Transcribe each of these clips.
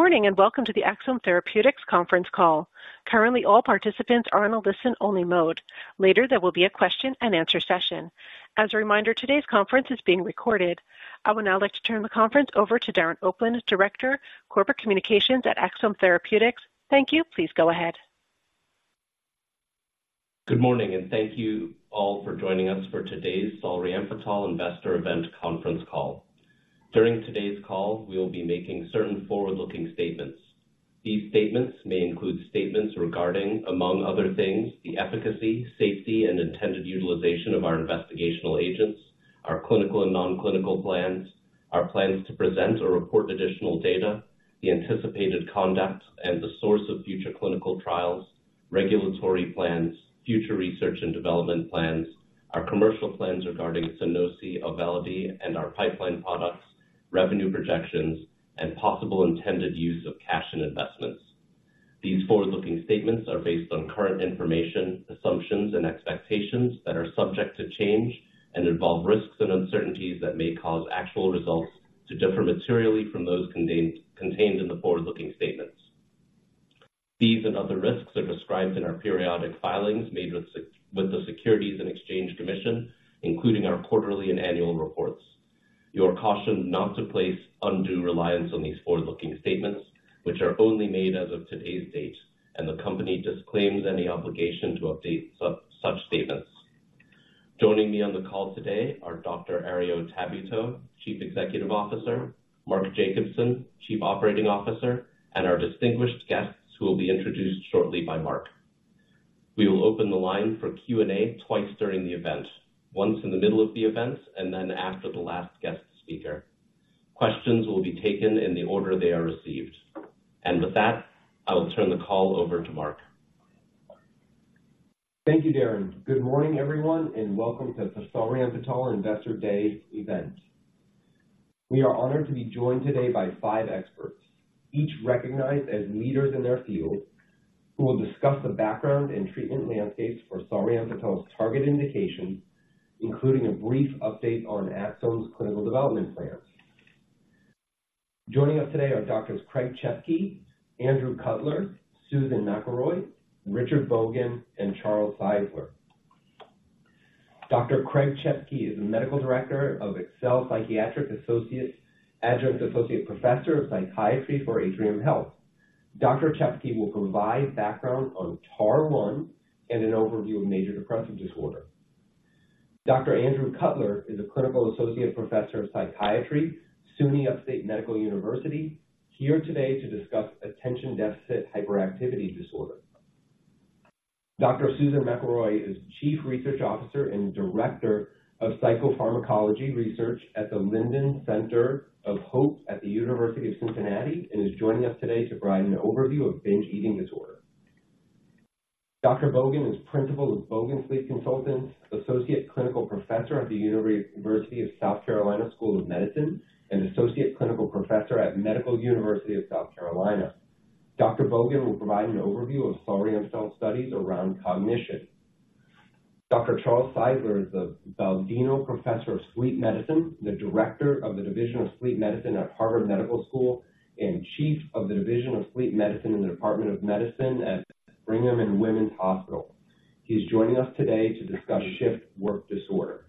Good morning, and welcome to the Axsome Therapeutics Conference Call. Currently, all participants are on a listen-only mode. Later, there will be a question-and-answer session. As a reminder, today's conference is being recorded. I would now like to turn the conference over to Darren Opland, Director of Corporate Communications at Axsome Therapeutics. Thank you. Please go ahead. Good morning, and thank you all for joining us for Today's Solriamfetol Investor Event Conference Call. During today's call, we will be making certain forward-looking statements. These statements may include statements regarding, among other things, the efficacy, safety, and intended utilization of our investigational agents, our clinical and non-clinical plans, our plans to present or report additional data, the anticipated conduct and the source of future clinical trials, regulatory plans, future research and development plans, our commercial plans regarding Sunosi, Auvelity, and our pipeline products, revenue projections, and possible intended use of cash and investments. These forward-looking statements are based on current information, assumptions, and expectations that are subject to change and involve risks and uncertainties that may cause actual results to differ materially from those contained in the forward-looking statements. These and other risks are described in our periodic filings made with the SEC, the Securities and Exchange Commission, including our quarterly and annual reports. You are cautioned not to place undue reliance on these forward-looking statements, which are only made as of today's date, and the Company disclaims any obligation to update such statements. Joining me on the call today are Dr. Herriot Tabuteau, Chief Executive Officer, Mark Jacobson, Chief Operating Officer, and our distinguished guests, who will be introduced shortly by Mark. We will open the line for Q&A twice during the event, once in the middle of the event and then after the last guest speaker. Questions will be taken in the order they are received. And with that, I will turn the call over to Mark. Thank you, Darren. Good morning, everyone, and welcome to the Solriamfetol Investor Day event. We are honored to be joined today by five experts, each recognized as leaders in their field, who will discuss the background and treatment landscapes for solriamfetol's target indication, including a brief update on Axsome's clinical development plans. Joining us today are Doctors Craig Chepke, Andrew Cutler, Susan McElroy, Richard Bogan, and Charles Czeisler. Dr. Craig Chepke is the Medical Director of Excel Psychiatric Associates, Adjunct Associate Professor of Psychiatry for Atrium Health. Dr. Chepke will provide background on TAAR1 and an overview of major depressive disorder. Dr. Andrew Cutler is a Clinical Associate Professor of Psychiatry, SUNY Upstate Medical University, here today to discuss attention deficit hyperactivity disorder. Dr. Susan McElroy is Chief Research Officer and Director of Psychopharmacology Research at the Lindner Center of HOPE at the University of Cincinnati, and is joining us today to provide an overview of binge eating disorder. Dr. Bogan is Principal of Bogan Sleep Consultants, Associate Clinical Professor at the University of South Carolina School of Medicine, and Associate Clinical Professor at Medical University of South Carolina. Dr. Bogan will provide an overview of solriamfetol studies around cognition. Dr. Charles Czeisler is the Baldino Professor of Sleep Medicine, the Director of the Division of Sleep Medicine at Harvard Medical School, and Chief of the Division of Sleep Medicine in the Department of Medicine at Brigham and Women's Hospital. He's joining us today to discuss shift work disorder.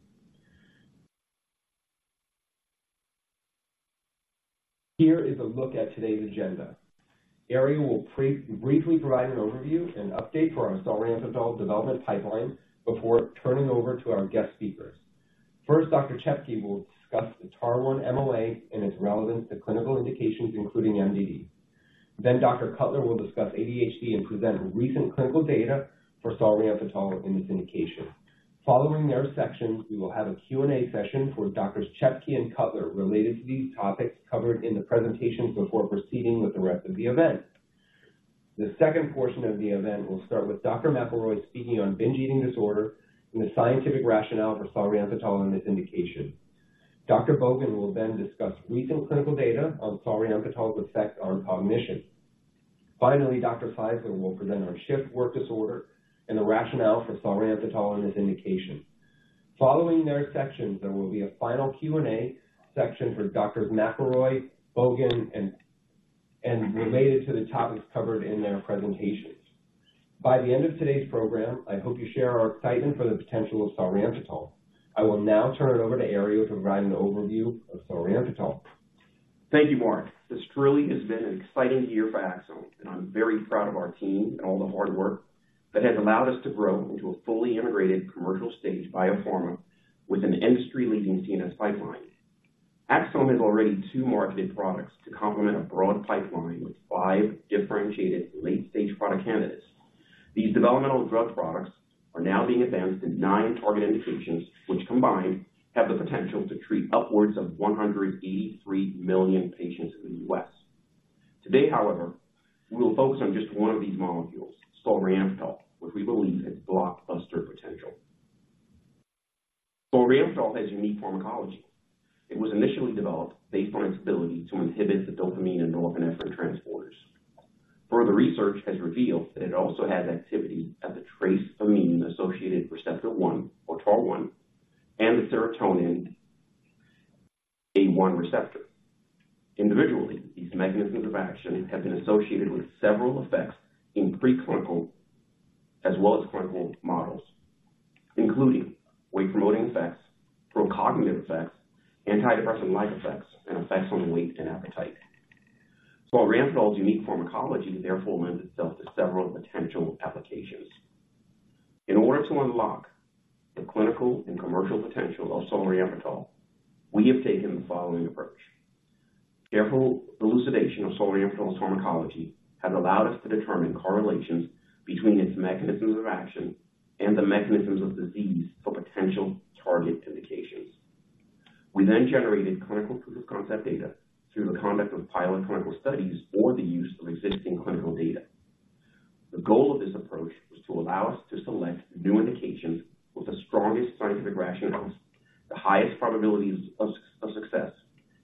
Here is a look at today's agenda. Herriot will briefly provide an overview and update for our solriamfetol development pipeline before turning over to our guest speakers. First, Dr. Chepke will discuss the TAAR1 and its relevance to clinical indications, including MDD. Then Dr. Cutler will discuss ADHD and present recent clinical data for solriamfetol in this indication. Following their sections, we will have a Q&A session for Doctors Chepke and Cutler related to these topics covered in the presentations before proceeding with the rest of the event. The second portion of the event will start with Dr. McElroy speaking on binge eating disorder and the scientific rationale for solriamfetol in this indication. Dr. Bogan will then discuss recent clinical data on solriamfetol's effect on cognition. Finally, Dr. Czeisler will present on shift work disorder and the rationale for solriamfetol in this indication. Following their sections, there will be a final Q&A section for Doctors McElroy, Bogan, and related to the topics covered in their presentations. By the end of today's program, I hope you share our excitement for the potential of solriamfetol. I will now turn it over to Herriot to provide an overview of solriamfetol. Thank you, Mark. This truly has been an exciting year for Axsome, and I'm very proud of our team and all the hard work that has allowed us to grow into a fully integrated commercial-stage biopharma with an industry-leading CNS pipeline. Axsome has already two marketed products to complement a broad pipeline with five differentiated late-stage product candidates. These developmental drug products are now being advanced in nine target indications, which combined have the potential to treat upwards of 183 million patients in the U.S. Today, however, we will focus on just one of these molecules, solriamfetol, which we believe has blockbuster potential. Solriamfetol has unique pharmacology. It was initially developed based on its ability to inhibit the dopamine and norepinephrine transporter.... Further research has revealed that it also has activity at the trace amine-associated receptor 1, or TAAR1, and the serotonin 1A receptor. Individually, these mechanisms of action have been associated with several effects in preclinical as well as clinical models, including weight-promoting effects, procognitive effects, antidepressant-like effects, and effects on weight and appetite. Solriamfetol's unique pharmacology therefore lends itself to several potential applications. In order to unlock the clinical and commercial potential of solriamfetol, we have taken the following approach. Careful elucidation of solriamfetol's pharmacology has allowed us to determine correlations between its mechanisms of action and the mechanisms of disease for potential target indications. We then generated clinical proof of concept data through the conduct of pilot clinical studies or the use of existing clinical data. The goal of this approach was to allow us to select new indications with the strongest scientific rationale, the highest probabilities of success,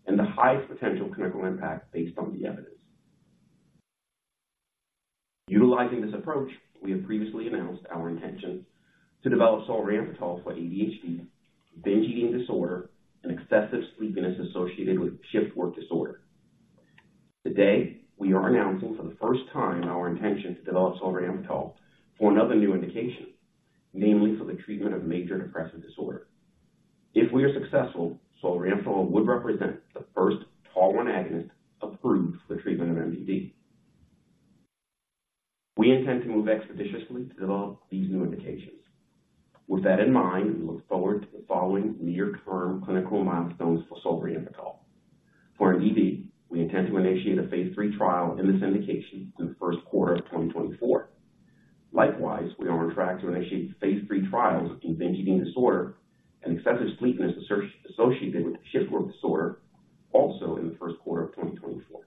and the highest potential clinical impact based on the evidence. Utilizing this approach, we have previously announced our intention to develop solriamfetol for ADHD, binge eating disorder, and excessive sleepiness associated with shift work disorder. Today, we are announcing for the first time our intention to develop solriamfetol for another new indication, namely for the treatment of major depressive disorder. If we are successful, solriamfetol would represent the first TAAR1 agonist approved for the treatment of MDD. We intend to move expeditiously to develop these new indications. With that in mind, we look forward to the following near-term clinical milestones for solriamfetol. For MDD, we intend to initiate a phase III trial in this indication in the first quarter of 2024. Likewise, we are on track to initiate phase III trials in binge eating disorder and excessive sleepiness associated with shift work disorder, also in the first quarter of 2024.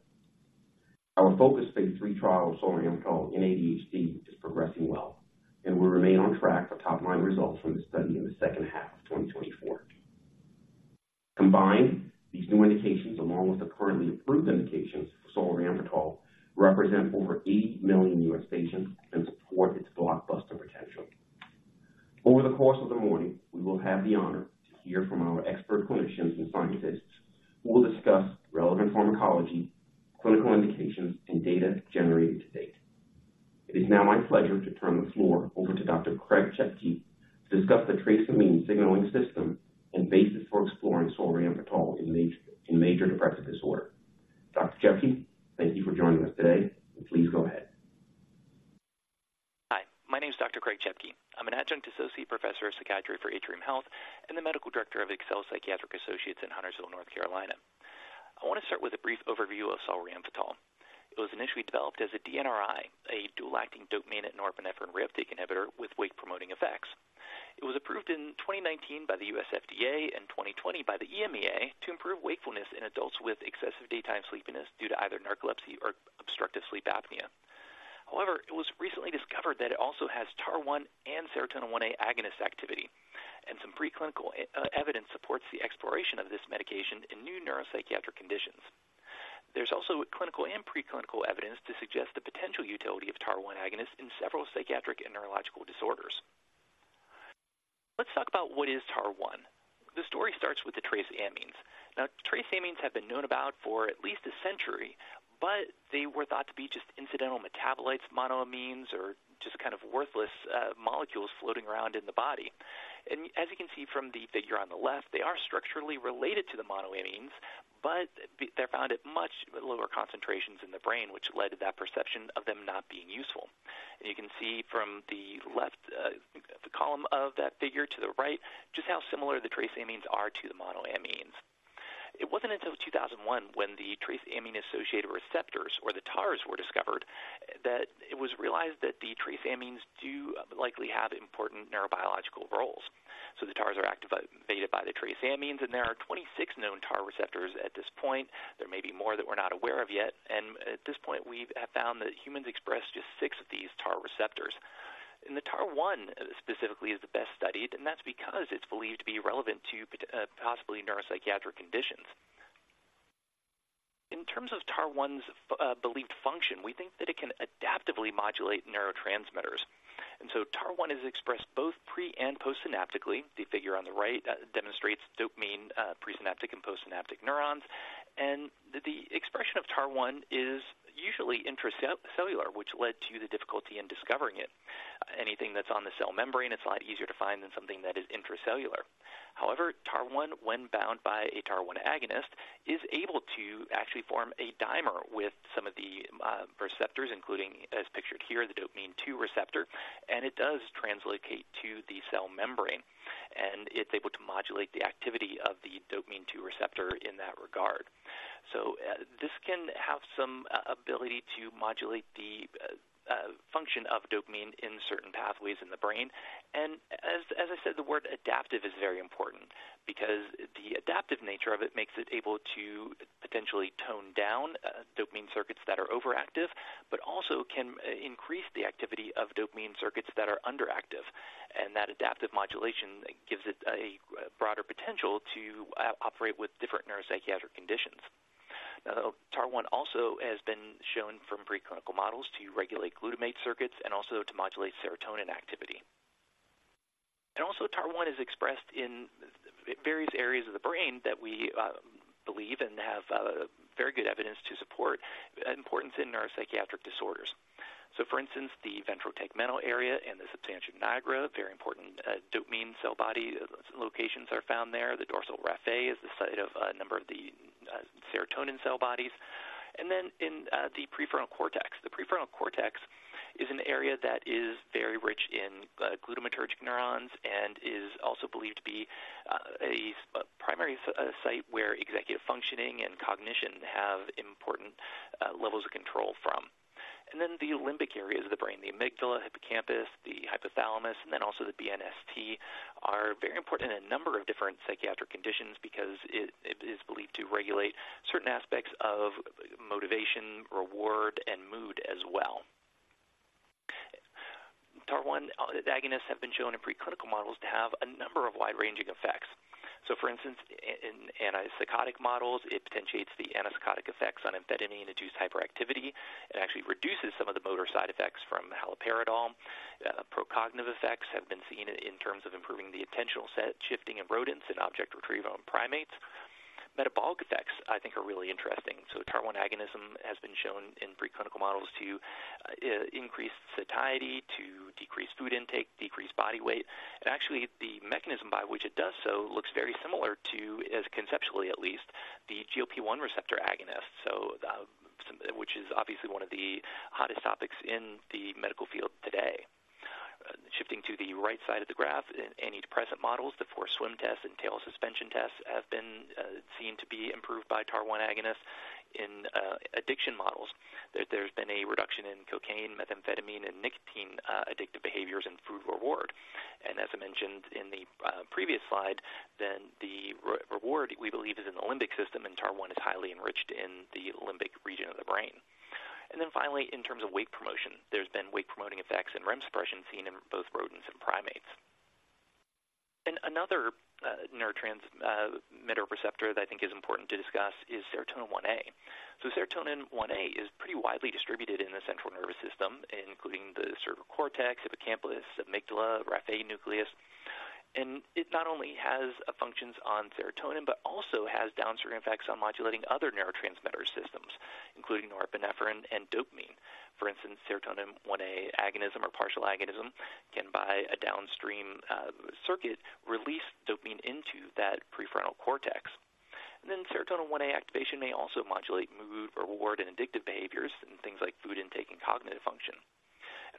Our focused phase III trial of solriamfetol in ADHD is progressing well, and we remain on track for top-line results from the study in the second half of 2024. Combined, these new indications, along with the currently approved indications for solriamfetol, represent over 80 million U.S. patients and support its blockbuster potential. Over the course of the morning, we will have the honor to hear from our expert clinicians and scientists, who will discuss relevant pharmacology, clinical indications, and data generated to date. It is now my pleasure to turn the floor over to Dr. Craig Chepke to discuss the trace amine signaling system and basis for exploring solriamfetol in major depressive disorder. Dr. Chepke, thank you for joining us today, and please go ahead. Hi, my name is Dr. Craig Chepke. I'm an Adjunct Associate Professor of Psychiatry for Atrium Health and the Medical Director of Excel Psychiatric Associates in Huntersville, North Carolina. I want to start with a brief overview of solriamfetol. It was initially developed as a DNRI, a dual-acting dopamine and norepinephrine reuptake inhibitor with weight-promoting effects. It was approved in 2019 by the U.S. FDA and 2020 by the EMA to improve wakefulness in adults with excessive daytime sleepiness due to either narcolepsy or obstructive sleep apnea. However, it was recently discovered that it also has TAAR1 and serotonin 1A agonist activity, and some preclinical evidence supports the exploration of this medication in new neuropsychiatric conditions. There's also clinical and preclinical evidence to suggest the potential utility of TAAR1 agonists in several psychiatric and neurological disorders. Let's talk about what is TAAR1. The story starts with the trace amines. Now, trace amines have been known about for at least a century, but they were thought to be just incidental metabolites, monoamines, or just kind of worthless molecules floating around in the body. As you can see from the figure on the left, they are structurally related to the monoamines, but they're found at much lower concentrations in the brain, which led to that perception of them not being useful. You can see from the left, the column of that figure to the right, just how similar the trace amines are to the monoamines. It wasn't until 2001, when the trace amine-associated receptors, or the TAARs, were discovered, that it was realized that the trace amines do likely have important neurobiological roles. So the TAARs are activated by the trace amines, and there are 26 known TAAR receptors at this point. There may be more that we're not aware of yet, and at this point, we have found that humans express just six of these TAAR receptors. The TAAR1 specifically is the best studied, and that's because it's believed to be relevant to possibly neuropsychiatric conditions. In terms of TAAR1's believed function, we think that it can adaptively modulate neurotransmitters. So TAAR1 is expressed both pre and postsynaptically. The figure on the right demonstrates dopamine presynaptic and postsynaptic neurons. The expression of TAAR1 is usually intracellular, which led to the difficulty in discovering it. Anything that's on the cell membrane, it's a lot easier to find than something that is intracellular. However, TAAR1, when bound by a TAAR1 agonist, is able to actually form a dimer with some of the receptors, including, as pictured here, the dopamine two receptor, and it does translocate to the cell membrane, and it's able to modulate the activity of the dopamine two receptor in that regard. So, this can have some ability to modulate the function of dopamine in certain pathways in the brain. And as I said, the word adaptive is very important because the adaptive nature of it makes it able to potentially tone down dopamine circuits that are overactive, but also can increase the activity of dopamine circuits that are underactive.... and that adaptive modulation gives it a broader potential to operate with different neuropsychiatric conditions. Now, the TAAR1 also has been shown from preclinical models to regulate glutamate circuits and also to modulate serotonin activity. And also, TAAR1 is expressed in various areas of the brain that we believe and have very good evidence to support importance in neuropsychiatric disorders. So for instance, the ventral tegmental area and the substantia nigra, very important dopamine cell body locations are found there. The dorsal raphe is the site of a number of the serotonin cell bodies, and then in the prefrontal cortex. The prefrontal cortex is an area that is very rich in glutamatergic neurons and is also believed to be a primary site where executive functioning and cognition have important levels of control from. Then the limbic areas of the brain, the amygdala, hippocampus, the hypothalamus, and then also the BNST, are very important in a number of different psychiatric conditions because it, it is believed to regulate certain aspects of motivation, reward, and mood as well. TAAR1 agonists have been shown in preclinical models to have a number of wide-ranging effects. So for instance, in antipsychotic models, it potentiates the antipsychotic effects on amphetamine-induced hyperactivity and actually reduces some of the motor side effects from haloperidol. Procognitive effects have been seen in terms of improving the attentional set, shifting in rodents and object retrieval in primates. Metabolic effects, I think, are really interesting. So the TAAR1 agonism has been shown in preclinical models to increase satiety, to decrease food intake, decrease body weight, and actually, the mechanism by which it does so looks very similar to, as conceptually at least, the GLP-1 receptor agonist, so, which is obviously one of the hottest topics in the medical field today. Shifting to the right side of the graph, in antidepressant models, the forced swim tests and tail suspension tests have been seen to be improved by TAAR1 agonists. In addiction models, there's been a reduction in cocaine, methamphetamine, and nicotine addictive behaviors and food reward. And as I mentioned in the previous slide, then the reward, we believe, is in the limbic system, and TAAR1 is highly enriched in the limbic region of the brain. And then finally, in terms of wake promotion, there's been wake-promoting effects and REM suppression seen in both rodents and primates. And another neurotransmitter receptor that I think is important to discuss is serotonin 1A. So serotonin 1A is pretty widely distributed in the central nervous system, including the cerebral cortex, hippocampus, amygdala, raphe nucleus, and it not only has functions on serotonin, but also has downstream effects on modulating other neurotransmitter systems, including norepinephrine and dopamine. For instance, serotonin 1A agonism or partial agonism can, by a downstream circuit, release dopamine into that prefrontal cortex. And then serotonin 1A activation may also modulate mood, reward, and addictive behaviors, and things like food intake and cognitive function.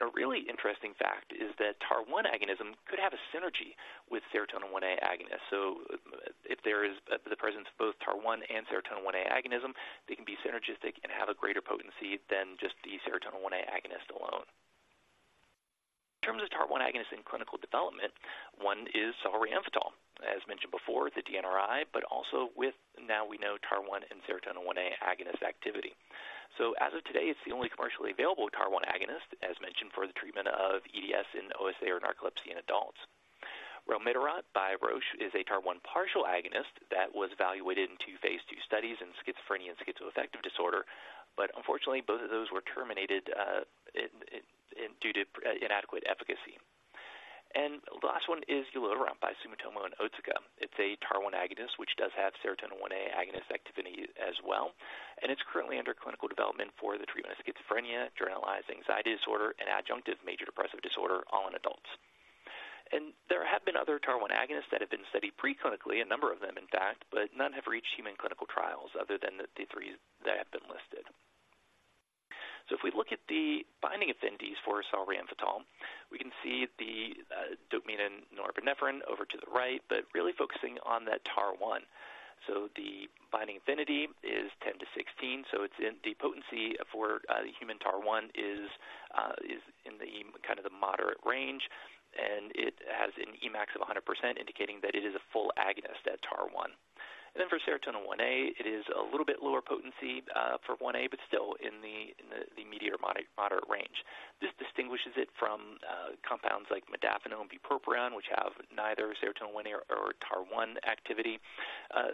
And a really interesting fact is that TAAR1 agonism could have a synergy with serotonin 1A agonist. So if there is the presence of both TAAR1 and serotonin 1A agonism, they can be synergistic and have a greater potency than just the serotonin 1A agonist alone. In terms of TAAR1 agonists in clinical development, one is solriamfetol, as mentioned before, the DNRI, but also with, now we know, TAAR1 and serotonin 1A agonist activity. So as of today, it's the only commercially available TAAR1 agonist, as mentioned, for the treatment of EDS and OSA or narcolepsy in adults. Ralmitaront by Roche is a TAAR1 partial agonist that was evaluated in two phase II studies in schizophrenia and schizoaffective disorder, but unfortunately, both of those were terminated due to inadequate efficacy. And the last one is ulotaront by Sumitomo and Otsuka. It's a TAAR1 agonist, which does have serotonin 1A agonist activity as well, and it's currently under clinical development for the treatment of schizophrenia, generalized anxiety disorder, and adjunctive major depressive disorder, all in adults. There have been other TAAR1 agonists that have been studied preclinically, a number of them, in fact, but none have reached human clinical trials other than the, the three that have been listed. If we look at the binding affinities for solriamfetol, we can see the dopamine and norepinephrine over to the right, but really focusing on that TAAR1. The binding affinity is 10-16, so it's in... The potency for the human TAAR1 is in the m- kind of the moderate range, and it has an Emax of 100%, indicating that it is a full agonist at TAAR1. And then for serotonin 1A, it is a little bit lower potency for 1A, but still in the immediate or moderate range. This distinguishes it from compounds like modafinil and bupropion, which have neither serotonin 1A or TAAR1 activity.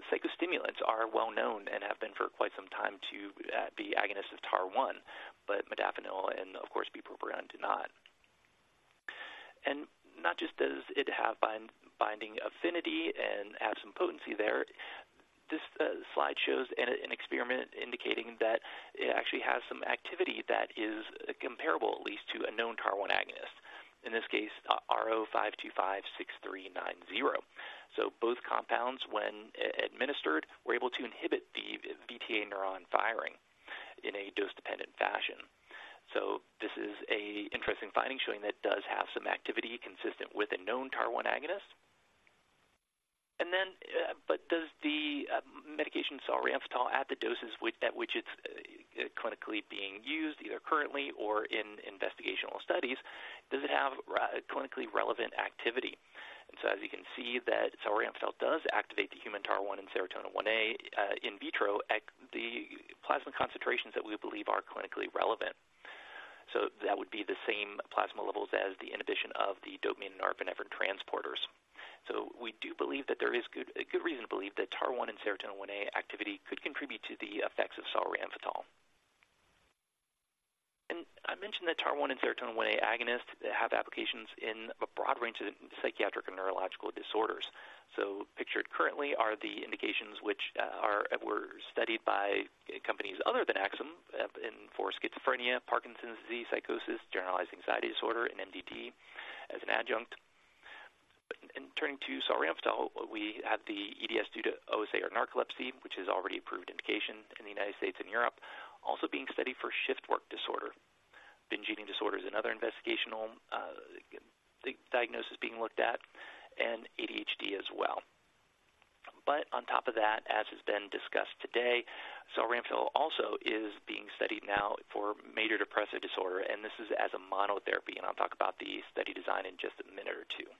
Psychostimulants are well known and have been for quite some time to be agonists of TAAR1, but modafinil and, of course, bupropion do not. And not just does it have binding affinity and have some potency there, this slide shows an experiment indicating that it actually has some activity that is comparable, at least, to a known TAAR1 agonist, in this case, RO5256390. So both compounds, when administered, were able to inhibit the VTA neuron firing in a dose-dependent fashion. So this is an interesting finding, showing that it does have some activity consistent with a known TAAR1 agonist. But does the medication solriamfetol at the doses at which it's clinically being used, either currently or in investigational studies, does it have clinically relevant activity?... See that solriamfetol does activate the human TAAR1 and serotonin 1A in vitro at the plasma concentrations that we believe are clinically relevant. So that would be the same plasma levels as the inhibition of the dopamine norepinephrine transporters. So we do believe that there is a good reason to believe that TAAR1 and serotonin 1A activity could contribute to the effects of solriamfetol. And I mentioned that TAAR1 and serotonin 1A agonists have applications in a broad range of psychiatric and neurological disorders. So pictured currently are the indications which were studied by companies other than Axsome, and for schizophrenia, Parkinson's disease, psychosis, generalized anxiety disorder, and MDD as an adjunct. Turning to solriamfetol, we have the EDS due to OSA or narcolepsy, which is already approved indication in the United States and Europe, also being studied for shift work disorder. Binge eating disorder is another investigational diagnosis being looked at, and ADHD as well. But on top of that, as has been discussed today, solriamfetol also is being studied now for major depressive disorder, and this is as a monotherapy, and I'll talk about the study design in just a minute or two.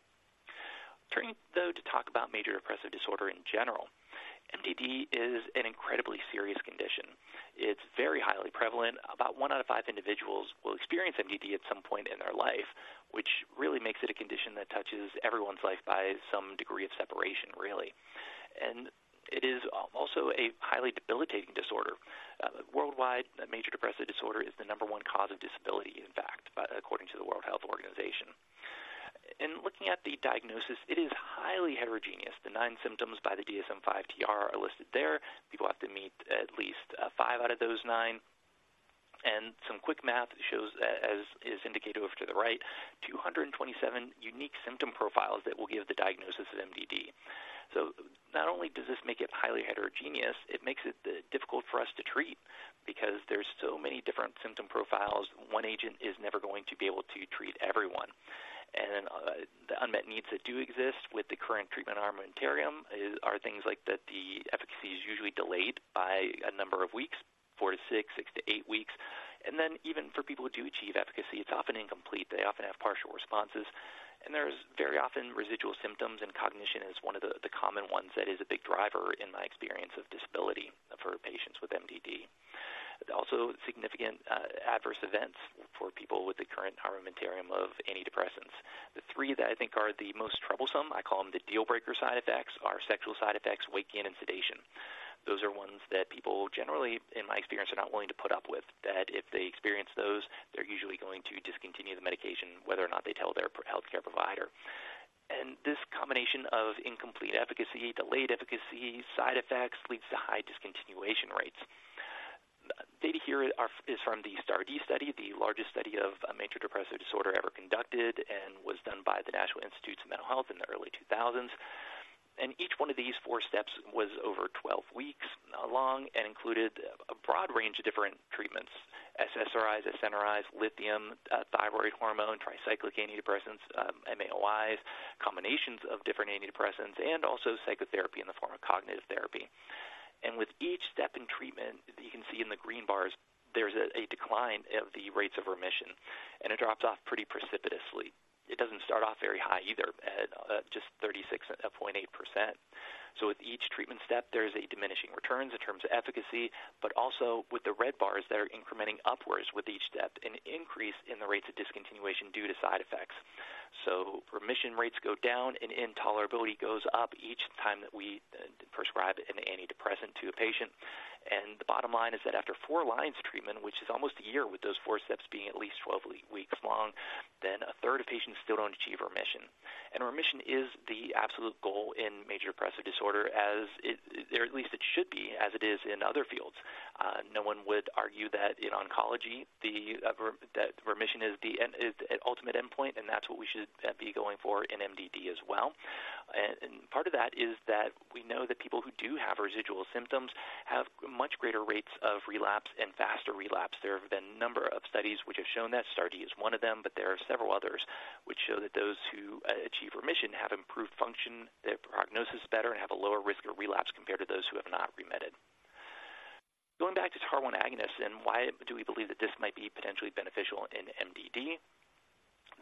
Turning, though, to talk about major depressive disorder in general, MDD is an incredibly serious condition. It's very highly prevalent. About one out of five individuals will experience MDD at some point in their life, which really makes it a condition that touches everyone's life by some degree of separation, really. It is also a highly debilitating disorder. Worldwide, major depressive disorder is the number one cause of disability, in fact, according to the World Health Organization. In looking at the diagnosis, it is highly heterogeneous. The nine symptoms by the DSM-5-TR are listed there. People have to meet at least five out of those nine. Some quick math shows, as is indicated over to the right, 227 unique symptom profiles that will give the diagnosis of MDD. So not only does this make it highly heterogeneous, it makes it difficult for us to treat because there's so many different symptom profiles. One agent is never going to be able to treat everyone. The unmet needs that do exist with the current treatment armamentarium is, are things like that the efficacy is usually delayed by a number of weeks, four to six, six to eight weeks. And then even for people who do achieve efficacy, it's often incomplete. They often have partial responses, and there's very often residual symptoms, and cognition is one of the common ones that is a big driver, in my experience, of disability for patients with MDD. Also, significant adverse events for people with the current armamentarium of antidepressants. The three that I think are the most troublesome, I call them the deal breaker side effects, are sexual side effects, weight gain, and sedation. Those are ones that people generally, in my experience, are not willing to put up with, that if they experience those, they're usually going to discontinue the medication, whether or not they tell their healthcare provider. And this combination of incomplete efficacy, delayed efficacy, side effects, leads to high discontinuation rates. Data here is from the STAR*D study, the largest study of major depressive disorder ever conducted, and was done by the National Institutes of Mental Health in the early 2000s. And each one of these four steps was over 12 weeks long and included a broad range of different treatments: SSRIs, SNRIs, lithium, thyroid hormone, tricyclic antidepressants, MAOIs, combinations of different antidepressants, and also psychotherapy in the form of cognitive therapy. With each step in treatment, you can see in the green bars, there's a decline of the rates of remission, and it drops off pretty precipitously. It doesn't start off very high either, at just 36.8%. With each treatment step, there's a diminishing returns in terms of efficacy, but also with the red bars that are incrementing upwards with each step, an increase in the rates of discontinuation due to side effects. Remission rates go down, and intolerability goes up each time that we prescribe an antidepressant to a patient. The bottom line is that after four lines of treatment, which is almost a year, with those four steps being at least 12 weeks long, then a third of patients still don't achieve remission. Remission is the absolute goal in major depressive disorder, as it... or at least it should be, as it is in other fields. No one would argue that in oncology, that remission is the end, is the ultimate endpoint, and that's what we should be going for in MDD as well. And part of that is that we know that people who do have residual symptoms have much greater rates of relapse and faster relapse. There have been a number of studies which have shown that. STAR*D is one of them, but there are several others which show that those who achieve remission have improved function, their prognosis is better, and have a lower risk of relapse compared to those who have not remitted. Going back to TAAR1 agonists, and why do we believe that this might be potentially beneficial in MDD?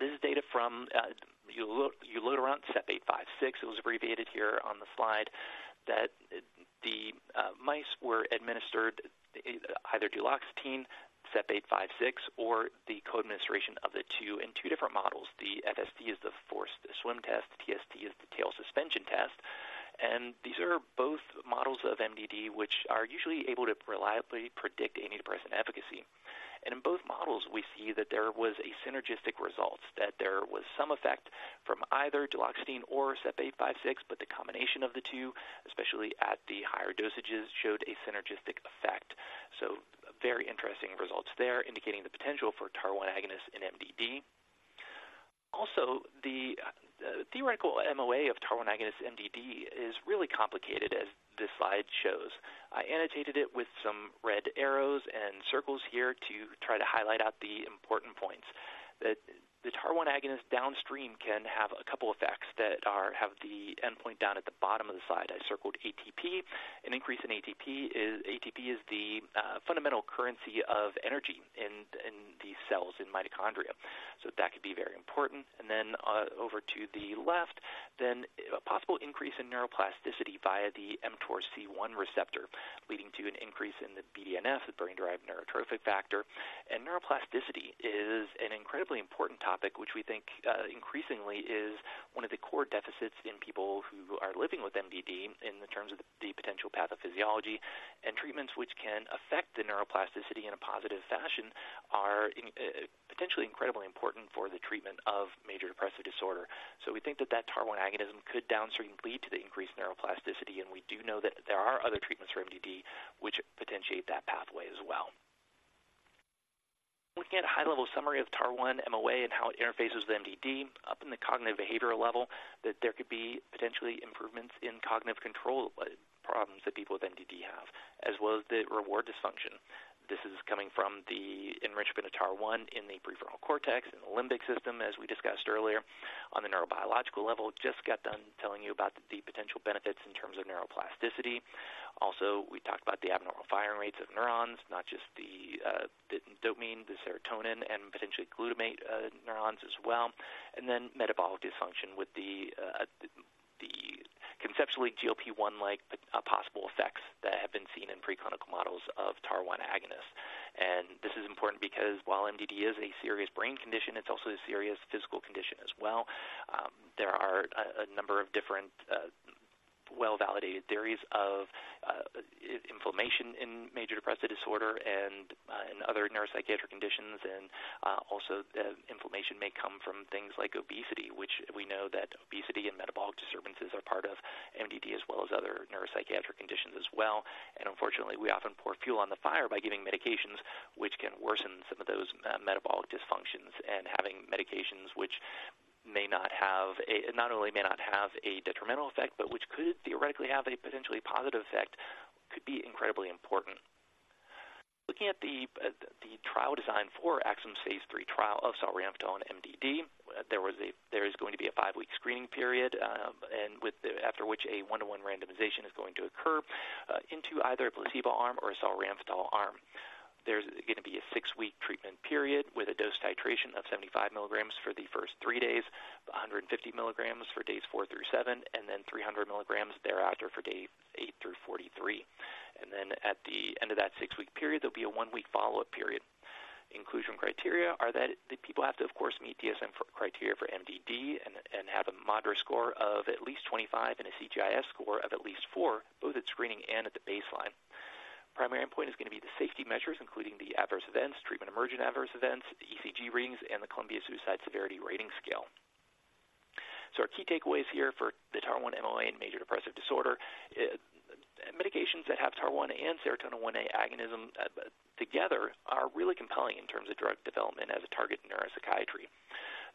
This is data from ulotaront SEP-856. It was abbreviated here on the slide, that the mice were administered either duloxetine, SEP-856, or the co-administration of the two in two different models. The FST is the forced swim test, TST is the tail suspension test, and these are both models of MDD, which are usually able to reliably predict antidepressant efficacy. In both models, we see that there was a synergistic result, that there was some effect from either duloxetine or SEP-856, but the combination of the two, especially at the higher dosages, showed a synergistic effect. So very interesting results there, indicating the potential for TAAR1 agonists in MDD. Also, the theoretical MOA of TAAR1 agonist in MDD is really complicated, as this slide shows. I annotated it with some red arrows and circles here to try to highlight out the important points. The TAAR1 agonist downstream can have a couple effects that have the endpoint down at the bottom of the slide. I circled ATP. An increase in ATP is—ATP is the fundamental currency of energy in the cells in mitochondria. So that could be very important. And then, over to the left, then a possible increase in neuroplasticity via the mTORC1 receptor, leading to an increase in the BDNF, the brain-derived neurotrophic factor. And neuroplasticity is an incredibly important topic, which we think increasingly is one of the core deficits in people who are living with MDD in terms of the potential pathophysiology. And treatments which can affect the neuroplasticity in a positive fashion are potentially incredibly important for the treatment of major depressive disorder. So we think that that TAAR1 agonism could downstream lead to the increased neuroplasticity, and we do know that there are other treatments for MDD which potentiate that pathway as well. Looking at a high-level summary of TAAR1 MOA and how it interfaces with MDD, up in the cognitive behavioral level, that there could be potentially improvements in cognitive control problems that people with MDD have, as well as the reward dysfunction. This is coming from the enrichment of TAAR1 in the prefrontal cortex and the limbic system, as we discussed earlier. On the neurobiological level, just got done telling you about the potential benefits in terms of neuroplasticity. Also, we talked about the abnormal firing rates of neurons, not just the, the dopamine, the serotonin, and potentially glutamate, neurons as well. And then metabolic dysfunction with the the conceptually GLP-1-like possible effects that have been seen in preclinical models of TAAR1 agonists. And this is important because while MDD is a serious brain condition, it's also a serious physical condition as well. There are a number of different well-validated theories of inflammation in major depressive disorder and in other neuropsychiatric conditions. Also, the inflammation may come from things like obesity, which we know that obesity and metabolic disturbances are part of MDD, as well as other neuropsychiatric conditions as well. And unfortunately, we often pour fuel on the fire by giving medications, which can worsen some of those metabolic dysfunctions and having medications which may not only not have a detrimental effect, but which could theoretically have a potentially positive effect, could be incredibly important. Looking at the trial design for Axsome's phase III trial of solriamfetol in MDD, there is going to be a five-week screening period, after which a 1:1 randomization is going to occur into either a placebo arm or a solriamfetol arm. There's gonna be a six-week treatment period with a dose titration of 75 mg for the first three days, 150 mg for days four through seven, and then 300 mg thereafter for days eight through 43. And then at the end of that six-week period, there'll be a one-week follow-up period. Inclusion criteria are that the people have to, of course, meet DSM criteria for MDD and have a MADRS score of at least 25 and a CGI-S score of at least fourth, both at screening and at the baseline. Primary endpoint is going to be the safety measures, including the adverse events, treatment-emergent adverse events, the ECG readings, and the Columbia-Suicide Severity Rating Scale. So our key takeaways here for the TAAR1 MOA in major depressive disorder, medications that have TAAR1 and serotonin 1A agonism together are really compelling in terms of drug development as a target in neuropsychiatry.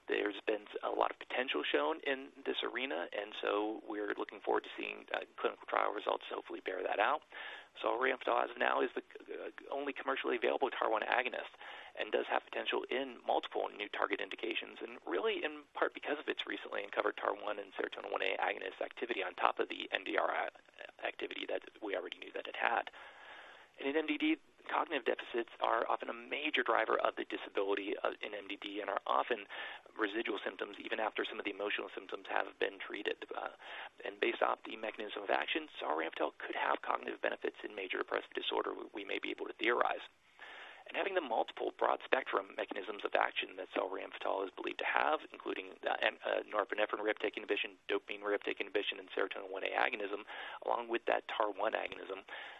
There's been a lot of potential shown in this arena, and so we're looking forward to seeing, clinical trial results to hopefully bear that out. Solriamfetol as of now is the, only commercially available TAAR1 agonist and does have potential in multiple new target indications, and really in part because of its recently uncovered TAAR1 and serotonin 1A agonist activity on top of the NDRI activity that we already knew that it had. In MDD, cognitive deficits are often a major driver of the disability in MDD and are often residual symptoms even after some of the emotional symptoms have been treated. Based off the mechanism of action, solriamfetol could have cognitive benefits in major depressive disorder, we may be able to theorize. Having the multiple broad spectrum mechanisms of action that solriamfetol is believed to have, including norepinephrine reuptake inhibition, dopamine reuptake inhibition, and serotonin 1A agonism, along with that TAAR1 agonism,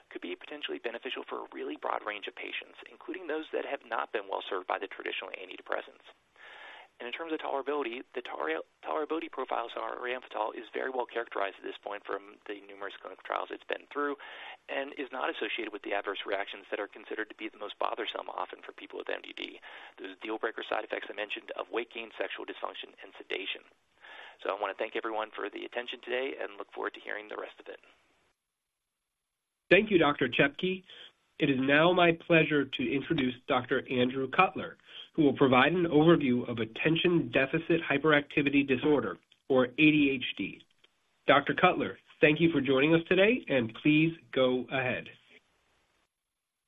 could be potentially beneficial for a really broad range of patients, including those that have not been well served by the traditional antidepressants. In terms of tolerability, the tolerability profile of solriamfetol is very well characterized at this point from the numerous clinical trials it's been through and is not associated with the adverse reactions that are considered to be the most bothersome, often for people with MDD. Those are the deal breaker side effects I mentioned of weight gain, sexual dysfunction, and sedation. So I want to thank everyone for the attention today and look forward to hearing the rest of it. Thank you, Dr. Chepke. It is now my pleasure to introduce Dr. Andrew Cutler, who will provide an overview of attention-deficit hyperactivity disorder, or ADHD. Dr. Cutler, thank you for joining us today, and please go ahead.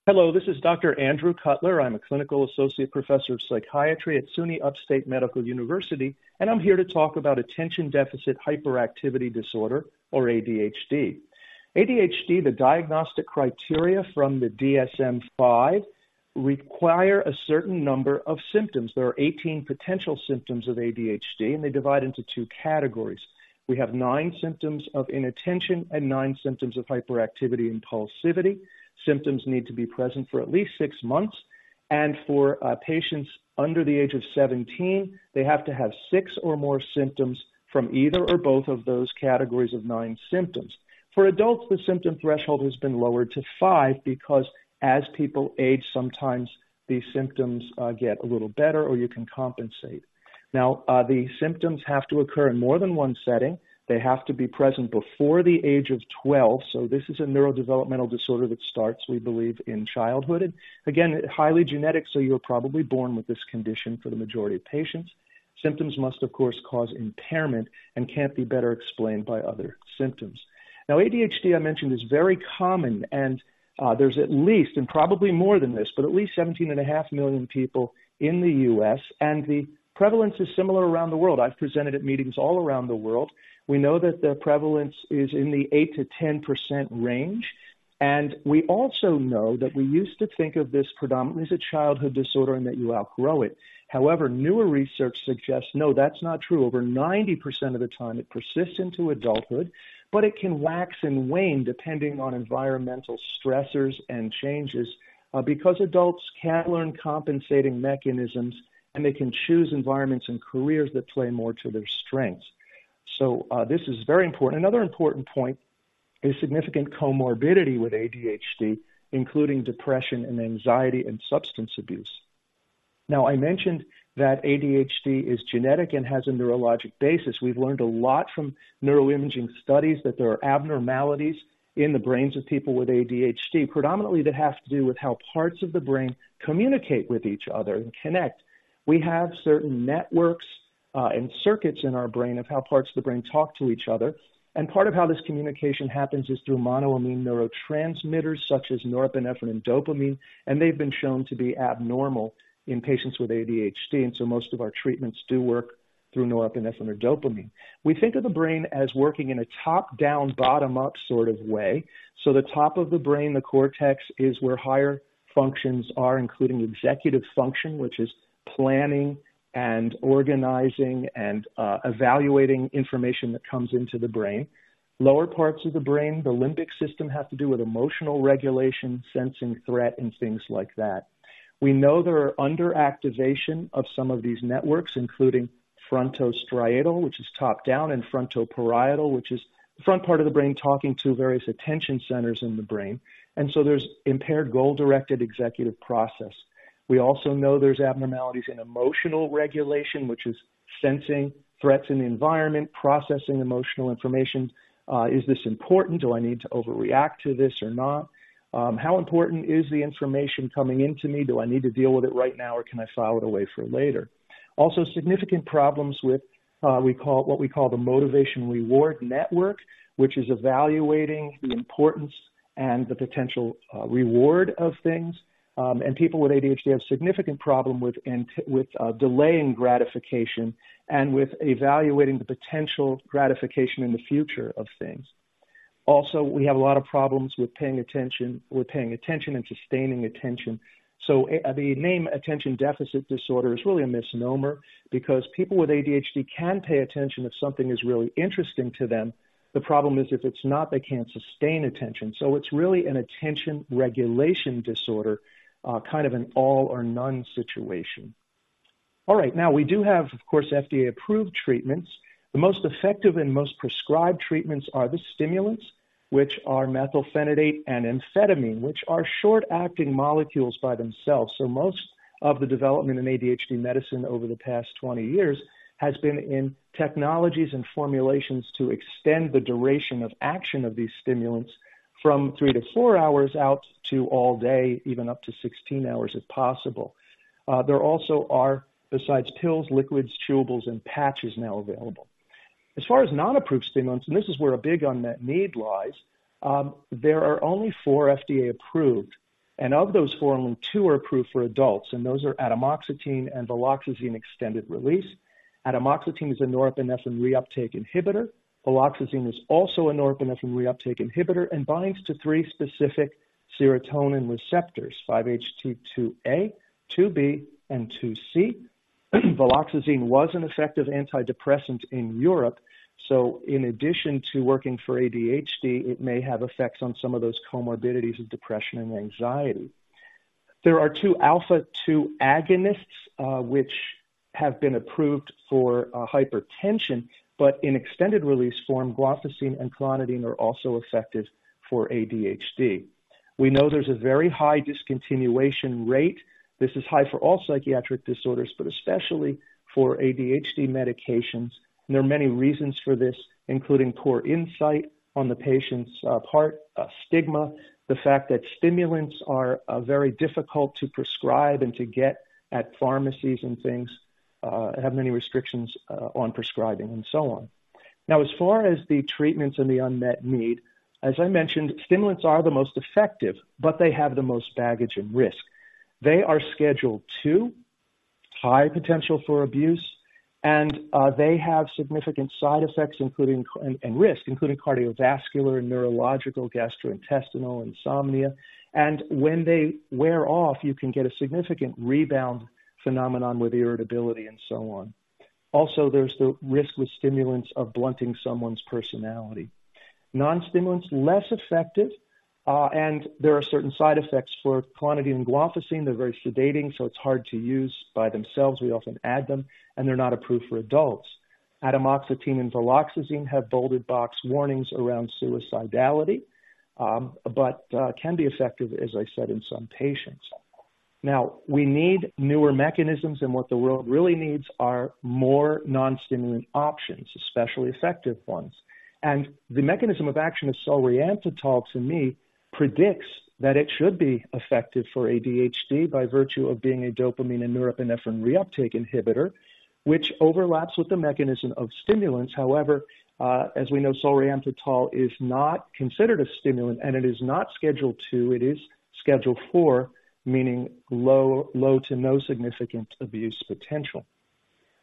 Hello, this is Dr. Andrew Cutler. I'm a clinical associate professor of psychiatry at SUNY Upstate Medical University, and I'm here to talk about attention-deficit hyperactivity disorder, or ADHD. ADHD, the diagnostic criteria from the DSM-5, require a certain number of symptoms. There are 18 potential symptoms of ADHD, and they divide into two categories. We have nine symptoms of inattention and nine symptoms of hyperactivity, impulsivity. Symptoms need to be present for at least six months, and for patients under the age of 17, they have to have six or more symptoms from either or both of those categories of nine symptoms. For adults, the symptom threshold has been lowered to five because as people age, sometimes these symptoms get a little better or you can compensate. Now, the symptoms have to occur in more than one setting. They have to be present before the age of 12, so this is a neurodevelopmental disorder that starts, we believe, in childhood. Again, highly genetic, so you're probably born with this condition for the majority of patients.... Symptoms must, of course, cause impairment and can't be better explained by other symptoms. Now, ADHD, I mentioned, is very common, and, there's at least, and probably more than this, but at least 17.5 million people in the U.S., and the prevalence is similar around the world. I've presented at meetings all around the world. We know that the prevalence is in the 8%-10% range, and we also know that we used to think of this predominantly as a childhood disorder and that you outgrow it. However, newer research suggests, no, that's not true. Over 90% of the time, it persists into adulthood, but it can wax and wane depending on environmental stressors and changes, because adults can learn compensating mechanisms, and they can choose environments and careers that play more to their strengths. So, this is very important. Another important point is significant comorbidity with ADHD, including depression and anxiety, and substance abuse. Now, I mentioned that ADHD is genetic and has a neurologic basis. We've learned a lot from neuroimaging studies that there are abnormalities in the brains of people with ADHD. Predominantly, that has to do with how parts of the brain communicate with each other and connect. We have certain networks, and circuits in our brain of how parts of the brain talk to each other, and part of how this communication happens is through monoamine neurotransmitters such as norepinephrine and dopamine, and they've been shown to be abnormal in patients with ADHD, and so most of our treatments do work through norepinephrine or dopamine. We think of the brain as working in a top-down, bottom-up sort of way. So the top of the brain, the cortex, is where higher functions are, including executive function, which is planning and organizing and evaluating information that comes into the brain. Lower parts of the brain, the limbic system, have to do with emotional regulation, sensing threat, and things like that. We know there are underactivation of some of these networks, including frontostriatal, which is top-down, and frontoparietal, which is the front part of the brain talking to various attention centers in the brain, and so there's impaired goal-directed executive process. We also know there's abnormalities in emotional regulation, which is sensing threats in the environment, processing emotional information. Is this important? Do I need to overreact to this or not? How important is the information coming into me? Do I need to deal with it right now, or can I file it away for later? Also, significant problems with what we call the motivation reward network, which is evaluating the importance and the potential reward of things. And people with ADHD have significant problem with delaying gratification and with evaluating the potential gratification in the future of things. Also, we have a lot of problems with paying attention, with paying attention and sustaining attention. So a, the name attention deficit disorder is really a misnomer because people with ADHD can pay attention if something is really interesting to them. The problem is if it's not, they can't sustain attention. So it's really an attention regulation disorder, kind of an all or none situation. All right, now, we do have, of course, FDA-approved treatments. The most effective and most prescribed treatments are the stimulants, which are methylphenidate and amphetamine, which are short-acting molecules by themselves. So most of the development in ADHD medicine over the past 20 years has been in technologies and formulations to extend the duration of action of these stimulants from three to four hours out to all day, even up to 16 hours, if possible. There also are, besides pills, liquids, chewables, and patches now available. As far as non-approved stimulants, and this is where a big unmet need lies, there are only four FDA-approved, and of those four, only two are approved for adults, and those are atomoxetine and viloxazine extended-release. Atomoxetine is a norepinephrine reuptake inhibitor. Viloxazine is also a norepinephrine reuptake inhibitor and binds to three specific serotonin receptors, 5-HT2A, 2B, and 2C. Viloxazine was an effective antidepressant in Europe, so in addition to working for ADHD, it may have effects on some of those comorbidities of depression and anxiety. There are two alpha-two agonists, which have been approved for hypertension, but in extended-release form, guanfacine and clonidine are also effective for ADHD. We know there's a very high discontinuation rate. This is high for all psychiatric disorders, but especially for ADHD medications. There are many reasons for this, including poor insight on the patient's part, stigma, the fact that stimulants are very difficult to prescribe and to get at pharmacies and things have many restrictions on prescribing and so on. Now, as far as the treatments and the unmet need, as I mentioned, stimulants are the most effective, but they have the most baggage and risk. They are Schedule II, high potential for abuse, and they have significant side effects, including and risk, including cardiovascular, neurological, gastrointestinal, insomnia. When they wear off, you can get a significant rebound phenomenon with irritability and so on. Also, there's the risk with stimulants of blunting someone's personality. Non-stimulants, less effective, and there are certain side effects for clonidine and guanfacine. They're very sedating, so it's hard to use by themselves. We often add them, and they're not approved for adults. Atomoxetine and viloxazine have black box warnings around suicidality, but can be effective, as I said, in some patients. Now, we need newer mechanisms, and what the world really needs are more non-stimulant options, especially effective ones. The mechanism of action of solriamfetol, to me, predicts that it should be effective for ADHD by virtue of being a dopamine and norepinephrine reuptake inhibitor, which overlaps with the mechanism of stimulants. However, as we know, solriamfetol is not considered a stimulant, and it is not Schedule II. It is Schedule IV, meaning low, low to no significant abuse potential.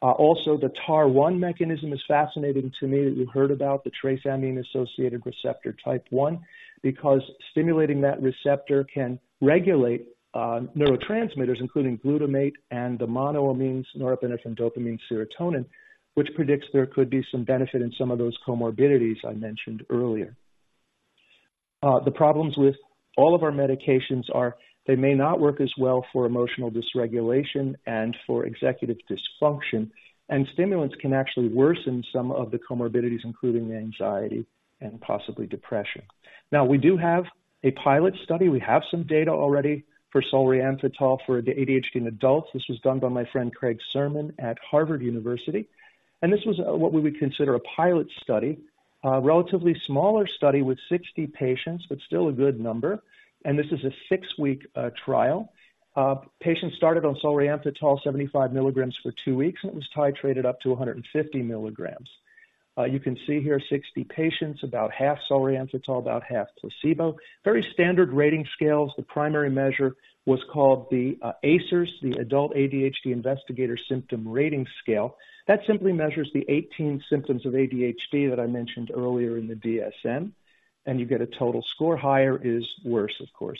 Also, the TAAR1 mechanism is fascinating to me. We've heard about the trace amine-associated receptor type one, because stimulating that receptor can regulate neurotransmitters, including glutamate and the monoamines, norepinephrine, dopamine, serotonin, which predicts there could be some benefit in some of those comorbidities I mentioned earlier. The problems with all of our medications are they may not work as well for emotional dysregulation and for executive dysfunction, and stimulants can actually worsen some of the comorbidities, including anxiety and possibly depression. Now, we do have a pilot study. We have some data already for solriamfetol for ADHD in adults. This was done by my friend Craig Surman at Harvard University, and this was what we would consider a pilot study, a relatively smaller study with 60 patients, but still a good number. This is a six-week trial. Patients started on solriamfetol, 75 milligrams for two weeks, and it was titrated up to 150 milligrams. You can see here 60 patients, about half solriamfetol, about half placebo. Very standard rating scales. The primary measure was called the AISRS, the Adult ADHD Investigator Symptom Rating Scale. That simply measures the 18 symptoms of ADHD that I mentioned earlier in the DSM, and you get a total score. Higher is worse, of course.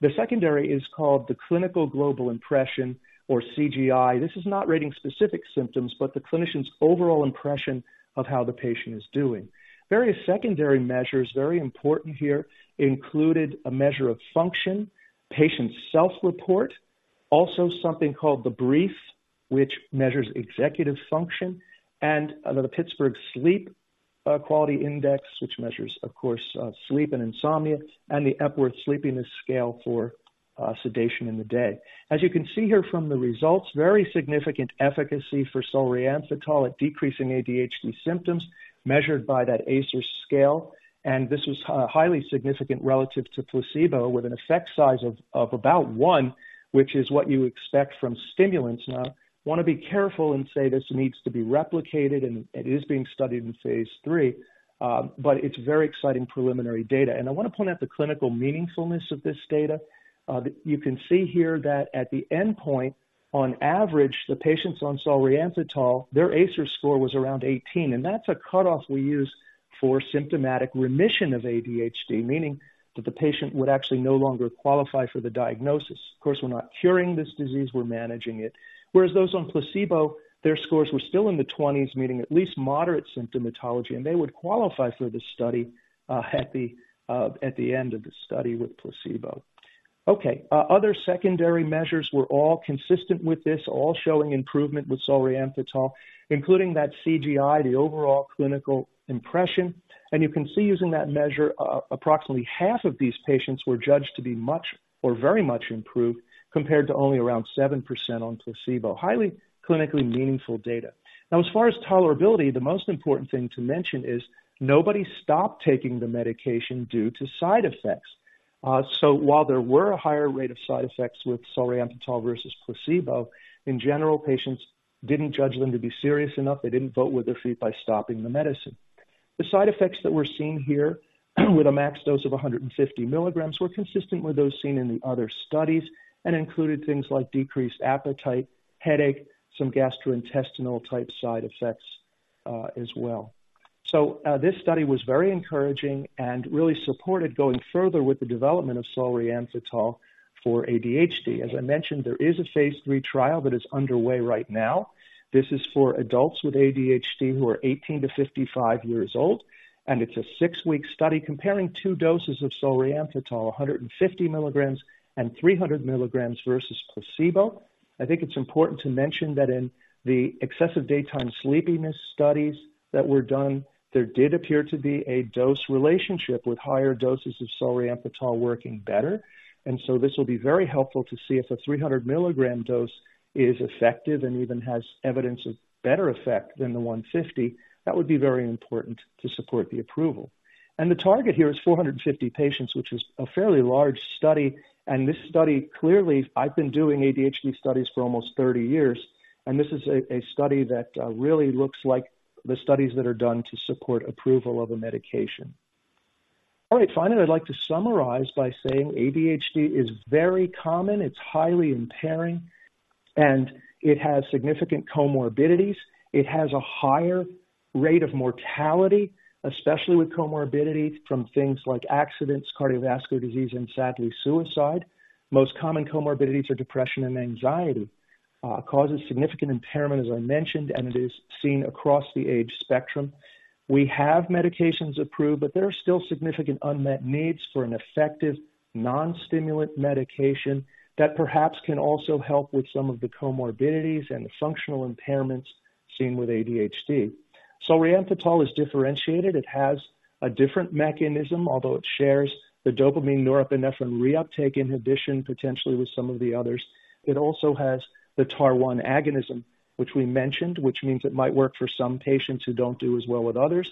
The secondary is called the Clinical Global Impression or CGI. This is not rating specific symptoms, but the clinician's overall impression of how the patient is doing. Various secondary measures, very important here, included a measure of function, patient self-report, also something called the BRIEF, which measures executive function, and the Pittsburgh Sleep Quality Index, which measures, of course, sleep and insomnia, and the Epworth Sleepiness Scale for sedation in the day. As you can see here from the results, very significant efficacy for solriamfetol at decreasing ADHD symptoms measured by that AISRS scale. And this was highly significant relative to placebo, with an effect size of about one, which is what you expect from stimulants. Now, I want to be careful and say this needs to be replicated, and it is being studied in phase III, but it's very exciting preliminary data. And I want to point out the clinical meaningfulness of this data. You can see here that at the endpoint, on average, the patients on solriamfetol, their AISRS score was around 18, and that's a cutoff we use for symptomatic remission of ADHD, meaning that the patient would actually no longer qualify for the diagnosis. Of course, we're not curing this disease, we're managing it. Whereas those on placebo, their scores were still in the 20s, meaning at least moderate symptomatology, and they would qualify for the study at the end of the study with placebo. Other secondary measures were all consistent with this, all showing improvement with solriamfetol, including that CGI, the overall clinical impression. And you can see, using that measure, approximately half of these patients were judged to be much or very much improved, compared to only around 7% on placebo. Highly clinically meaningful data. Now, as far as tolerability, the most important thing to mention is nobody stopped taking the medication due to side effects. So while there were a higher rate of side effects with solriamfetol versus placebo, in general, patients didn't judge them to be serious enough. They didn't vote with their feet by stopping the medicine. The side effects that we're seeing here, with a max dose of 150 milligrams, were consistent with those seen in the other studies and included things like decreased appetite, headache, some gastrointestinal-type side effects, as well. So, this study was very encouraging and really supported going further with the development of solriamfetol for ADHD. As I mentioned, there is a phase III trial that is underway right now. This is for adults with ADHD who are 18-55 years old, and it's a six-week study comparing two doses of solriamfetol, 150 mg and 300 mg versus placebo. I think it's important to mention that in the excessive daytime sleepiness studies that were done, there did appear to be a dose relationship with higher doses of solriamfetol working better. And so this will be very helpful to see if a 300 mg dose is effective and even has evidence of better effect than the 150. That would be very important to support the approval. And the target here is 450 patients, which is a fairly large study. And this study, clearly, I've been doing ADHD studies for almost 30 years, and this is a study that, uh, really looks like the studies that are done to support approval of a medication. All right. Finally, I'd like to summarize by saying ADHD is very common, it's highly impairing, and it has significant comorbidities. It has a higher rate of mortality, especially with comorbidity, from things like accidents, cardiovascular disease, and sadly, suicide. Most common comorbidities are depression and anxiety. Causes significant impairment, as I mentioned, and it is seen across the age spectrum. We have medications approved, but there are still significant unmet needs for an effective non-stimulant medication that perhaps can also help with some of the comorbidities and the functional impairments seen with ADHD.... So solriamfetol is differentiated. It has a different mechanism, although it shares the dopamine, norepinephrine, reuptake inhibition, potentially with some of the others. It also has the TAAR1 agonism, which we mentioned, which means it might work for some patients who don't do as well with others.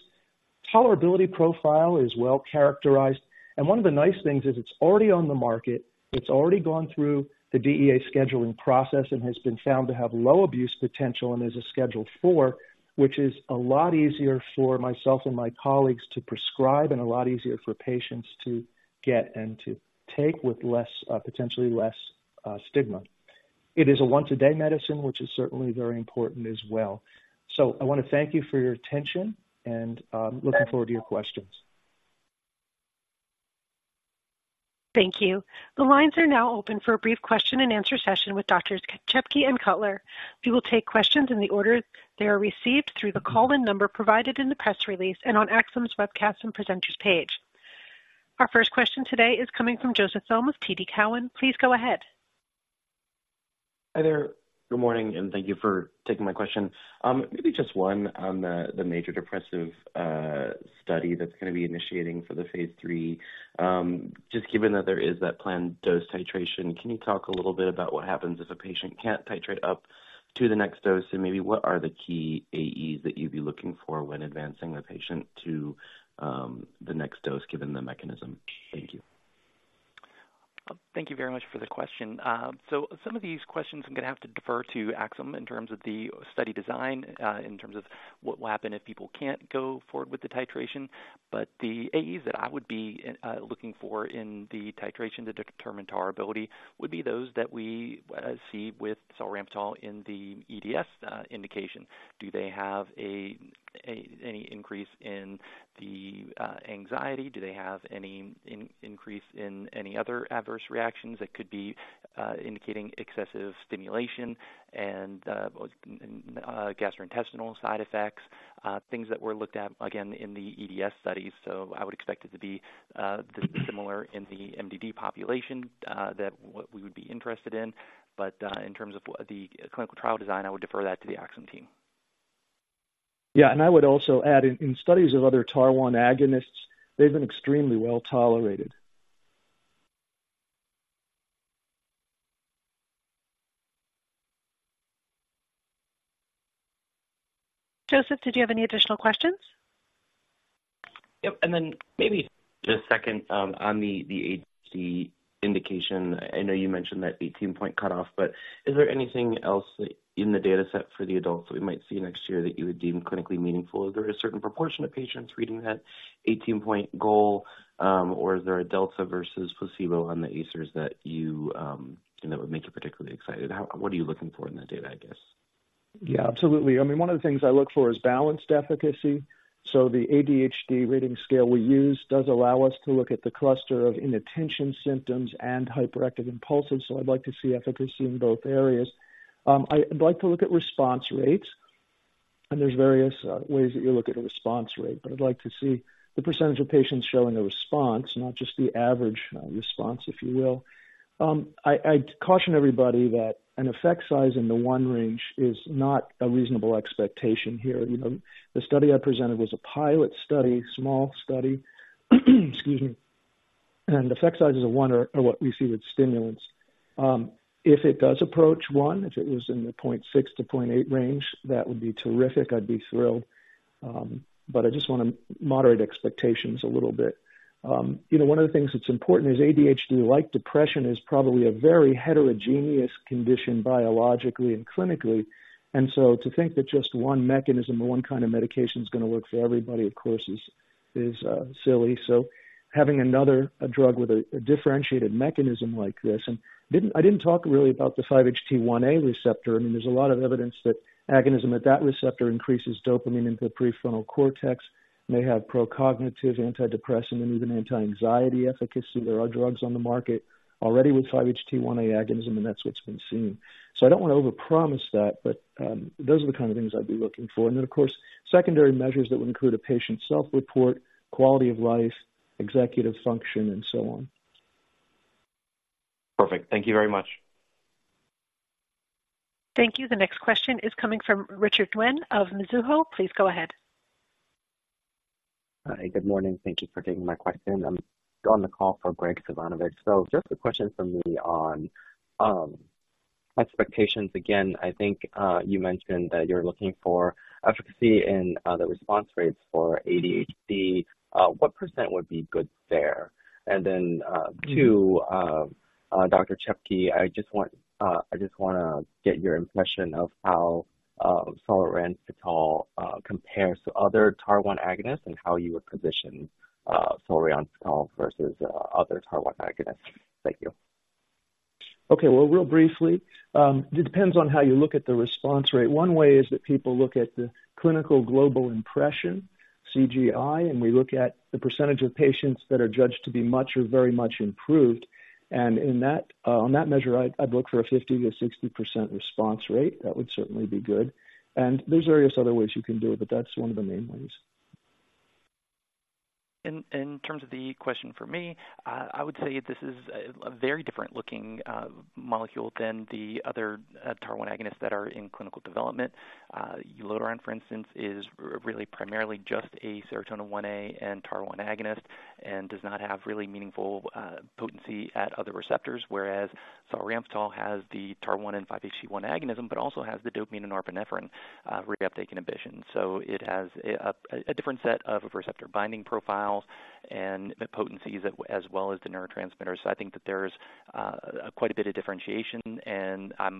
Tolerability profile is well characterized, and one of the nice things is it's already on the market. It's already gone through the DEA scheduling process and has been found to have low abuse potential and is a Schedule IV, which is a lot easier for myself and my colleagues to prescribe and a lot easier for patients to get and to take with less, potentially less stigma. It is a once a day medicine, which is certainly very important as well. So I want to thank you for your attention and looking forward to your questions. Thank you. The lines are now open for a brief question and answer session with Doctors Chepke and Cutler. We will take questions in the order they are received through the call-in number provided in the press release and on Axsome's webcast and presenters page. Our first question today is coming from Joseph Thome with TD Cowen. Please go ahead. Hi there. Good morning, and thank you for taking my question. Maybe just one on the major depressive study that's going to be initiating for the phase III. Just given that there is that planned dose titration, can you talk a little bit about what happens if a patient can't titrate up to the next dose? And maybe what are the key AEs that you'd be looking for when advancing the patient to the next dose, given the mechanism? Thank you. Thank you very much for the question. So some of these questions I'm going to have to defer to Axsome in terms of the study design, in terms of what will happen if people can't go forward with the titration. But the AEs that I would be looking for in the titration to determine tolerability would be those that we see with solriamfetol in the EDS indication. Do they have any increase in the anxiety? Do they have any increase in any other adverse reactions that could be indicating excessive stimulation and gastrointestinal side effects? Things that were looked at again in the EDS studies. So I would expect it to be similar in the MDD population, that what we would be interested in. In terms of the clinical trial design, I would defer that to the Axsome team. Yeah, and I would also add, in studies of other TAAR1 agonists, they've been extremely well tolerated. Joseph, did you have any additional questions? Yep, and then maybe just second, on the ADHD indication. I know you mentioned that 18-point cutoff, but is there anything else in the data set for the adults that we might see next year that you would deem clinically meaningful? Is there a certain proportion of patients reaching that 18-point goal, or is there a delta versus placebo on the AISRS that you, that would make you particularly excited? How, what are you looking for in that data, I guess? Yeah, absolutely. I mean, one of the things I look for is balanced efficacy. So the ADHD rating scale we use does allow us to look at the cluster of inattention symptoms and hyperactive impulsive. So I'd like to see efficacy in both areas. I'd like to look at response rates, and there's various ways that you look at a response rate, but I'd like to see the percentage of patients showing a response, not just the average response, if you will. I'd caution everybody that an effect size in the one range is not a reasonable expectation here. You know, the study I presented was a pilot study, small study, excuse me, and effect sizes of one are what we see with stimulants. If it does approach one, if it was in the 0.6-0.8 range, that would be terrific. I'd be thrilled. But I just want to moderate expectations a little bit. You know, one of the things that's important is ADHD, like depression, is probably a very heterogeneous condition, biologically and clinically. And so to think that just one mechanism or one kind of medication is going to work for everybody, of course, is silly. So having another drug with a differentiated mechanism like this, and I didn't talk really about the 5-HT1A receptor. I mean, there's a lot of evidence that agonism at that receptor increases dopamine into the prefrontal cortex, may have procognitive, antidepressant, and even anti-anxiety efficacy. There are drugs on the market already with 5-HT1A agonism, and that's what's been seen. So I don't want to overpromise that, but those are the kind of things I'd be looking for. And then, of course, secondary measures that would include a patient's self-report, quality of life, executive function, and so on. Perfect. Thank you very much. Thank you. The next question is from Richard Nguyen of Mizuho. Please go ahead. Hi, good morning. Thank you for taking my question. I'm on the call for Graig Suvannavejh. So just a question from me on expectations. Again, I think you mentioned that you're looking for efficacy and the response rates for ADHD. What % would be good there? And then, two, Dr. Chepke, I just want I just want to get your impression of how solriamfetol compares to other TAAR1 agonists and how you would position solriamfetol versus other TAAR1 agonists. Thank you. Okay, well, real briefly, it depends on how you look at the response rate. One way is that people look at the Clinical Global Impression, CGI, and we look at the percentage of patients that are judged to be much or very much improved, and in that, on that measure, I'd look for a 50%-60% response rate. That would certainly be good. And there's various other ways you can do it, but that's one of the main ways. In terms of the question for me, I would say this is a very different looking molecule than the other TAAR1 agonists that are in clinical development. Ulotaront, for instance, is really primarily just a serotonin 1A and TAAR1 agonist and does not have really meaningful potency at other receptors, whereas solriamfetol has the TAAR1 and 5-HT1 agonism, but also has the dopamine and norepinephrine reuptake inhibition. So it has a different set of receptor binding profiles and the potencies as well as the neurotransmitters. I think that there's quite a bit of differentiation, and I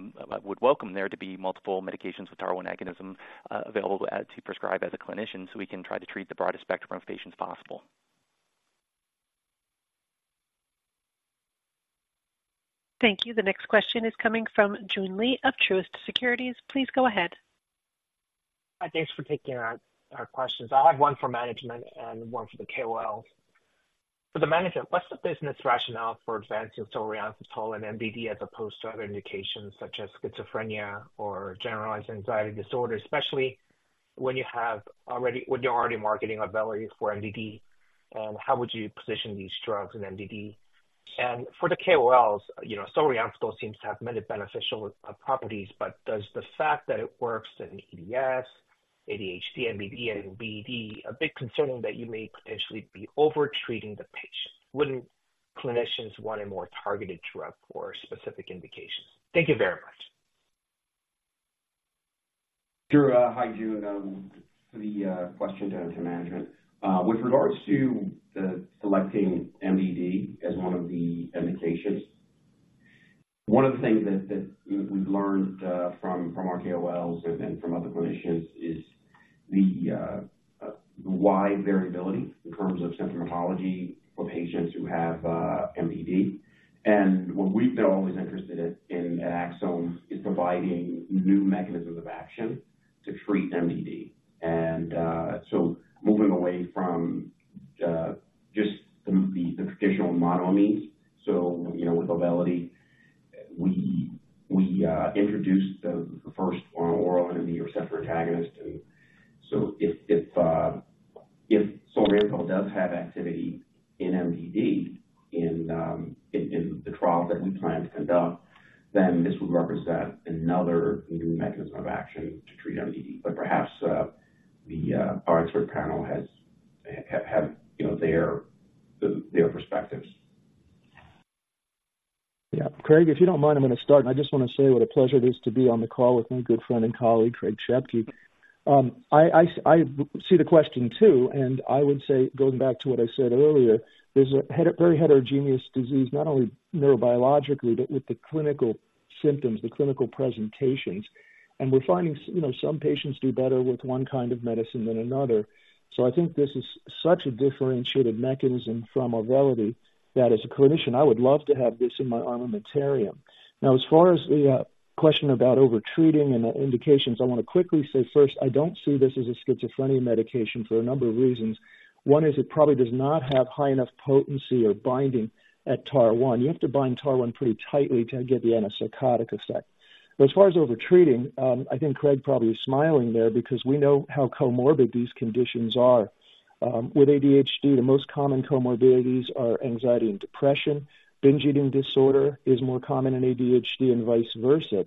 would welcome there to be multiple medications with TAAR1 agonism available to prescribe as a clinician, so we can try to treat the broadest spectrum of patients possible. Thank you. The next question is coming from Joon Lee of Truist Securities. Please go ahead. Hi, thanks for taking our questions. I have one for management and one for the KOLs. For the management, what's the business rationale for advancing solriamfetol and MDD, as opposed to other indications such as schizophrenia or generalized anxiety disorder, especially when you have already, when you're already marketing Auvelity for MDD? How would you position these drugs in MDD? And for the KOLs, you know, solriamfetol seems to have many beneficial properties, but does the fact that it works in EDS, ADHD, MDD, and BD a big concern that you may potentially be over-treating the patient? Wouldn't clinicians want a more targeted drug for specific indications? Thank you very much. Sure. Hi, June. The question to management. With regards to selecting MDD as one of the indications, one of the things that we've learned from our KOLs and from other clinicians is the wide variability in terms of symptomatology for patients who have MDD. And what we've been always interested in, in Axsome, is providing new mechanisms of action to treat MDD. And so moving away from just the traditional monoamines. So, you know, with Auvelity, we introduced the first oral NMDA receptor antagonist. And so if solriamfetol does have activity in MDD, in the trial that we plan to conduct, then this would represent another new mechanism of action to treat MDD. Perhaps our expert panel has, you know, their perspectives. Yeah. Craig, if you don't mind, I'm gonna start. I just want to say what a pleasure it is to be on the call with my good friend and colleague, Craig Chepke. I see the question too, and I would say, going back to what I said earlier, there's a very heterogeneous disease, not only neurobiologically, but with the clinical symptoms, the clinical presentations. And we're finding, you know, some patients do better with one kind of medicine than another. So I think this is such a differentiated mechanism from Auvelity that as a clinician, I would love to have this in my armamentarium. Now, as far as the question about over-treating and the indications, I want to quickly say first, I don't see this as a schizophrenia medication for a number of reasons. One is, it probably does not have high enough potency or binding at TAAR1. You have to bind TAAR1 pretty tightly to get the antipsychotic effect. But as far as over-treating, I think Craig probably is smiling there because we know how comorbid these conditions are. With ADHD, the most common comorbidities are anxiety and depression. Binge eating disorder is more common in ADHD and vice versa.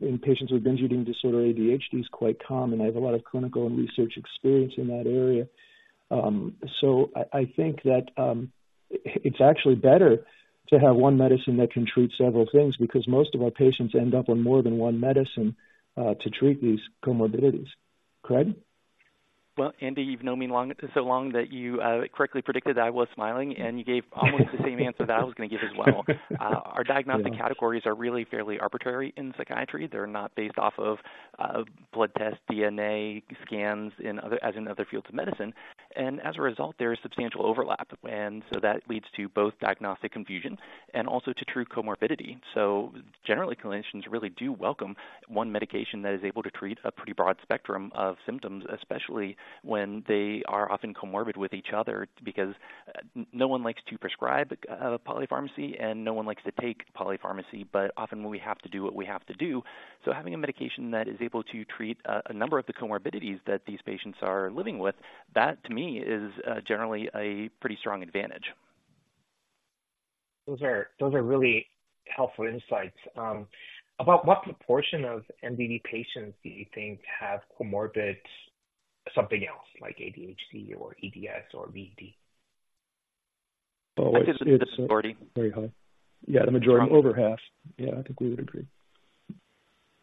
In patients with binge eating disorder, ADHD is quite common. I have a lot of clinical and research experience in that area. So I think that it's actually better to have one medicine that can treat several things, because most of our patients end up on more than one medicine to treat these comorbidities. Craig? Well, Andy, you've known me long, so long that you correctly predicted I was smiling, and you gave almost the same answer that I was going to give as well. Our diagnostic categories are really fairly arbitrary in psychiatry. They're not based off of blood tests, DNA, scans, as in other fields of medicine, and as a result, there is substantial overlap. And so that leads to both diagnostic confusion and also to true comorbidity. So generally, clinicians really do welcome one medication that is able to treat a pretty broad spectrum of symptoms, especially when they are often comorbid with each other, because no one likes to prescribe polypharmacy, and no one likes to take polypharmacy, but often we have to do what we have to do. Having a medication that is able to treat a number of the comorbidities that these patients are living with, that to me is generally a pretty strong advantage. Those are, those are really helpful insights. About what proportion of MDD patients do you think have comorbid something else, like ADHD or EDS or VD? Very high. Disorder. Very high. Yeah, the majority, over half. Yeah, I think we would agree.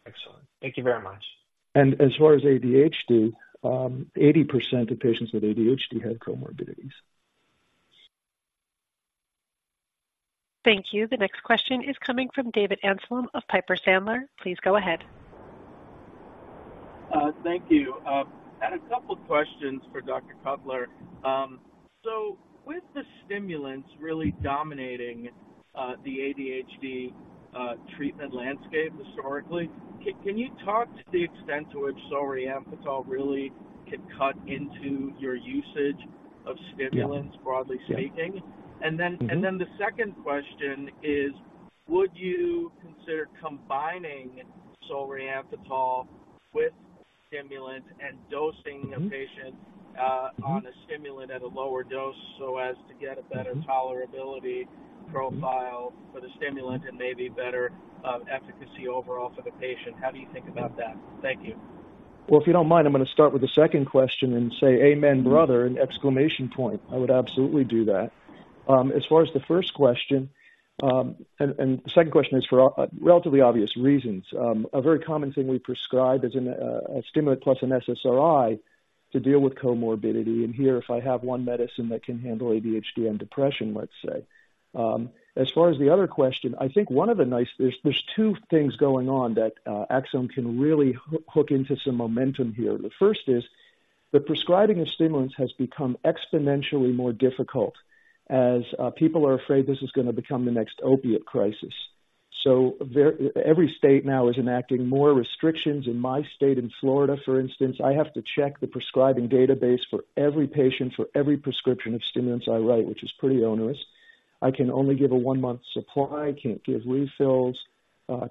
Excellent. Thank you very much. As far as ADHD, 80% of patients with ADHD had comorbidities. Thank you. The next question is coming from David Amsellem of Piper Sandler. Please go ahead. Thank you. I had a couple questions for Dr. Cutler. So with the stimulants really dominating the ADHD treatment landscape historically, can you talk to the extent to which solriamfetol really could cut into your usage of stimulants- Yeah. Broadly speaking? Mm-hmm. And then the second question is- ...Would you consider combining solriamfetol with stimulant and dosing a patient, on a stimulant at a lower dose so as to get a better tolerability profile for the stimulant and maybe better, efficacy overall for the patient? How do you think about that? Thank you. Well, if you don't mind, I'm going to start with the second question and say, "Amen, brother!" And exclamation point. I would absolutely do that. As far as the first question, and the second question is for relatively obvious reasons. A very common thing we prescribe is a stimulant plus an SSRI to deal with comorbidity. And here, if I have one medicine that can handle ADHD and depression, let's say. As far as the other question, I think one of the nice, there's two things going on that Axsome can really hook into some momentum here. The first is, the prescribing of stimulants has become exponentially more difficult as people are afraid this is going to become the next opiate crisis. So every state now is enacting more restrictions. In my state, in Florida, for instance, I have to check the prescribing database for every patient, for every prescription of stimulants I write, which is pretty onerous. I can only give a one-month supply, can't give refills,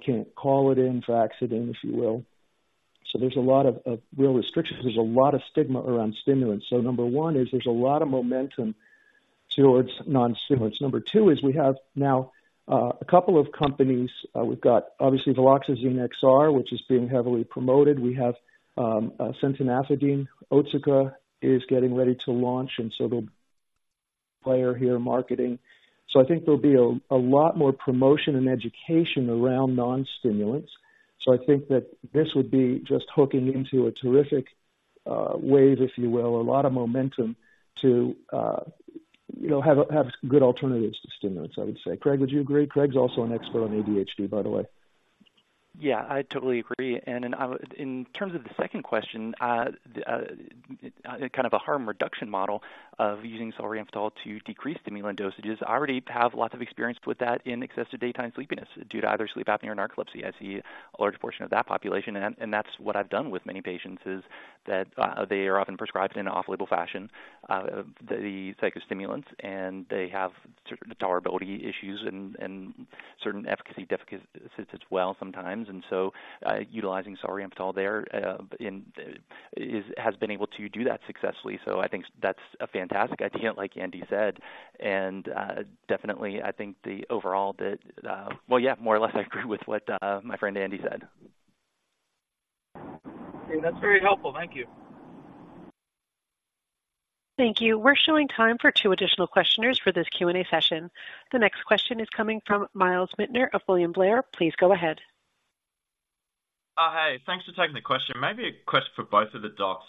can't call it in, fax it in, if you will. So there's a lot of, of real restrictions. There's a lot of stigma around stimulants. So number one is there's a lot of momentum towards non-stimulants. Number two is we have now, a couple of companies. We've got, obviously, Viloxazine XR, which is being heavily promoted. We have, centanafidine. Otsuka is getting ready to launch, and so they'll be a player here, marketing. So I think there'll be a, a lot more promotion and education around non-stimulants. So I think that this would be just hooking into a terrific, wave, if you will, a lot of momentum to, you know, have good alternatives to stimulants, I would say. Craig, would you agree? Craig's also an expert on ADHD, by the way. Yeah, I totally agree. In terms of the second question, the kind of a harm reduction model of using solriamfetol to decrease stimulant dosages, I already have lots of experience with that in excessive daytime sleepiness due to either sleep apnea or narcolepsy. I see a large portion of that population, and that's what I've done with many patients, is that they are often prescribed in an off-label fashion the psychostimulants, and they have certain tolerability issues and certain efficacy difficulties as well, sometimes. Utilizing solriamfetol there has been able to do that successfully. So I think that's a fantastic idea, like Andy said, and definitely, I think the overall... Well, yeah, more or less, I agree with what my friend Andy said. That's very helpful. Thank you. Thank you. We're showing time for two additional questioners for this Q&A session. The next question is coming from Myles Minter of William Blair. Please go ahead. Hey, thanks for taking the question. Maybe a question for both of the docs.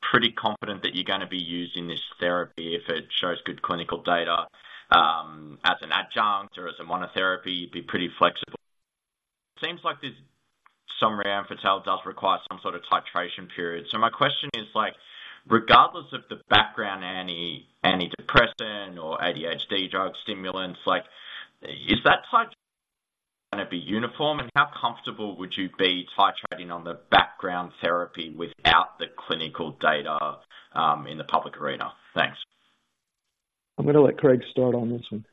Pretty confident that you're going to be using this therapy if it shows good clinical data, as an adjunct or as a monotherapy, you'd be pretty flexible. Seems like this solriamfetol does require some sort of titration period. So my question is, like, regardless of the background, anti, antidepressant or ADHD drug stimulants, like, is that going to be uniform? And how comfortable would you be titrating on the background therapy without the clinical data, in the public arena? Thanks. I'm going to let Craig start on this one.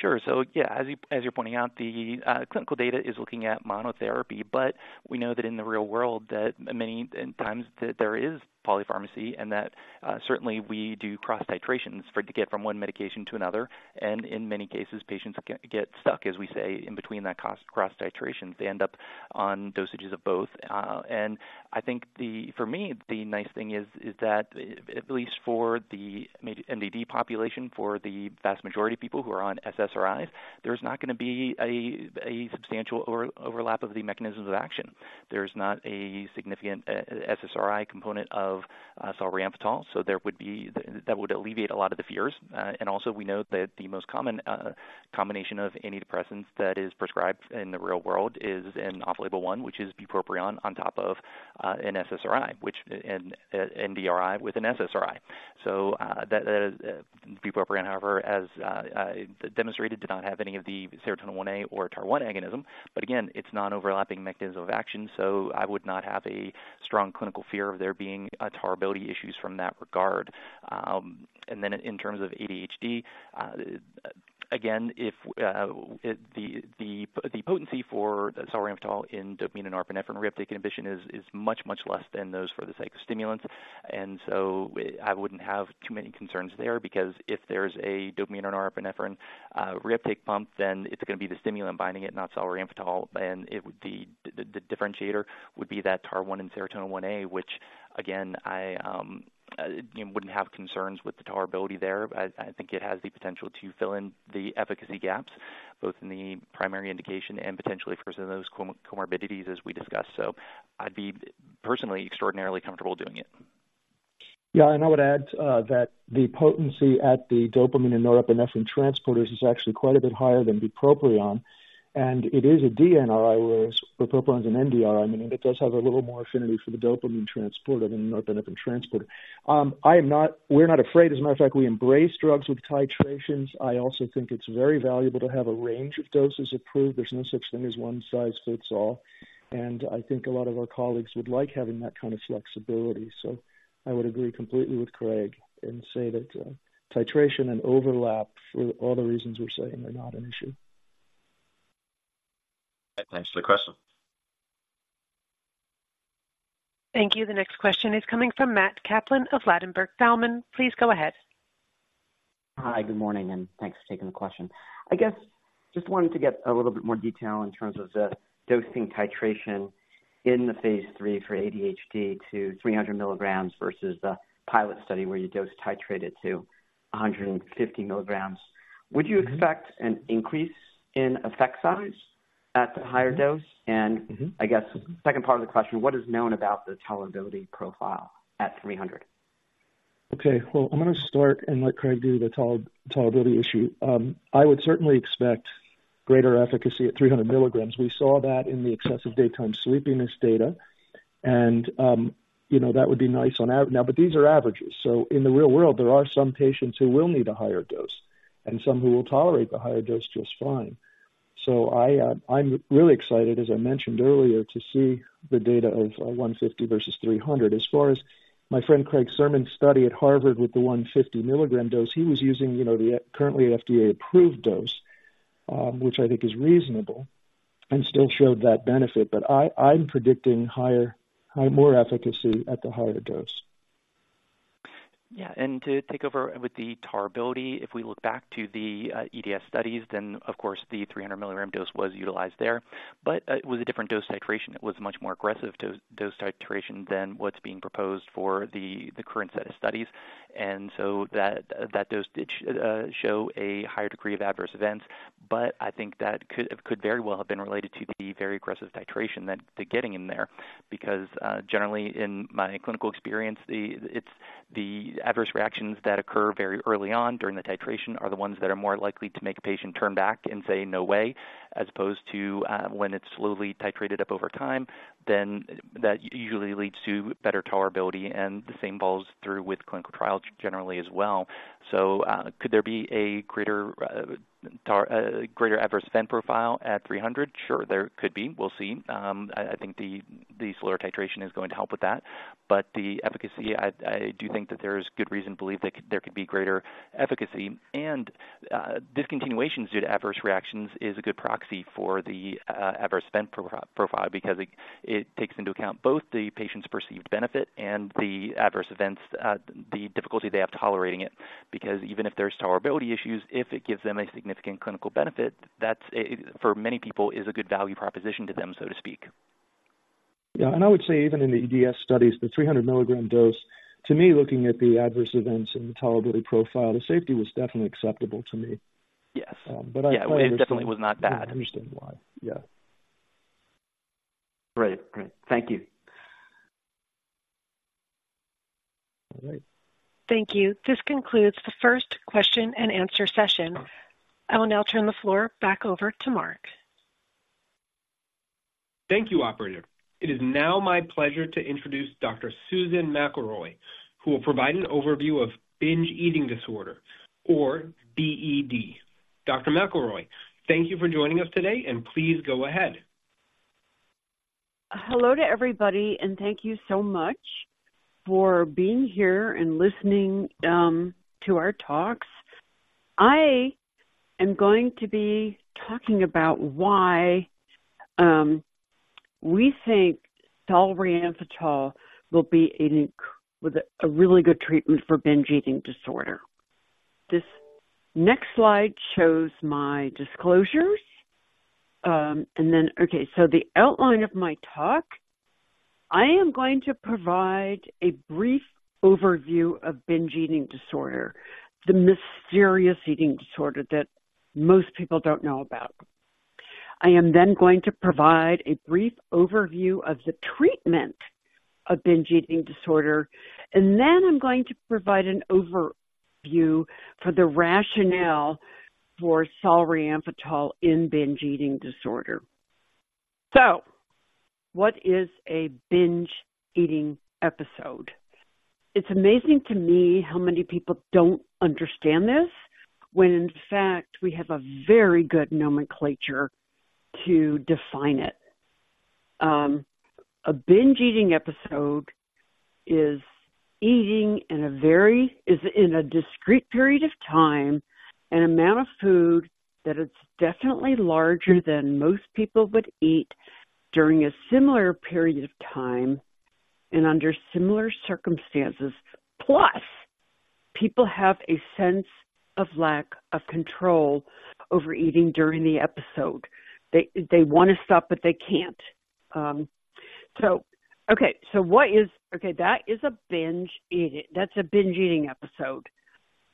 Sure. So yeah, as you're pointing out, the clinical data is looking at monotherapy, but we know that in the real world, that many times there is polypharmacy and that certainly we do cross titrations to get from one medication to another, and in many cases, patients get stuck, as we say, in between that cross titrations. They end up on dosages of both. And I think for me, the nice thing is that at least for the maybe MDD population, for the vast majority of people who are on SSRIs, there's not going to be a substantial overlap of the mechanisms of action. There's not a significant SSRI component of solriamfetol, so there would be... That would alleviate a lot of the fears. And also, we know that the most common combination of antidepressants that is prescribed in the real world is an off-label one, which is bupropion on top of an SSRI, which an NDRI with an SSRI. So, bupropion, however, as demonstrated, did not have any of the serotonin 1A or TAAR1 agonism, but again, it's not overlapping mechanisms of action, so I would not have a strong clinical fear of there being tolerability issues from that regard. And then in terms of ADHD, again, if the potency for solriamfetol in dopamine and norepinephrine reuptake inhibition is much, much less than those for the psychostimulants. And so I wouldn't have too many concerns there, because if there's a dopamine and norepinephrine reuptake pump, then it's going to be the stimulant binding it, not solriamfetol, and it would be the differentiator would be that TAAR1 and serotonin 1A, which again, I wouldn't have concerns with the tolerability there. I think it has the potential to fill in the efficacy gaps, both in the primary indication and potentially for some of those comorbidities, as we discussed. So I'd be personally extraordinarily comfortable doing it. Yeah, and I would add that the potency at the dopamine and norepinephrine transporters is actually quite a bit higher than bupropion, and it is a DNRI, whereas bupropion is an NDRI. I mean, it does have a little more affinity for the dopamine transporter than the norepinephrine transporter. I am not-- we're not afraid. As a matter of fact, we embrace drugs with titrations. I also think it's very valuable to have a range of doses approved. There's no such thing as one size fits all, and I think a lot of our colleagues would like having that kind of flexibility. So I would agree completely with Craig and say that titration and overlap, for all the reasons we're saying, they're not an issue. ... Thanks for the question. Thank you. The next question is coming from Matt Kaplan of Ladenburg Thalmann. Please go ahead. Hi, good morning, and thanks for taking the question. I guess, just wanted to get a little bit more detail in terms of the dosing titration in the phase III for ADHD to 300 milligrams versus the pilot study, where you dose titrated to 150 milligrams. Would you expect an increase in effect size at the higher dose? Mm-hmm. I guess the second part of the question, what is known about the tolerability profile at 300? Okay, well, I'm going to start and let Craig do the tolerability issue. I would certainly expect greater efficacy at 300 milligrams. We saw that in the excessive daytime sleepiness data, and, you know, that would be nice to have now, but these are averages. So in the real world, there are some patients who will need a higher dose and some who will tolerate the higher dose just fine. So I'm really excited, as I mentioned earlier, to see the data of 150 versus 300. As far as my friend Craig Surman's study at Harvard with the 150 milligram dose, he was using, you know, the currently FDA-approved dose, which I think is reasonable and still showed that benefit. But I'm predicting higher, more efficacy at the higher dose. Yeah, and to take over with the tolerability, if we look back to the EDS studies, then of course, the 300 milligram dose was utilized there, but it was a different dose titration. It was a much more aggressive dose titration than what's being proposed for the current set of studies. And so that dose did show a higher degree of adverse events, but I think that could very well have been related to the very aggressive titration that they're getting in there. Because, generally, in my clinical experience, it's the adverse reactions that occur very early on during the titration are the ones that are more likely to make a patient turn back and say, "No way," as opposed to, when it's slowly titrated up over time, then that usually leads to better tolerability, and the same goes through with clinical trials generally as well. So, could there be a greater adverse event profile at 300? Sure, there could be. We'll see. I think the slower titration is going to help with that, but the efficacy, I do think that there is good reason to believe that there could be greater efficacy. Discontinuations due to adverse reactions is a good proxy for the adverse event profile, because it takes into account both the patient's perceived benefit and the adverse events, the difficulty they have tolerating it, because even if there's tolerability issues, if it gives them a significant clinical benefit, that's a, for many people, good value proposition to them, so to speak. Yeah, and I would say even in the EDS studies, the 300 milligram dose, to me, looking at the adverse events and the tolerability profile, the safety was definitely acceptable to me. Yes. But I- Yeah, it definitely was not bad. I understand why. Yeah. Great. Great. Thank you. All right. Thank you. This concludes the first question-and-answer session. I will now turn the floor back over to Mark. Thank you, operator. It is now my pleasure to introduce Dr. Susan McElroy, who will provide an overview of binge eating disorder, or BED. Dr. McElroy, thank you for joining us today, and please go ahead. Hello to everybody, and thank you so much for being here and listening to our talks. I am going to be talking about why we think solriamfetol will be a really good treatment for binge eating disorder. This next slide shows my disclosures. And then okay, so the outline of my talk, I am going to provide a brief overview of binge eating disorder, the mysterious eating disorder that most people don't know about. I am then going to provide a brief overview of the treatment of binge eating disorder, and then I'm going to provide an overview for the rationale for solriamfetol in binge eating disorder. So what is a binge eating episode? It's amazing to me how many people don't understand this, when in fact, we have a very good nomenclature to define it. A binge eating episode is eating in a discrete period of time, an amount of food that is definitely larger than most people would eat during a similar period of time and under similar circumstances. Plus, people have a sense of lack of control over eating during the episode. They want to stop, but they can't. So okay, so what is that? Okay, that is a binge eating episode.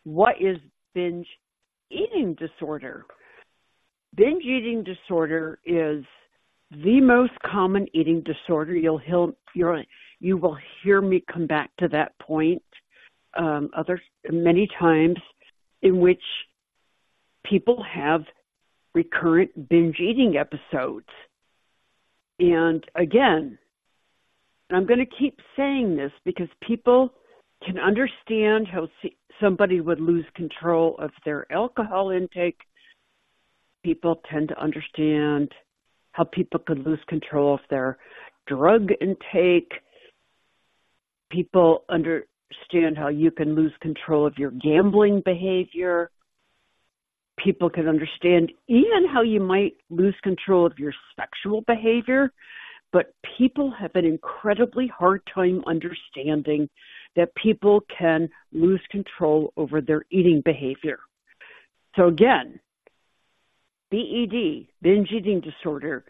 What is binge eating disorder? Binge eating disorder is the most common eating disorder. You'll hear me come back to that point many times in which people have recurrent binge eating episodes. And again, I'm going to keep saying this because people can understand how somebody would lose control of their alcohol intake. People tend to understand how people could lose control of their drug intake. People understand how you can lose control of your gambling behavior. People can understand even how you might lose control of your sexual behavior, but people have an incredibly hard time understanding that people can lose control over their eating behavior. So again, BED, binge eating disorder,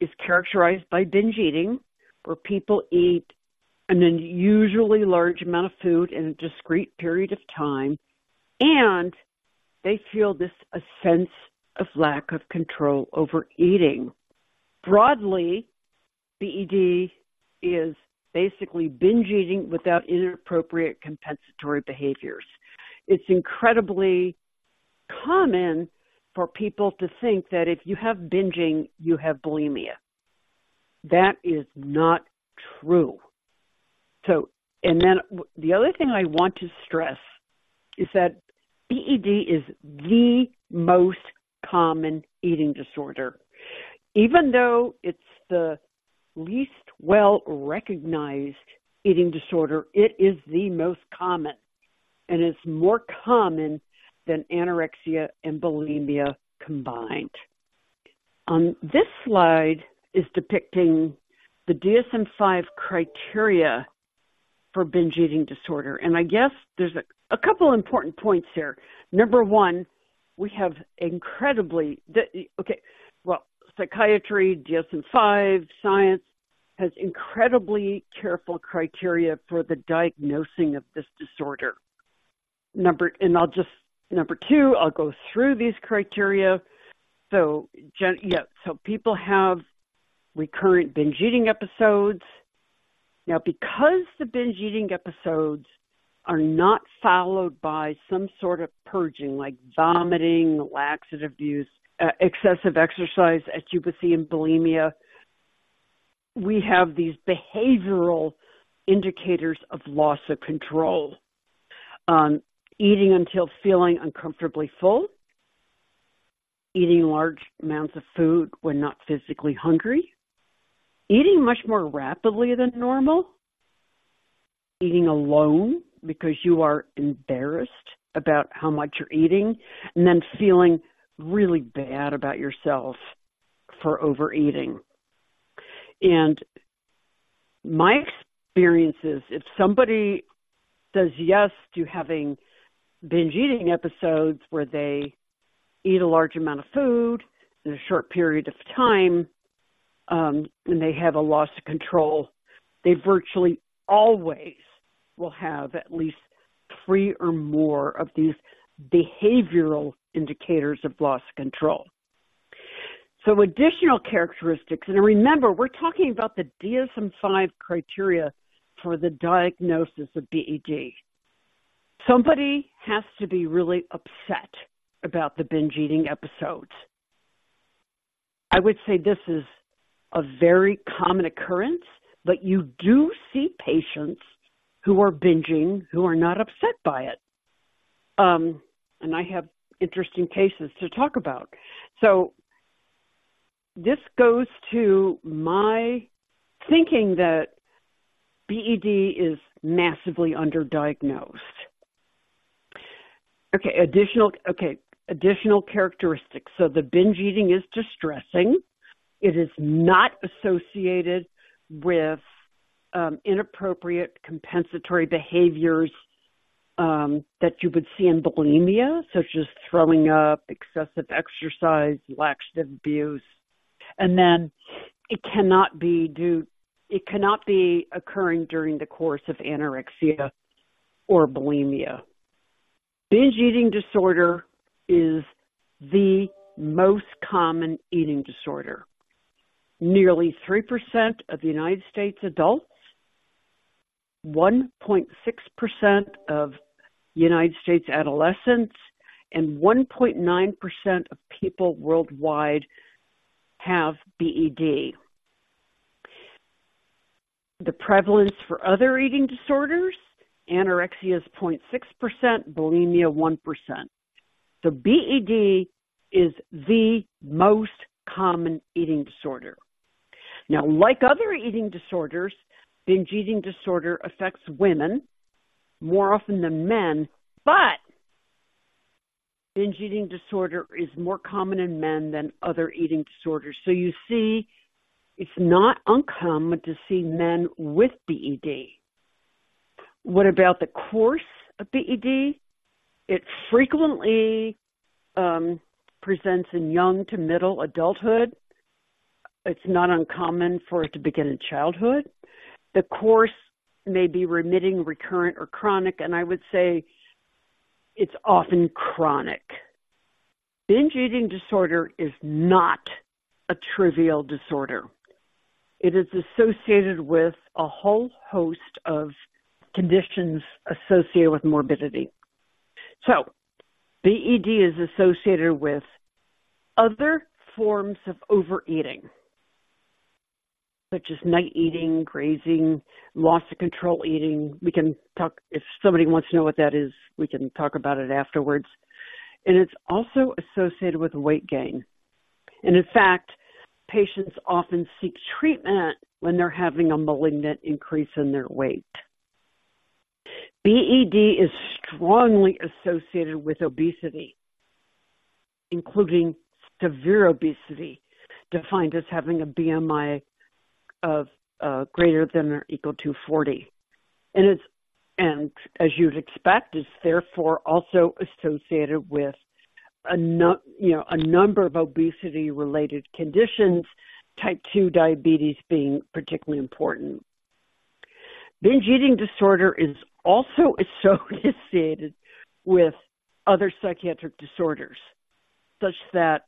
is characterized by binge eating, where people eat an unusually large amount of food in a discrete period of time, and they feel this, a sense of lack of control over eating. Broadly, BED is basically binge eating without inappropriate compensatory behaviors. It's incredibly common for people to think that if you have binging, you have bulimia. That is not true. So, and then the other thing I want to stress is that BED is the most common eating disorder. Even though it's the least well-recognized eating disorder, it is the most common, and it's more common than anorexia and bulimia combined. On this slide is depicting the DSM-5 criteria for binge eating disorder, and I guess there's a couple important points here. Number one, psychiatry, DSM-5 science, has incredibly careful criteria for the diagnosing of this disorder. Number two, I'll go through these criteria. So, people have recurrent binge eating episodes. Now, because the binge eating episodes are not followed by some sort of purging, like vomiting, laxative abuse, excessive exercise, as you would see in bulimia, we have these behavioral indicators of loss of control: eating until feeling uncomfortably full, eating large amounts of food when not physically hungry, eating much more rapidly than normal, eating alone because you are embarrassed about how much you're eating, and then feeling really bad about yourself for overeating. And my experience is, if somebody says yes to having binge eating episodes, where they eat a large amount of food in a short period of time, and they have a loss of control, they virtually always will have at least three or more of these behavioral indicators of loss of control. So additional characteristics, and remember, we're talking about the DSM-5 criteria for the diagnosis of BED. Somebody has to be really upset about the binge eating episodes. I would say this is a very common occurrence, but you do see patients who are binging, who are not upset by it. And I have interesting cases to talk about. So this goes to my thinking that BED is massively underdiagnosed. Okay, additional, okay, additional characteristics. So the binge eating is distressing. It is not associated with inappropriate compensatory behaviors that you would see in bulimia, such as throwing up, excessive exercise, laxative abuse. And then it cannot be due, it cannot be occurring during the course of anorexia or bulimia. Binge eating disorder is the most common eating disorder. Nearly 3% of the United States adults, 1.6% of United States adolescents, and 1.9% of people worldwide have BED. The prevalence for other eating disorders, anorexia is 0.6%, bulimia, 1%. So BED is the most common eating disorder. Now, like other eating disorders, binge eating disorder affects women more often than men, but binge eating disorder is more common in men than other eating disorders. So you see, it's not uncommon to see men with BED. What about the course of BED? It frequently presents in young to middle adulthood. It's not uncommon for it to begin in childhood. The course may be remitting, recurrent, or chronic, and I would say it's often chronic. Binge eating disorder is not a trivial disorder. It is associated with a whole host of conditions associated with morbidity. So BED is associated with other forms of overeating, such as night eating, grazing, loss of control eating. We can talk, if somebody wants to know what that is, we can talk about it afterwards. It's also associated with weight gain. And in fact, patients often seek treatment when they're having a malignant increase in their weight. BED is strongly associated with obesity, including severe obesity, defined as having a BMI of greater than or equal to 40. And it's, and as you'd expect, it's therefore also associated with, you know, a number of obesity-related conditions, type 2 diabetes being particularly important. Binge eating disorder is also associated with other psychiatric disorders, such that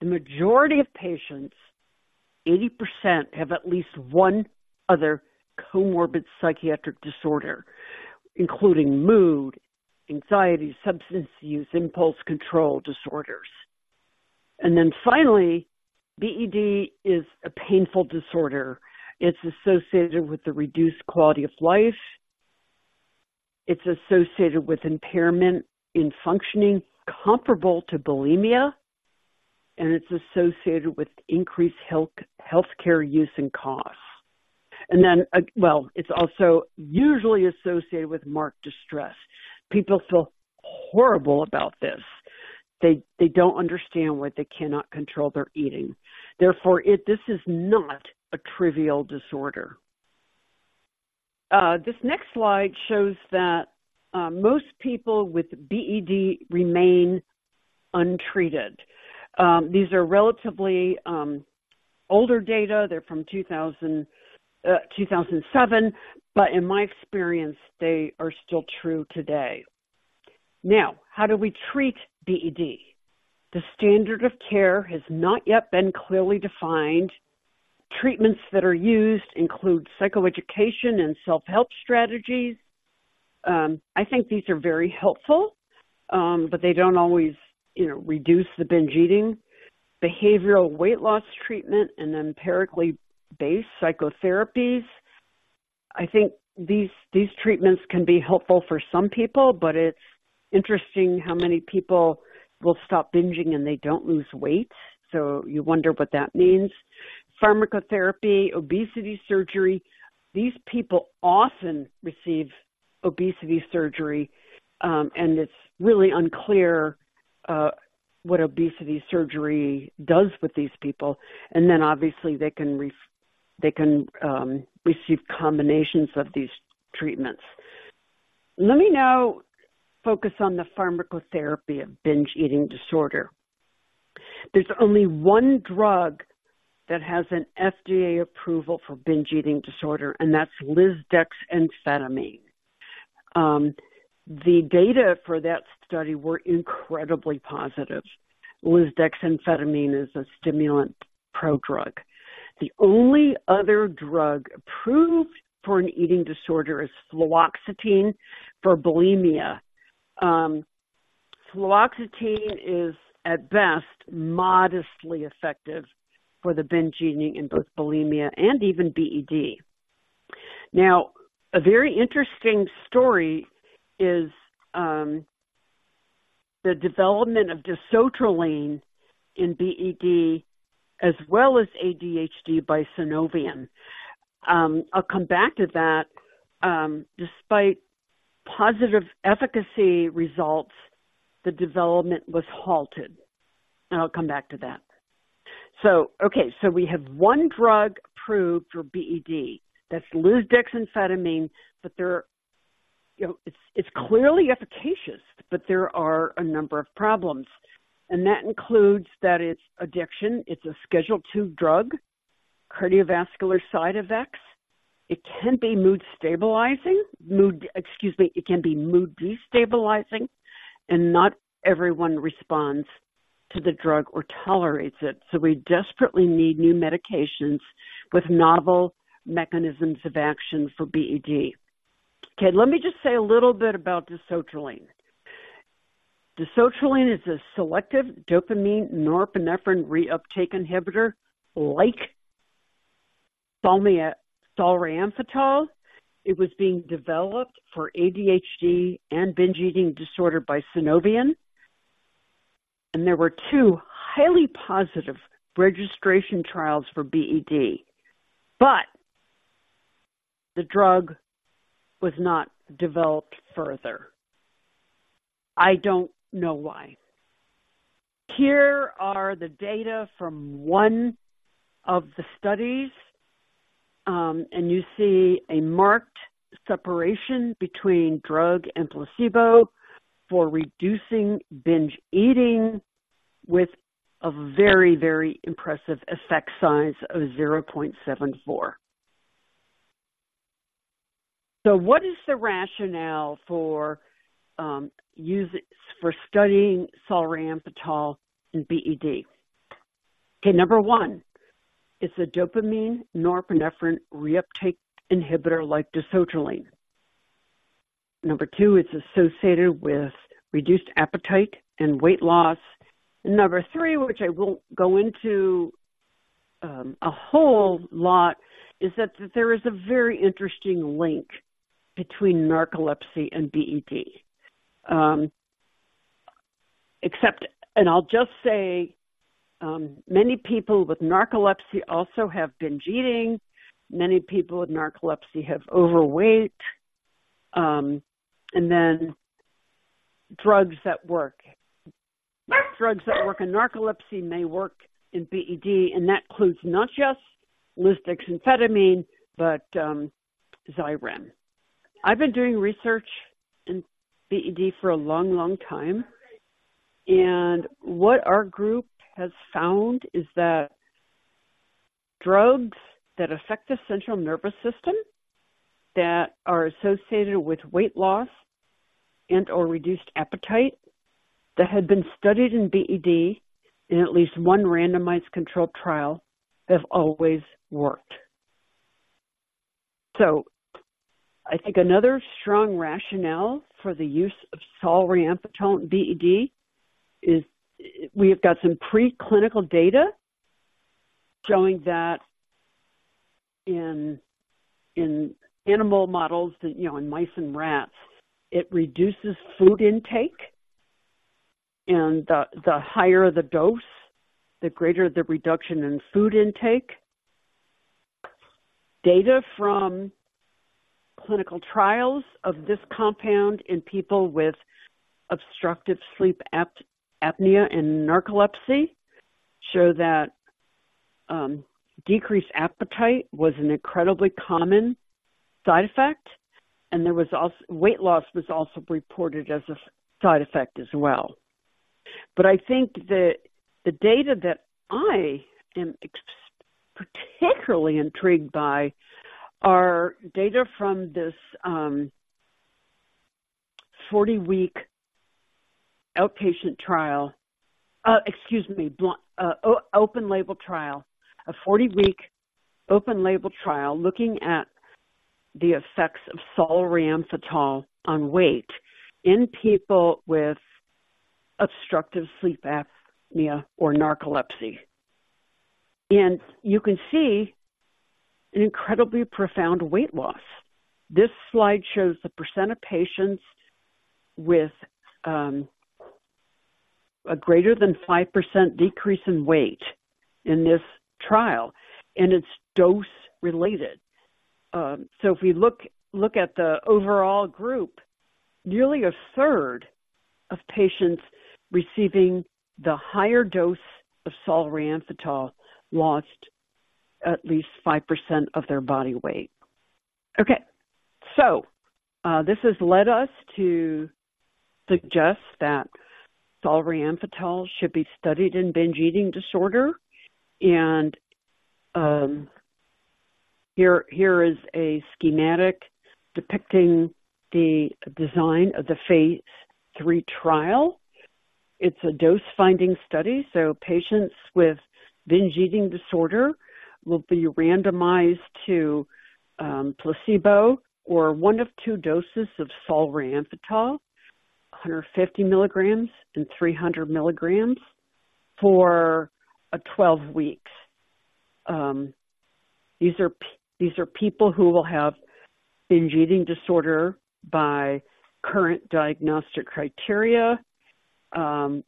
the majority of patients, 80%, have at least one other comorbid psychiatric disorder, including mood, anxiety, substance use, impulse control disorders. And then finally, BED is a painful disorder. It's associated with the reduced quality of life, it's associated with impairment in functioning comparable to bulimia, and it's associated with increased health, healthcare use and costs. And then, well, it's also usually associated with marked distress. People feel horrible about this. They, they don't understand why they cannot control their eating. Therefore, it, this is not a trivial disorder. This next slide shows that, most people with BED remain untreated. These are relatively older data. They're from 2007, but in my experience, they are still true today. Now, how do we treat BED? The standard of care has not yet been clearly defined. Treatments that are used include psychoeducation and self-help strategies. I think these are very helpful, but they don't always, you know, reduce the binge eating. Behavioral weight loss treatment and empirically-based psychotherapies. I think these treatments can be helpful for some people, but it's interesting how many people will stop binging, and they don't lose weight, so you wonder what that means. Pharmacotherapy, obesity surgery. These people often receive obesity surgery, and it's really unclear what obesity surgery does with these people. And then obviously, they can receive combinations of these treatments. Let me now focus on the pharmacotherapy of binge eating disorder. There's only one drug that has an FDA approval for binge eating disorder, and that's lisdexamfetamine. The data for that study were incredibly positive. Lisdexamfetamine is a stimulant prodrug. The only other drug approved for an eating disorder is fluoxetine for bulimia. Fluoxetine is, at best, modestly effective for the binge eating in both bulimia and even BED. Now, a very interesting story is, the development of dasotraline in BED as well as ADHD by Sunovion. I'll come back to that. Despite positive efficacy results, the development was halted, and I'll come back to that. So, okay, so we have one drug approved for BED. That's lisdexamfetamine, but there... You know, it's, it's clearly efficacious, but there are a number of problems, and that includes that it's addiction. It's a Schedule II drug, cardiovascular side effects. It can be mood-stabilizing, mood-- excuse me, it can be mood-destabilizing, and not everyone responds to the drug or tolerates it. So we desperately need new medications with novel mechanisms of action for BED. Okay, let me just say a little bit about dasotraline. Dasotraline is a selective dopamine norepinephrine reuptake inhibitor like solriamfetol. It was being developed for ADHD and binge eating disorder by Sunovion, and there were two highly positive registration trials for BED, but the drug was not developed further. I don't know why. Here are the data from one of the studies, and you see a marked separation between drug and placebo for reducing binge eating with a very, very impressive effect size of 0.74. So what is the rationale for using, for studying solriamfetol in BED? Okay, number one, it's a dopamine norepinephrine reuptake inhibitor like dasotraline. Number two, it's associated with reduced appetite and weight loss. And number three, which I won't go into a whole lot is that there is a very interesting link between narcolepsy and BED. And I'll just say, many people with narcolepsy also have binge eating. Many people with narcolepsy have overweight. And then drugs that work. Drugs that work in narcolepsy may work in BED, and that includes not just lisdexamfetamine, but Xyrem. I've been doing research in BED for a long, long time, and what our group has found is that drugs that affect the central nervous system, that are associated with weight loss and/or reduced appetite, that have been studied in BED in at least one randomized controlled trial, have always worked. So I think another strong rationale for the use of solriamfetol in BED is we've got some preclinical data showing that in animal models, you know, in mice and rats, it reduces food intake, and the higher the dose, the greater the reduction in food intake. Data from clinical trials of this compound in people with obstructive sleep apnea and narcolepsy show that decreased appetite was an incredibly common side effect, and there was also weight loss was also reported as a side effect as well. But I think that the data that I am particularly intrigued by are data from this 40-week outpatient trial. Excuse me, open label trial, a 40-week open label trial looking at the effects of solriamfetol on weight in people with obstructive sleep apnea or narcolepsy. And you can see an incredibly profound weight loss. This slide shows the percent of patients with a greater than 5% decrease in weight in this trial, and it's dose related. So if we look at the overall group, nearly a third of patients receiving the higher dose of solriamfetol lost at least 5% of their body weight. Okay, so this has led us to suggest that solriamfetol should be studied in binge eating disorder. Here is a schematic depicting the design of the phase III trial. It's a dose-finding study, so patients with binge eating disorder will be randomized to placebo or one of two doses of solriamfetol, 150 milligrams and 300 milligrams for 12 weeks. These are people who will have binge eating disorder by current diagnostic criteria, and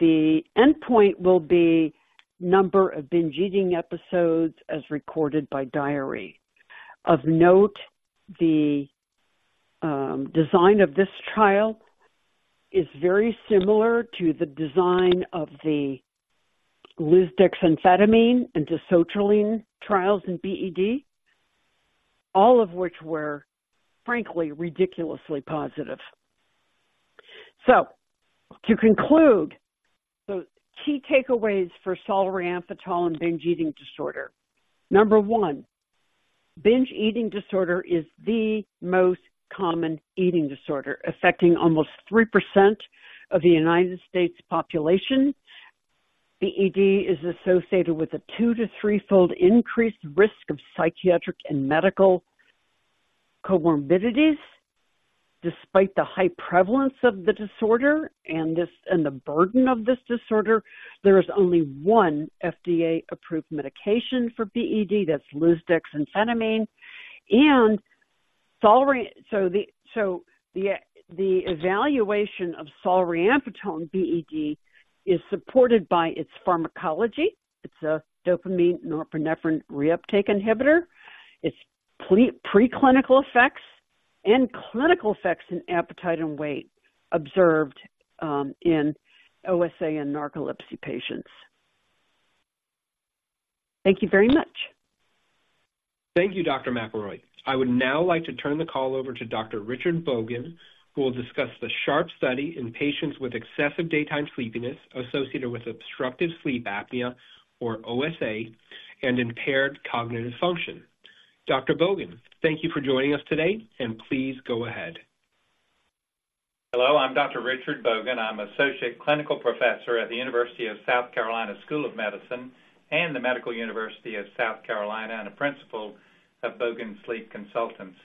the endpoint will be number of binge eating episodes as recorded by diary. Of note, the design of this trial is very similar to the design of the lisdexamfetamine and dasotraline trials in BED, all of which were frankly ridiculously positive. So to conclude, the key takeaways for solriamfetol and binge eating disorder. Number one, binge eating disorder is the most common eating disorder, affecting almost 3% of the United States population. BED is associated with a two- to threefold increased risk of psychiatric and medical comorbidities. Despite the high prevalence of the disorder and this, and the burden of this disorder, there is only one FDA-approved medication for BED. That's lisdexamfetamine and solriamfetol—so the evaluation of solriamfetol in BED is supported by its pharmacology. It's a dopamine norepinephrine reuptake inhibitor. It's preclinical effects and clinical effects in appetite and weight observed in OSA and narcolepsy patients. Thank you very much. Thank you, Dr. McElroy. I would now like to turn the call over to Dr. Richard Bogan, who will discuss the SHARP study in patients with excessive daytime sleepiness associated with obstructive sleep apnea, or OSA, and impaired cognitive function. Dr. Bogan, thank you for joining us today, and please go ahead. Hello, I'm Dr. Richard Bogan. I'm Associate Clinical Professor at the University of South Carolina School of Medicine and the Medical University of South Carolina, and a principal of Bogan Sleep Consultants.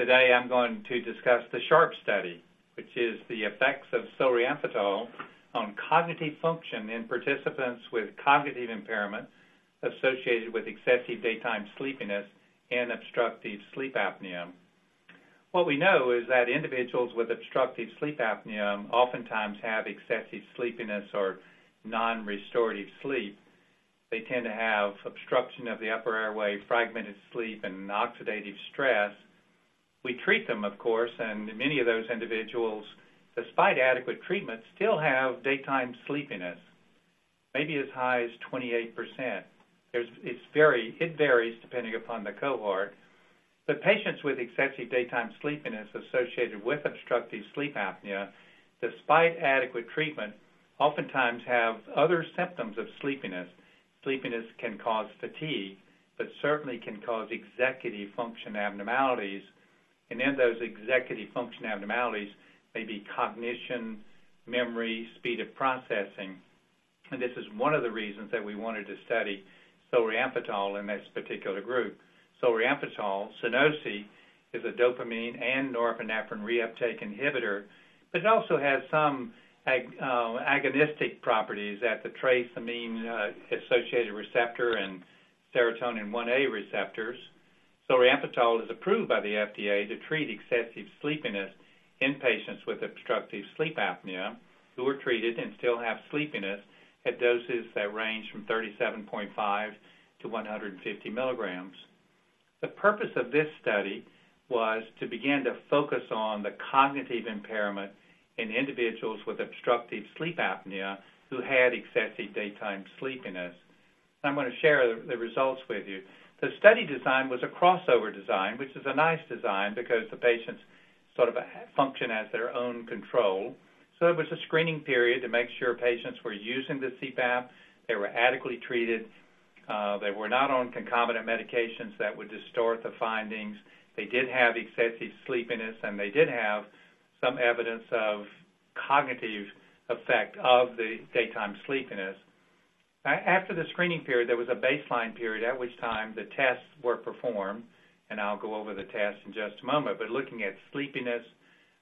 Today, I'm going to discuss the SHARP study, which is the effects of solriamfetol on cognitive function in participants with cognitive impairment associated with excessive daytime sleepiness and obstructive sleep apnea. What we know is that individuals with obstructive sleep apnea oftentimes have excessive sleepiness or non-restorative sleep. They tend to have obstruction of the upper airway, fragmented sleep, and oxidative stress. We treat them, of course, and many of those individuals, despite adequate treatment, still have daytime sleepiness, maybe as high as 28%. It varies depending upon the cohort. But patients with excessive daytime sleepiness associated with obstructive sleep apnea, despite adequate treatment, oftentimes have other symptoms of sleepiness. Sleepiness can cause fatigue, but certainly can cause executive function abnormalities, and then those executive function abnormalities may be cognition, memory, speed of processing. This is one of the reasons that we wanted to study solriamfetol in this particular group. Solriamfetol, Sunosi, is a dopamine and norepinephrine reuptake inhibitor, but it also has some agonistic properties at the trace amine-associated receptor and serotonin 1A receptors. Solriamfetol is approved by the FDA to treat excessive sleepiness in patients with obstructive sleep apnea, who were treated and still have sleepiness at doses that range from 37.5 to 150 milligrams. The purpose of this study was to begin to focus on the cognitive impairment in individuals with obstructive sleep apnea who had excessive daytime sleepiness. I'm going to share the results with you. The study design was a crossover design, which is a nice design because the patients sort of function as their own control. So it was a screening period to make sure patients were using the CPAP, they were adequately treated, they were not on concomitant medications that would distort the findings. They did have excessive sleepiness, and they did have some evidence of cognitive effect of the daytime sleepiness. After the screening period, there was a baseline period at which time the tests were performed, and I'll go over the tests in just a moment. But looking at sleepiness,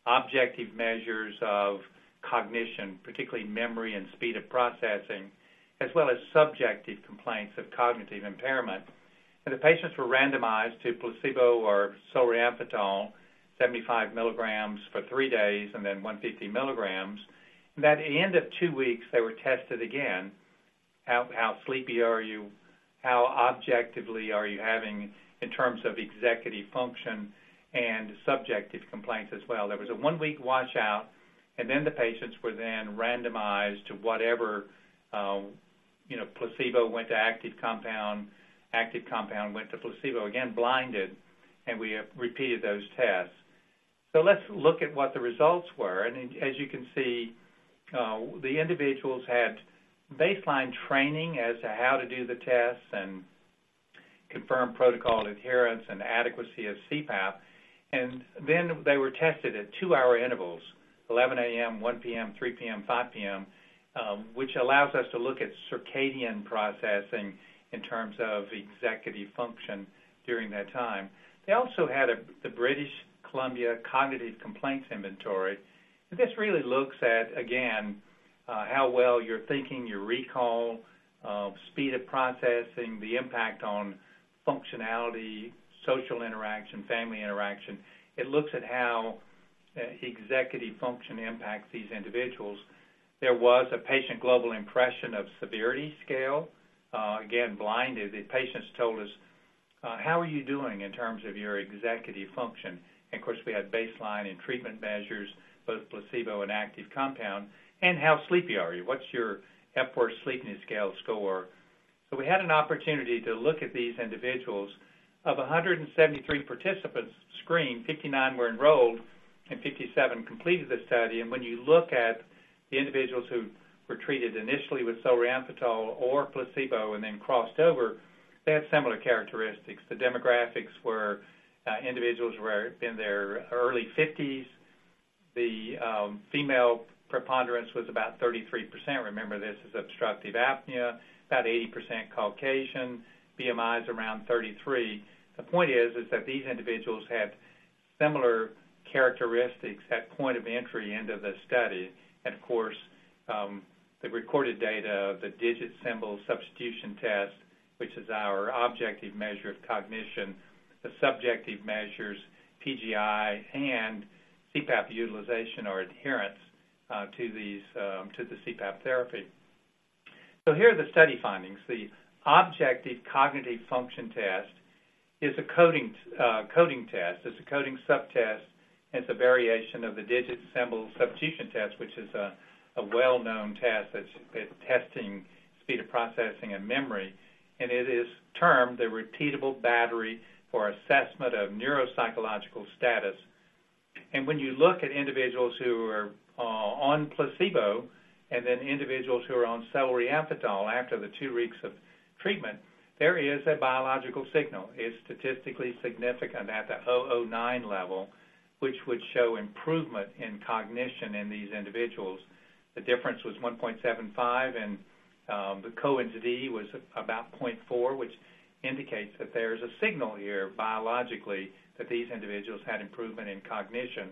objective measures of cognition, particularly memory and speed of processing, as well as subjective complaints of cognitive impairment. And the patients were randomized to placebo or solriamfetol, 75 milligrams for three days, and then 150 milligrams. Then at the end of two weeks, they were tested again. How, how sleepy are you? How objectively are you having in terms of executive function and subjective complaints as well? There was a one-week washout, and then the patients were then randomized to whatever, you know, placebo went to active compound, active compound went to placebo, again, blinded, and we repeated those tests. So let's look at what the results were. And as you can see, the individuals had baseline training as to how to do the tests and confirm protocol adherence and adequacy of CPAP. And then they were tested at two-hour intervals, 11:00 A.M., 1:00 P.M., 3:00 P.M., 5:00 P.M., which allows us to look at circadian processing in terms of executive function during that time. They also had the British Columbia Cognitive Complaints Inventory. And this really looks at, again, how well you're thinking, your recall, speed of processing, the impact on functionality, social interaction, family interaction. It looks at how, executive function impacts these individuals. There was a Patient Global Impression of Severity scale. Again, blinded. The patients told us, "How are you doing in terms of your executive function?" And of course, we had baseline and treatment measures, both placebo and active compound. "And how sleepy are you? What's your Epworth Sleepiness Scale score?" So we had an opportunity to look at these individuals. Of 173 participants screened, 59 were enrolled and 57 completed the study. And when you look at the individuals who were treated initially with solriamfetol or placebo and then crossed over, they had similar characteristics. The demographics were, individuals were in their early fifties. The female preponderance was about 33%. Remember, this is obstructive apnea, about 80% Caucasian, BMIs around 33. The point is that these individuals had similar characteristics at point of entry into the study, and of course, the recorded data, the digit symbol substitution test, which is our objective measure of cognition, the subjective measures, PGI and CPAP utilization or adherence, to these, to the CPAP therapy. So here are the study findings. The objective cognitive function test is a coding, coding test. It's a coding sub-test, and it's a variation of the digit symbol substitution test, which is a well-known test that's testing speed of processing and memory. And it is termed the Repeatable Battery for the Assessment of Neuropsychological Status. And when you look at individuals who are on placebo and then individuals who are on solriamfetol after the two weeks of treatment, there is a biological signal. It's statistically significant at the 0.009 level, which would show improvement in cognition in these individuals. The difference was 1.75, and the Cohen's d was about 0.4, which indicates that there's a signal here, biologically, that these individuals had improvement in cognition.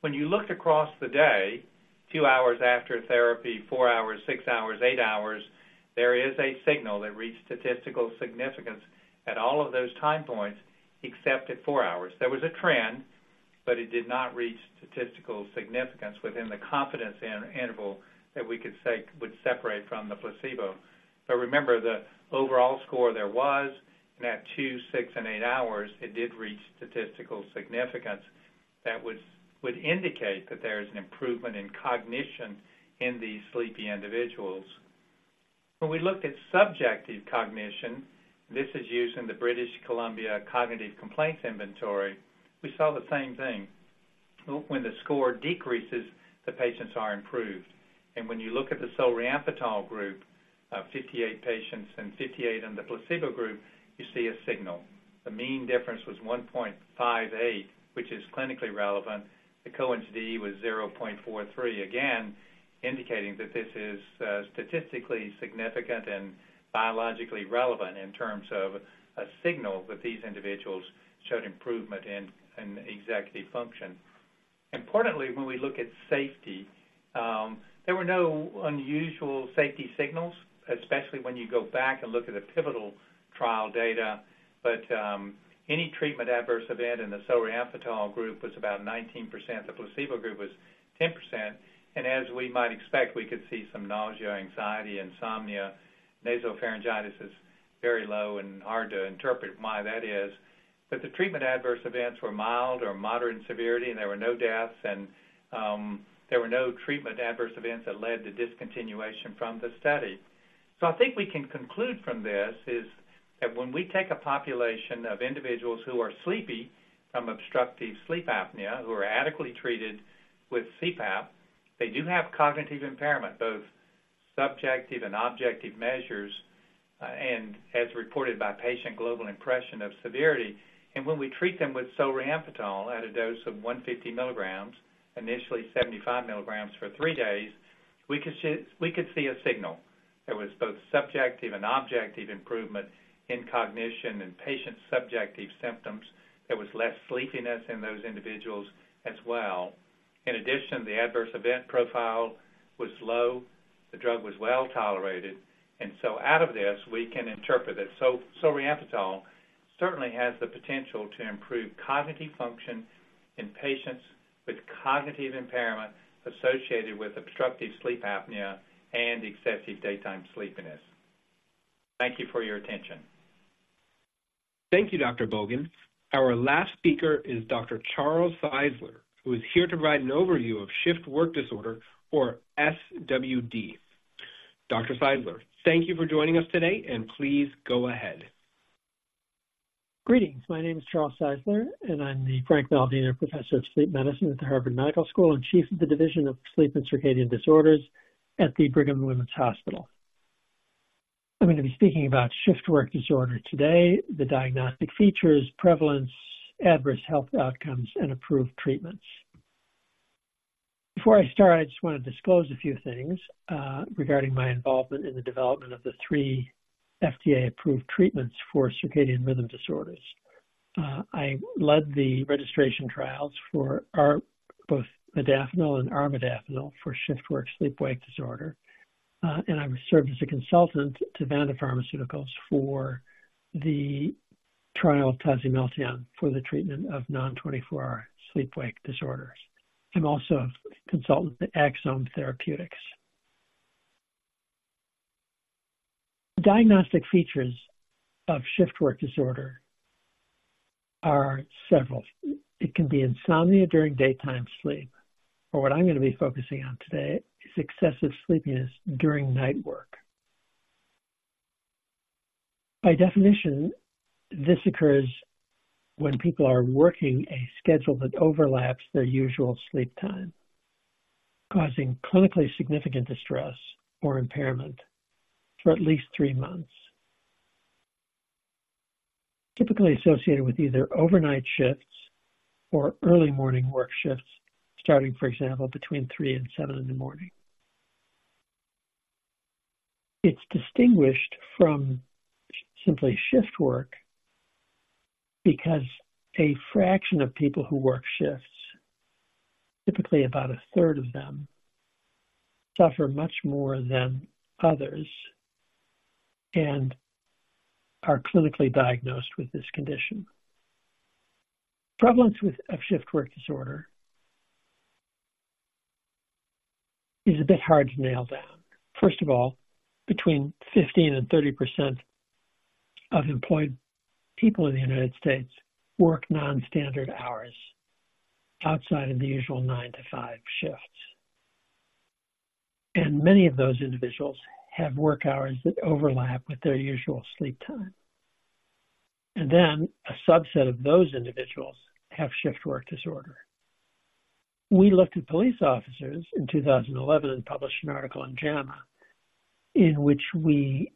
When you looked across the day, two hours after therapy, four hours, six hours, eight hours, there is a signal that reached statistical significance at all of those time points, except at four hours. There was a trend, but it did not reach statistical significance within the confidence interval that we could say would separate from the placebo. But remember, the overall score there was, and at 2, 6, and 8 hours, it did reach statistical significance. That would indicate that there is an improvement in cognition in these sleepy individuals. When we looked at subjective cognition, this is used in the British Columbia Cognitive Complaints Inventory, we saw the same thing. When the score decreases, the patients are improved. And when you look at the solriamfetol group, 58 patients and 58 in the placebo group, you see a signal. The mean difference was 1.58, which is clinically relevant. The Cohen's d was 0.43, again, indicating that this is statistically significant and biologically relevant in terms of a signal that these individuals showed improvement in executive function. Importantly, when we look at safety, there were no unusual safety signals, especially when you go back and look at the pivotal trial data. But, any treatment adverse event in the solriamfetol group was about 19%. The placebo group was 10%, and as we might expect, we could see some nausea, anxiety, insomnia. Nasopharyngitis is very low and hard to interpret why that is. But the treatment adverse events were mild or moderate in severity, and there were no deaths, and, there were no treatment adverse events that led to discontinuation from the study. So I think we can conclude from this is, that when we take a population of individuals who are sleepy from obstructive sleep apnea, who are adequately treated with CPAP, they do have cognitive impairment, both subjective and objective measures, and as reported by Patient Global Impression of Severity. When we treat them with solriamfetol at a dose of 150 milligrams, initially 75 milligrams for 3 days, we could see, we could see a signal. There was both subjective and objective improvement in cognition and patient subjective symptoms. There was less sleepiness in those individuals as well. In addition, the adverse event profile was low. The drug was well-tolerated, and so out of this, we can interpret that solriamfetol certainly has the potential to improve cognitive function in patients with cognitive impairment associated with obstructive sleep apnea and excessive daytime sleepiness. Thank you for your attention. Thank you, Dr. Bogan. Our last speaker is Dr. Charles Czeisler, who is here to provide an overview of shift work disorder, or SWD. Dr. Czeisler, thank you for joining us today, and please go ahead. Greetings. My name is Charles Czeisler, and I'm the Frank Baldino Professor of Sleep Medicine at the Harvard Medical School and Chief of the Division of Sleep and Circadian Disorders at the Brigham and Women's Hospital. I'm going to be speaking about shift work disorder today, the diagnostic features, prevalence, adverse health outcomes, and approved treatments. Before I start, I just want to disclose a few things regarding my involvement in the development of the three FDA-approved treatments for circadian rhythm disorders. I led the registration trials for our both modafinil and armodafinil for shift work sleep-wake disorder. And I served as a consultant to Vanda Pharmaceuticals for the trial of tasimelteon for the treatment of non-24-hour sleep-wake disorders. I'm also a consultant to Axsome Therapeutics. Diagnostic features of shift work disorder are several. It can be insomnia during daytime sleep, or what I'm going to be focusing on today is excessive sleepiness during night work. By definition, this occurs when people are working a schedule that overlaps their usual sleep time, causing clinically significant distress or impairment for at least three months. Typically associated with either overnight shifts or early morning work shifts, starting, for example, between three and seven in the morning. It's distinguished from simply shift work because a fraction of people who work shifts, typically about a third of them, suffer much more than others and are clinically diagnosed with this condition. Problems with a shift work disorder is a bit hard to nail down. First of all, between 15%-30% of employed people in the United States work non-standard hours outside of the usual nine-to-five shifts. Many of those individuals have work hours that overlap with their usual sleep time. Then a subset of those individuals have shift work disorder. We looked at police officers in 2011, and published an article in JAMA, in which we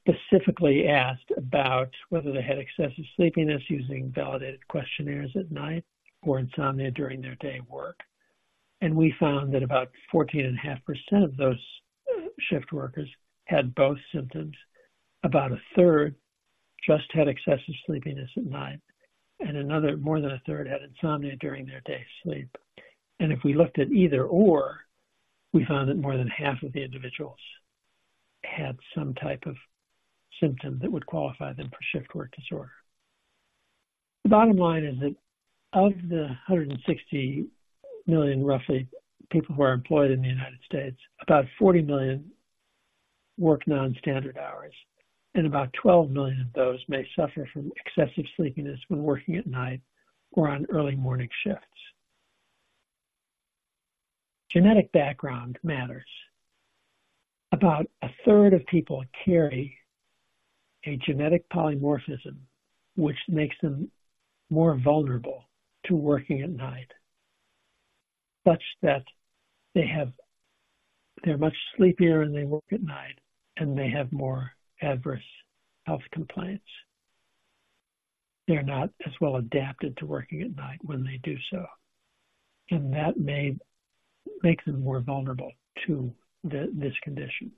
specifically asked about whether they had excessive sleepiness using validated questionnaires at night or insomnia during their day work. We found that about 14.5% of those shift workers had both symptoms. About a third just had excessive sleepiness at night, and another, more than a third, had insomnia during their day sleep. If we looked at either/or, we found that more than half of the individuals had some type of symptom that would qualify them for shift work disorder. The bottom line is that of the 160 million, roughly, people who are employed in the United States, about 40 million work non-standard hours, and about 12 million of those may suffer from excessive sleepiness when working at night or on early morning shifts. Genetic background matters. About a third of people carry a genetic polymorphism, which makes them more vulnerable to working at night, such that they have, they're much sleepier when they work at night, and they have more adverse health complaints. They're not as well adapted to working at night when they do so, and that may make them more vulnerable to this condition.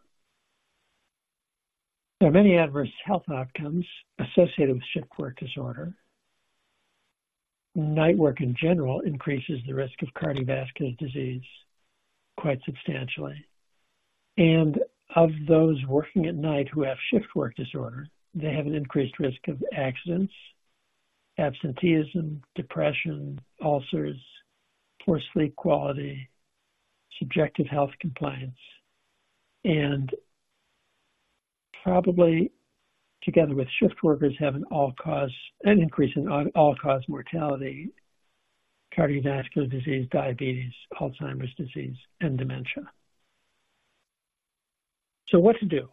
There are many adverse health outcomes associated with shift work disorder. Night work, in general, increases the risk of cardiovascular disease quite substantially. Of those working at night who have shift work disorder, they have an increased risk of accidents, absenteeism, depression, ulcers, poor sleep quality, subjective health complaints, and probably together with shift workers, have an increase in all-cause mortality, cardiovascular disease, diabetes, Alzheimer's disease, and dementia. So what to do?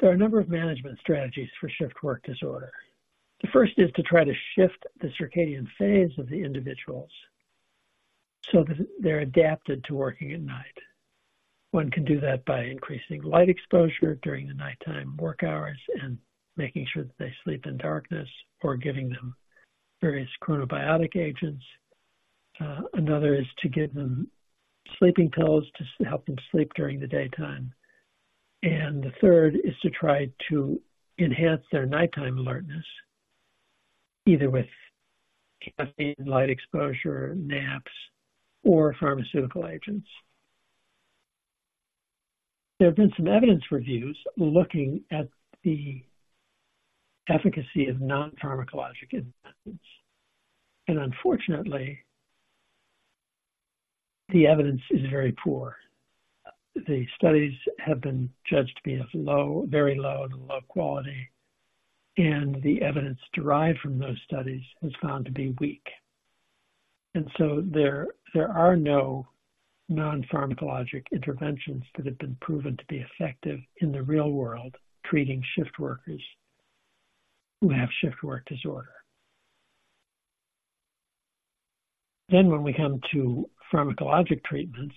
There are a number of management strategies for shift work disorder. The first is to try to shift the circadian phase of the individuals so that they're adapted to working at night. One can do that by increasing light exposure during the nighttime work hours and making sure that they sleep in darkness or giving them various chronobiotic agents. Another is to give them sleeping pills to help them sleep during the daytime. The third is to try to enhance their nighttime alertness, either with caffeine, light exposure, naps, or pharmaceutical agents. There have been some evidence reviews looking at the efficacy of non-pharmacologic interventions, and unfortunately, the evidence is very poor. The studies have been judged to be of low, very low to low quality, and the evidence derived from those studies was found to be weak. And so there are no non-pharmacologic interventions that have been proven to be effective in the real world, treating shift workers who have shift work disorder. Then when we come to pharmacologic treatments,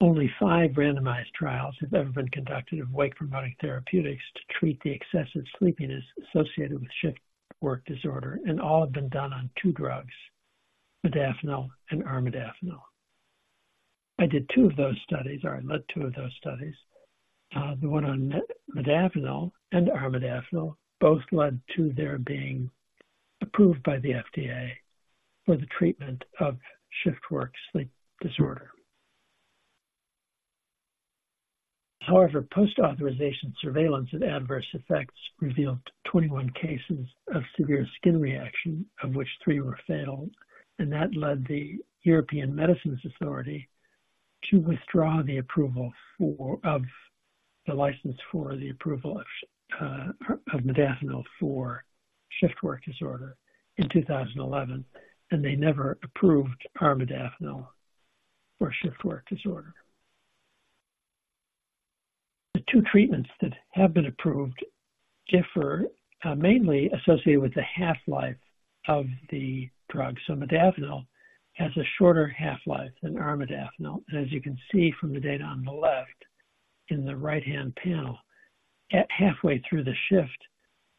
only five randomized trials have ever been conducted of wake-promoting therapeutics to treat the excessive sleepiness associated with shift work disorder, and all have been done on two drugs, modafinil and armodafinil. I did two of those studies, or I led two of those studies. The one on modafinil and armodafinil both led to their being approved by the FDA for the treatment of shift work sleep disorder. However, post-authorization surveillance of adverse effects revealed 21 cases of severe skin reaction, of which 3 were fatal, and that led the European Medicines Agency to withdraw the approval for, of the license for the approval of, of modafinil for shift work disorder in 2011, and they never approved armodafinil for shift work disorder. The two treatments that have been approved differ, mainly associated with the half-life of the drug. So modafinil has a shorter half-life than armodafinil. As you can see from the data on the left, in the right-hand panel, at halfway through the shift,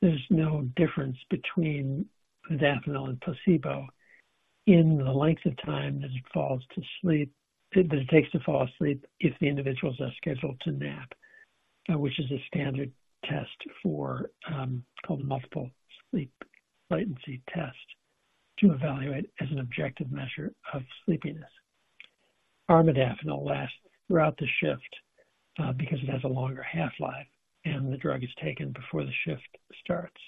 there's no difference between modafinil and placebo in the length of time that it falls to sleep-- that it takes to fall asleep if the individuals are scheduled to nap, which is a standard test for, called Multiple Sleep Latency Test, to evaluate as an objective measure of sleepiness. Armodafinil lasts throughout the shift, because it has a longer half-life, and the drug is taken before the shift starts.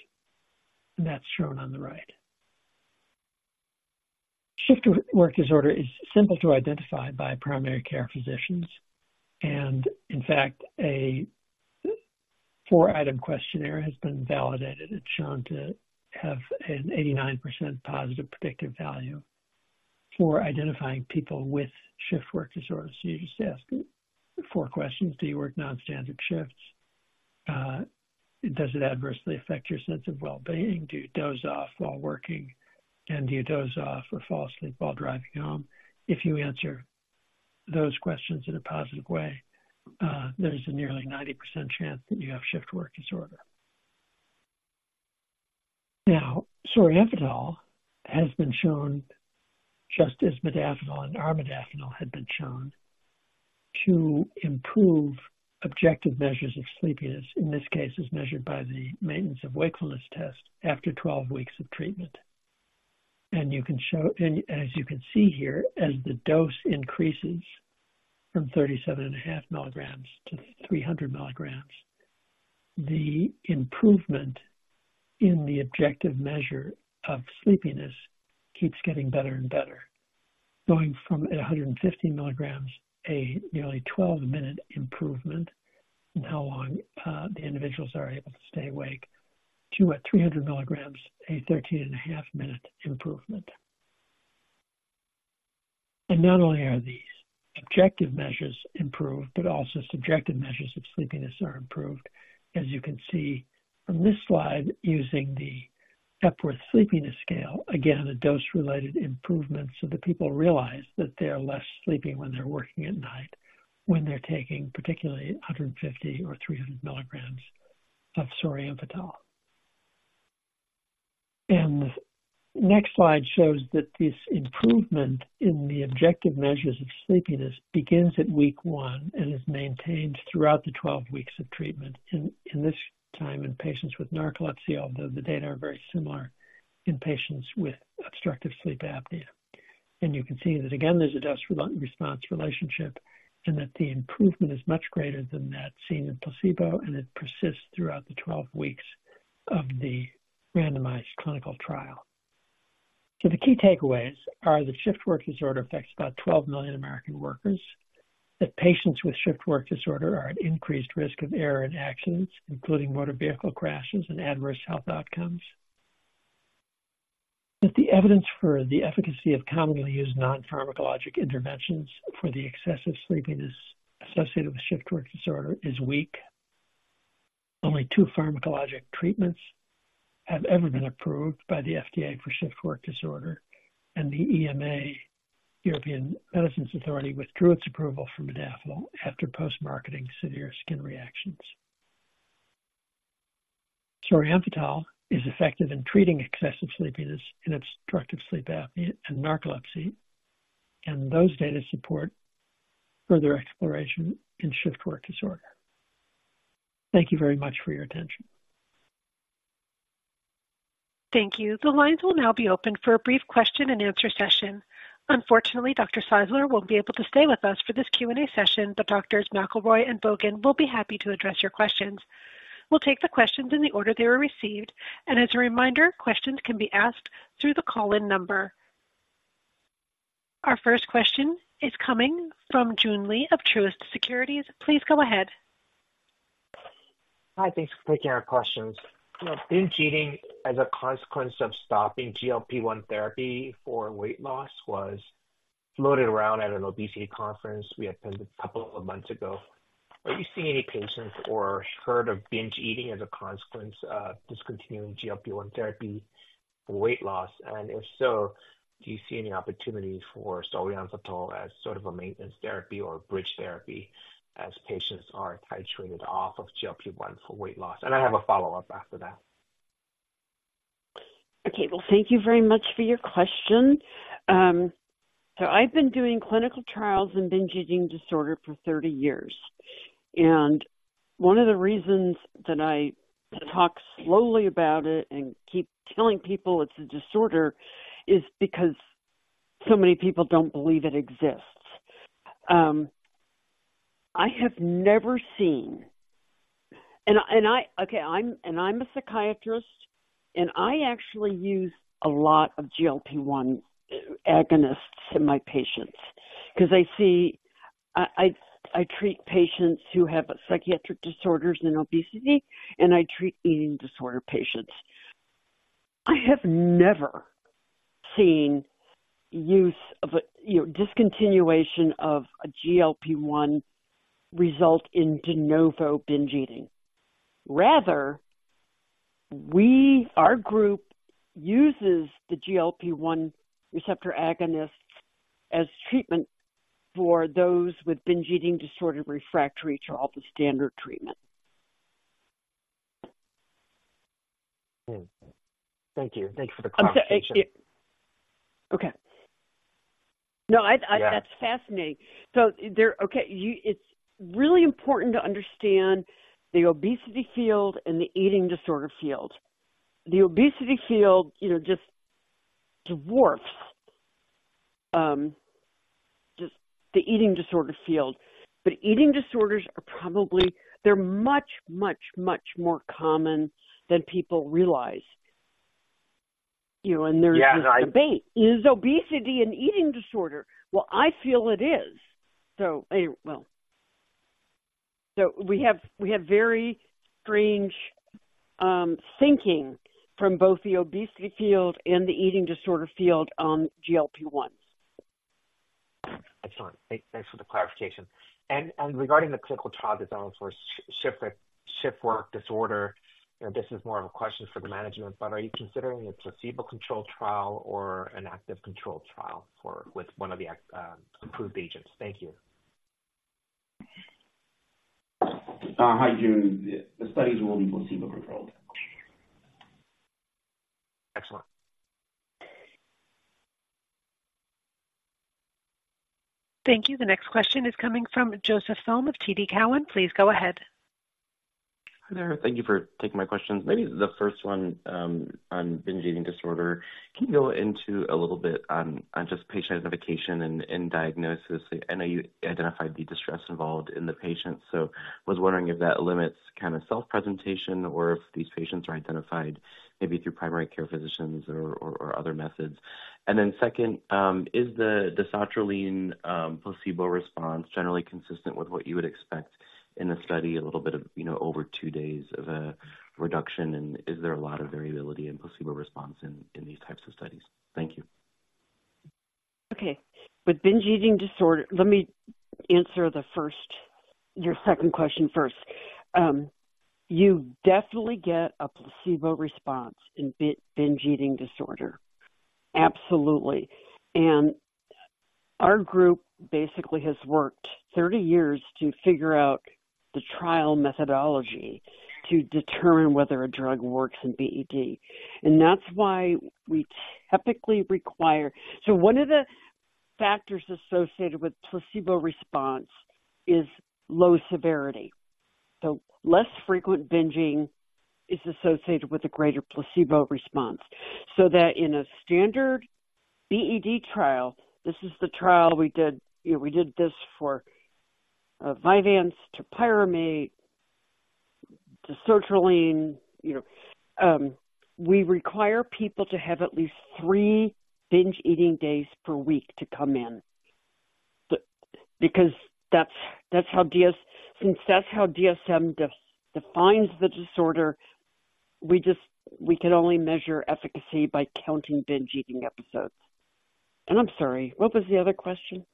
And that's shown on the right. Shift work disorder is simple to identify by primary care physicians, and in fact, a four-item questionnaire has been validated. It's shown to have an 89% positive predictive value for identifying people with shift work disorder. So you just ask four questions: Do you work non-standard shifts? Does it adversely affect your sense of well-being? Do you doze off while working, and do you doze off or fall asleep while driving home? If you answer those questions in a positive way, there's a nearly 90% chance that you have shift work disorder. Now, suvorexant has been shown, just as modafinil and armodafinil had been shown, to improve objective measures of sleepiness, in this case, as measured by the maintenance of wakefulness test after 12 weeks of treatment. And you can show, and as you can see here, as the dose increases from 37.5 milligrams to 300 milligrams, the improvement in the objective measure of sleepiness keeps getting better and better, going from 150 milligrams, a nearly 12-minute improvement in how long the individuals are able to stay awake to, at 300 milligrams, a 13.5-minute improvement. And not only are these objective measures improved, but also subjective measures of sleepiness are improved, as you can see from this slide, using the Epworth Sleepiness Scale. Again, a dose-related improvement so that people realize that they are less sleepy when they're working at night, when they're taking particularly 150 or 300 milligrams of suvorexant. The next slide shows that this improvement in the objective measures of sleepiness begins at week 1 and is maintained throughout the 12 weeks of treatment, in this time in patients with narcolepsy, although the data are very similar in patients with obstructive sleep apnea. You can see that again, there's a dose-response relationship and that the improvement is much greater than that seen in placebo, and it persists throughout the 12 weeks of the randomized clinical trial. The key takeaways are that shift work disorder affects about 12 million American workers. That patients with shift work disorder are at increased risk of error and accidents, including motor vehicle crashes and adverse health outcomes. That the evidence for the efficacy of commonly used non-pharmacologic interventions for the excessive sleepiness associated with shift work disorder is weak. Only two pharmacologic treatments have ever been approved by the FDA for shift work disorder, and the EMA, European Medicines Agency, withdrew its approval from modafinil after post-marketing severe skin reactions. Suvorexant is effective in treating excessive sleepiness in obstructive sleep apnea and narcolepsy, and those data support further exploration in shift work disorder. Thank you very much for your attention. Thank you. The lines will now be open for a brief question-and-answer session. Unfortunately, Dr. Czeisler won't be able to stay with us for this Q&A session, but Doctors McElroy and Bogan will be happy to address your questions. We'll take the questions in the order they were received, and as a reminder, questions can be asked through the call-in number. Our first question is coming from Joon Lee of Truist Securities. Please go ahead. Hi, thanks for taking our questions. You know, binge eating as a consequence of stopping GLP-1 therapy for weight loss was floated around at an obesity conference we attended a couple of months ago. Are you seeing any patients or heard of binge eating as a consequence of discontinuing GLP-1 therapy for weight loss? And if so, do you see any opportunity for suvorexant as sort of a maintenance therapy or bridge therapy as patients are titrated off of GLP-1 for weight loss? And I have a follow-up after that. Okay, well, thank you very much for your question. So I've been doing clinical trials in binge eating disorder for 30 years, and one of the reasons that I talk slowly about it and keep telling people it's a disorder is because so many people don't believe it exists. I have never seen. And I'm a psychiatrist, and I actually use a lot of GLP-1 agonists in my patients because I see, I treat patients who have psychiatric disorders and obesity, and I treat eating disorder patients. I have never seen use of a, you know, discontinuation of a GLP-1 result in de novo binge eating. Rather, we, our group uses the GLP-1 receptor agonist as treatment for those with binge eating disorder, refractory to all the standard treatment. Thank you. Thanks for the clarification. Okay. No. That's fascinating. So, it's really important to understand the obesity field and the eating disorder field. The obesity field, you know, just dwarfs just the eating disorder field. But eating disorders are probably, they're much, much, much more common than people realize, you know, and there's- Yeah, and I- This debate, is obesity an eating disorder? Well, I feel it is. So, anyway, well... So we have very strange thinking from both the obesity field and the eating disorder field on GLP-1.... Excellent. Thanks for the clarification. And regarding the clinical trial design for shift work disorder, and this is more of a question for the management, but are you considering a placebo-controlled trial or an active controlled trial for, with one of the approved agents? Thank you. Hi, June. The studies will be placebo-controlled. Excellent. Thank you. The next question is coming from Joseph Thome of TD Cowen. Please go ahead. Hi there. Thank you for taking my questions. Maybe the first one, on binge eating disorder. Can you go into a little bit on just patient identification and diagnosis? I know you identified the distress involved in the patient, so I was wondering if that limits kind of self-presentation or if these patients are identified maybe through primary care physicians or other methods. And then second, is the sertraline placebo response generally consistent with what you would expect in a study, a little bit of, you know, over two days of a reduction? And is there a lot of variability in placebo response in these types of studies? Thank you. Okay. With binge eating disorder, let me answer the first, your second question first. You definitely get a placebo response in binge eating disorder. Absolutely. And our group basically has worked 30 years to figure out the trial methodology to determine whether a drug works in BED, and that's why we typically require... So one of the factors associated with placebo response is low severity. So less frequent binging is associated with a greater placebo response. So that in a standard BED trial, this is the trial we did, you know, we did this for Vyvanse to topiramate to sertraline. You know, we require people to have at least 3 binge eating days per week to come in. Because that's how DSM defines the disorder, we just, we can only measure efficacy by counting binge eating episodes. I'm sorry, what was the other question?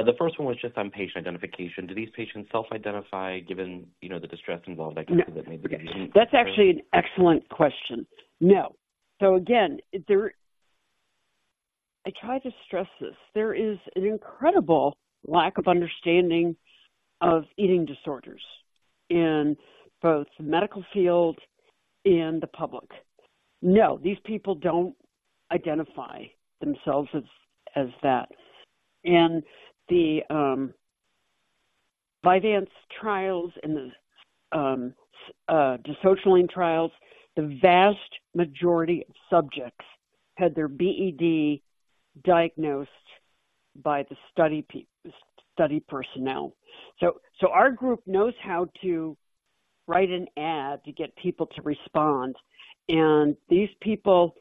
The first one was just on patient identification. Do these patients self-identify, given, you know, the distress involved? I guess that maybe- That's actually an excellent question. No. So again, there, I try to stress this. There is an incredible lack of understanding of eating disorders in both the medical field and the public. No, these people don't identify themselves as that. And the Vyvanse trials and the sertraline trials, the vast majority of subjects had their BED diagnosed by the study personnel. So our group knows how to write an ad to get people to respond. And these people,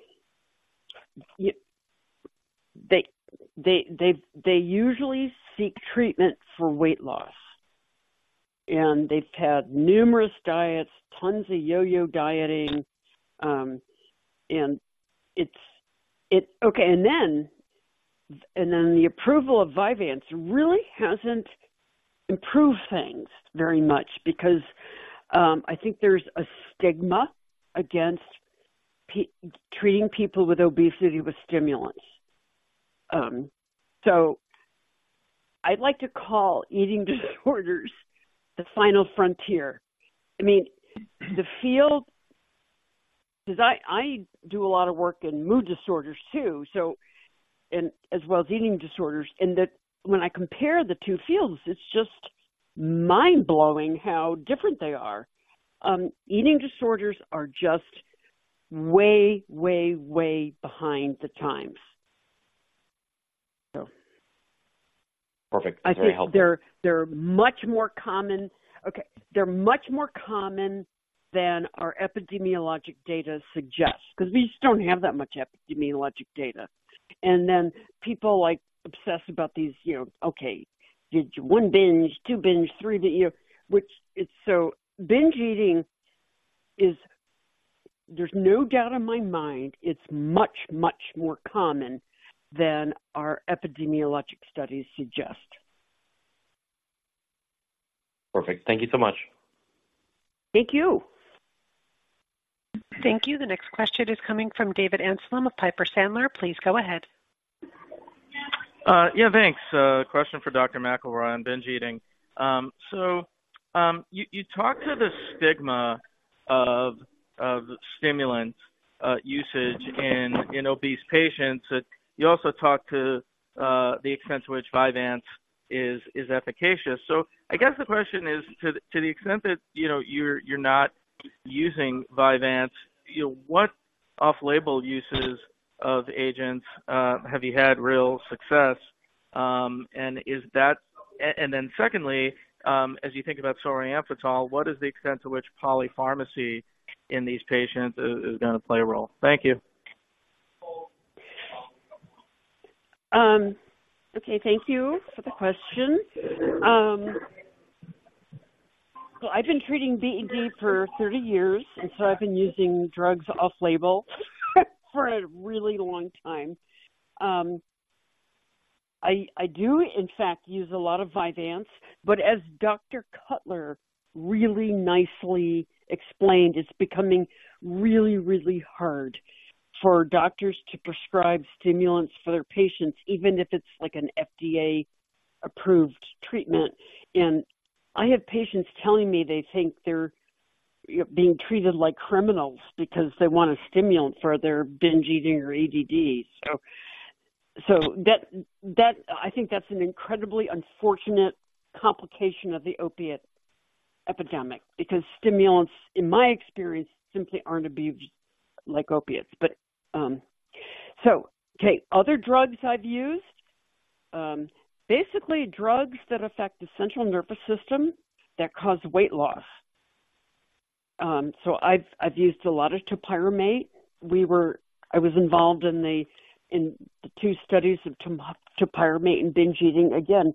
they usually seek treatment for weight loss, and they've had numerous diets, tons of yo-yo dieting, and it's... Okay, and then the approval of Vyvanse really hasn't improved things very much because I think there's a stigma against treating people with obesity with stimulants. I'd like to call eating disorders the final frontier. I mean, the field, because I do a lot of work in mood disorders, too, so, and as well as eating disorders, and that when I compare the two fields, it's just mind-blowing how different they are. Eating disorders are just way, way, way behind the times. So. Perfect. I think they're much more common. Okay, they're much more common than our epidemiological data suggests, because we just don't have that much epidemiological data. And then people, like, obsess about these, you know, okay, did you one binge, two binge, three binge, you know, which it's so, binge eating is, there's no doubt in my mind it's much, much more common than our epidemiological studies suggest. Perfect. Thank you so much. Thank you. Thank you. The next question is coming from David Anselm of Piper Sandler. Please go ahead. Yeah, thanks. A question for Dr. McElroy on binge eating. So, you talked to the stigma of stimulant usage in obese patients. You also talked to the extent to which Vyvanse is efficacious. So I guess the question is, to the extent that, you know, you're not using Vyvanse, you know, what off-label uses of agents have you had real success? And then secondly, as you think about solriamfetol, what is the extent to which polypharmacy in these patients is going to play a role? Thank you. Okay. Thank you for the question. So I've been treating BED for 30 years, and so I've been using drugs off label for a really long time. I do, in fact, use a lot of Vyvanse, but as Dr. Cutler really nicely explained, it's becoming really, really hard for doctors to prescribe stimulants for their patients, even if it's like an FDA-approved treatment. And I have patients telling me they think they're, you know, being treated like criminals because they want a stimulant for their binge eating or ADD. So that-- I think that's an incredibly unfortunate complication of the opiate epidemic, because stimulants, in my experience, simply aren't abused like opiates. But, so, okay, other drugs I've used, basically drugs that affect the central nervous system that cause weight loss. So I've used a lot of topiramate. We were... I was involved in two studies of topiramate and binge eating. Again,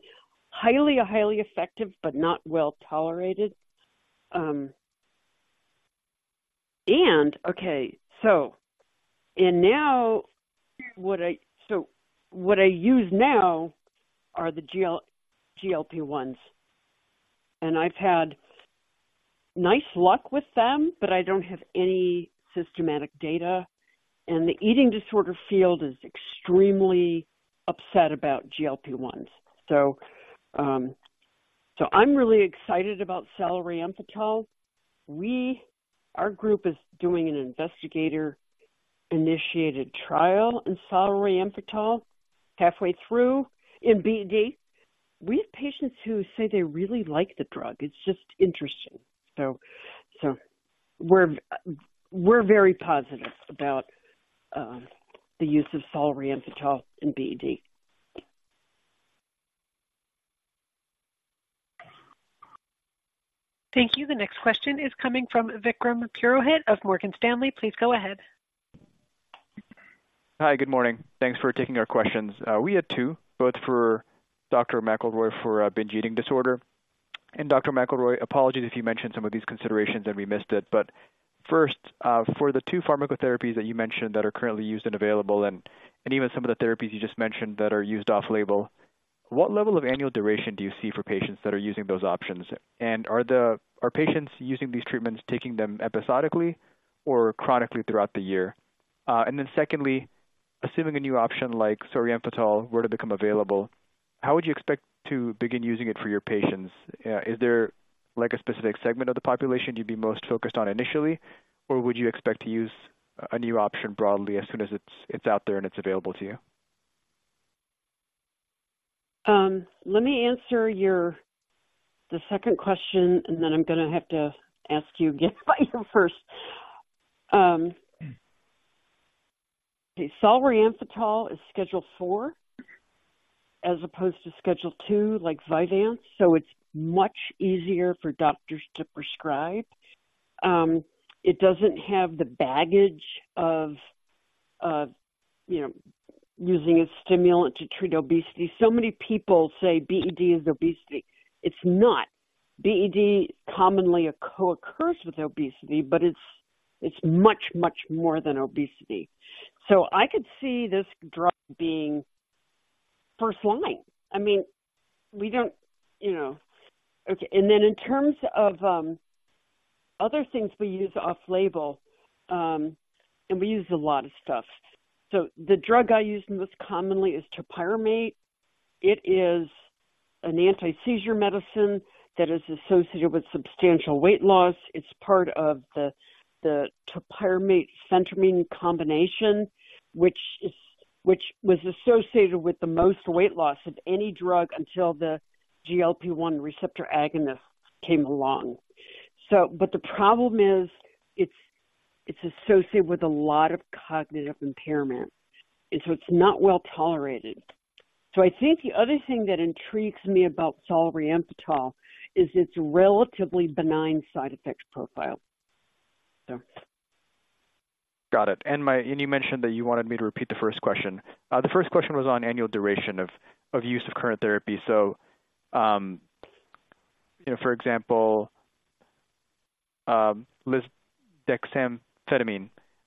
highly effective, but not well tolerated. What I use now are the GLP-1s, and I've had nice luck with them, but I don't have any systematic data. The eating disorder field is extremely upset about GLP-1s. So, I'm really excited about solriamfetol. Our group is doing an investigator-initiated trial in solriamfetol, halfway through in BED. We have patients who say they really like the drug. It's just interesting. So, we're very positive about the use of solriamfetol in BED. Thank you. The next question is coming from Vikram Purohit of Morgan Stanley. Please go ahead. Hi. Good morning. Thanks for taking our questions. We had two, both for Dr. McElroy for binge eating disorder. And Dr. McElroy, apologies if you mentioned some of these considerations and we missed it. But first, for the two pharmacotherapies that you mentioned that are currently used and available and even some of the therapies you just mentioned that are used off-label, what level of annual duration do you see for patients that are using those options? And are patients using these treatments, taking them episodically or chronically throughout the year? And then secondly, assuming a new option like solriamfetol were to become available, how would you expect to begin using it for your patients? Is there like a specific segment of the population you'd be most focused on initially, or would you expect to use a new option broadly as soon as it's out there and it's available to you? Let me answer your, the second question, and then I'm gonna have to ask you again by your first. Okay, solriamfetol is Schedule IV as opposed to Schedule II like Vyvanse, so it's much easier for doctors to prescribe. It doesn't have the baggage of, of, you know, using a stimulant to treat obesity. So many people say BED is obesity. It's not. BED commonly co-occurs with obesity, but it's, it's much, much more than obesity. So I could see this drug being first line. I mean, we don't, you know... Okay, and then in terms of, other things we use off-label, and we use a lot of stuff. So the drug I use most commonly is topiramate. It is an anti-seizure medicine that is associated with substantial weight loss. It's part of the topiramate/phentermine combination, which was associated with the most weight loss of any drug until the GLP-1 receptor agonist came along. But the problem is, it's associated with a lot of cognitive impairment, and so it's not well tolerated. So I think the other thing that intrigues me about solriamfetol is its relatively benign side effect profile. Got it. And you mentioned that you wanted me to repeat the first question. The first question was on annual duration of use of current therapy. So, you know, for example, lisdexamfetamine.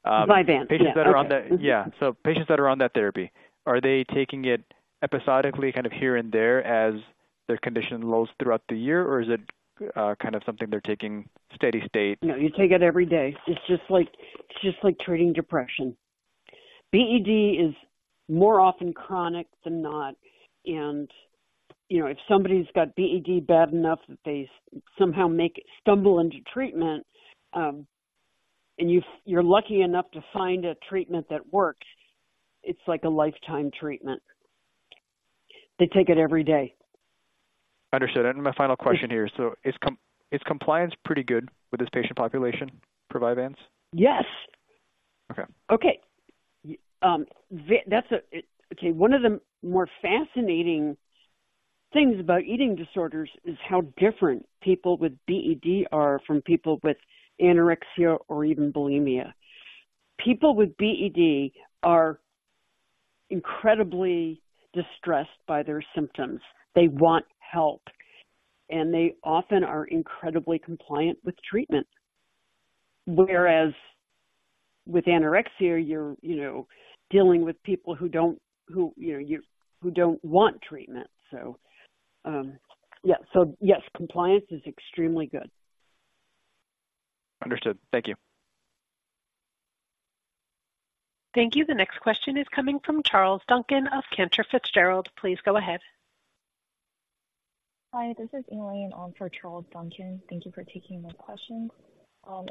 Vyvanse. Patients that are on that- Yeah. Yeah. So patients that are on that therapy, are they taking it episodically, kind of here and there as their condition lows throughout the year, or is it kind of something they're taking steady state? No, you take it every day. It's just like, just like treating depression. BED is more often chronic than not, and, you know, if somebody's got BED bad enough that they somehow make stumble into treatment, and you, you're lucky enough to find a treatment that works, it's like a lifetime treatment. They take it every day. Understood. And my final question here: so is compliance pretty good with this patient population for Vyvanse? Yes! Okay. Okay, one of the more fascinating things about eating disorders is how different people with BED are from people with anorexia or even bulimia. People with BED are incredibly distressed by their symptoms. They want help, and they often are incredibly compliant with treatment. Whereas with anorexia, you're, you know, dealing with people who don't want treatment. So, yeah. So yes, compliance is extremely good. Understood. Thank you. Thank you. The next question is coming from Charles Duncan of Cantor Fitzgerald. Please go ahead. Hi, this is Elaine on for Charles Duncan. Thank you for taking my questions.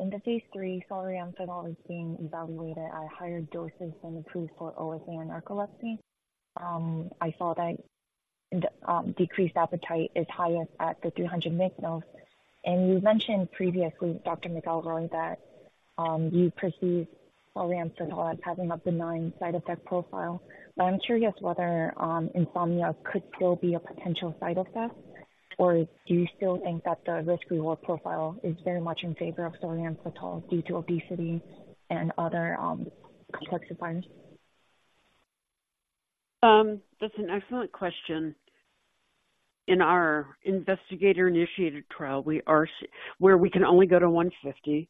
In the phase III, solriamfetol is being evaluated at higher doses than approved for OSA and narcolepsy. I saw that decreased appetite is highest at the 300 mg. And you mentioned previously, Dr. McElroy, that you perceive solriamfetol as having a benign side effect profile. But I'm curious whether insomnia could still be a potential side effect, or do you still think that the risk-reward profile is very much in favor of solriamfetol due to obesity and other complex requirements? That's an excellent question. In our investigator-initiated trial, where we can only go to 150,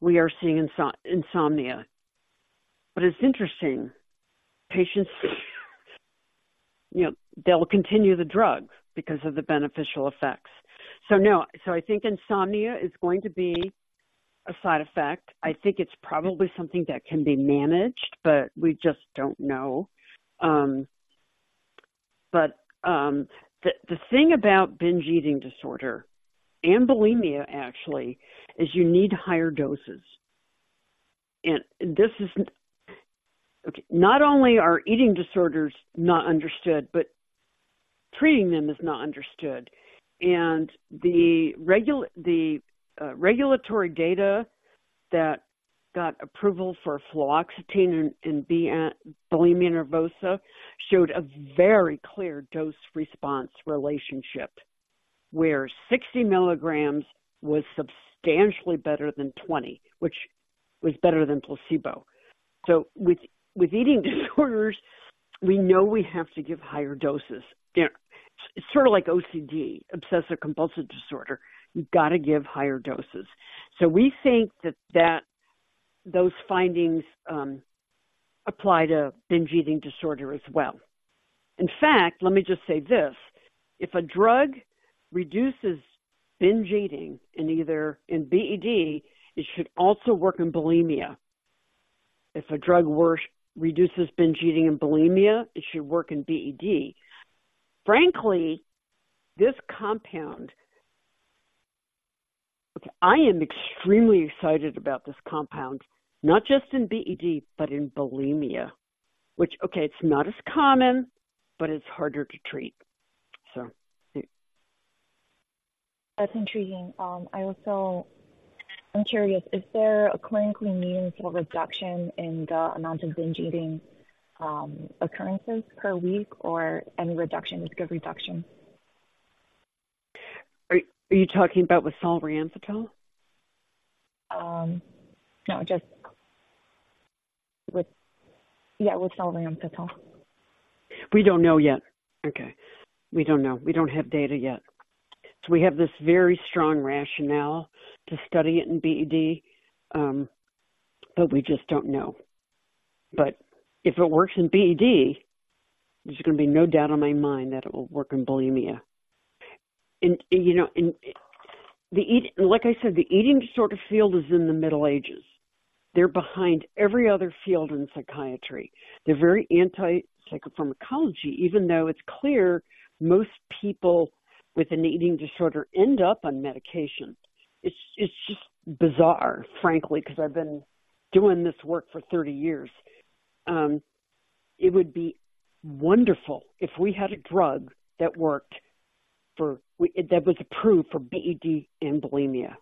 we are seeing insomnia. But it's interesting, patients, you know, they'll continue the drug because of the beneficial effects. So, no. So I think insomnia is going to be a side effect. I think it's probably something that can be managed, but we just don't know. But the thing about binge eating disorder and bulimia, actually, is you need higher doses. This is... Okay, not only are eating disorders not understood, but treating them is not understood. And the regulatory data that got approval for fluoxetine in bulimia nervosa showed a very clear dose-response relationship, where 60 milligrams was substantially better than 20, which was better than placebo. So with eating disorders, we know we have to give higher doses. You know, it's sort of like OCD, obsessive-compulsive disorder. You've got to give higher doses. So we think that those findings apply to binge eating disorder as well. In fact, let me just say this: if a drug reduces binge eating in either, in BED, it should also work in bulimia. If a drug works, reduces binge eating in bulimia, it should work in BED. Frankly, this compound... I am extremely excited about this compound, not just in BED, but in bulimia, which, okay, it's not as common, but it's harder to treat, so. That's intriguing. I also, I'm curious, is there a clinically meaningful reduction in the amount of binge eating, occurrences per week, or any reduction is good reduction? Are you talking about with solriamfetol? No, just with, yeah, with solriamfetol. We don't know yet. Okay? We don't know. We don't have data yet. So we have this very strong rationale to study it in BED, but we just don't know. But if it works in BED, there's going to be no doubt in my mind that it will work in bulimia. And, you know, like I said, the eating disorder field is in the Middle Ages. They're behind every other field in psychiatry. They're very anti-psychopharmacology, even though it's clear most people with an eating disorder end up on medication. It's just bizarre, frankly, because I've been doing this work for 30 years. It would be wonderful if we had a drug that worked for, that was approved for BED and bulimia,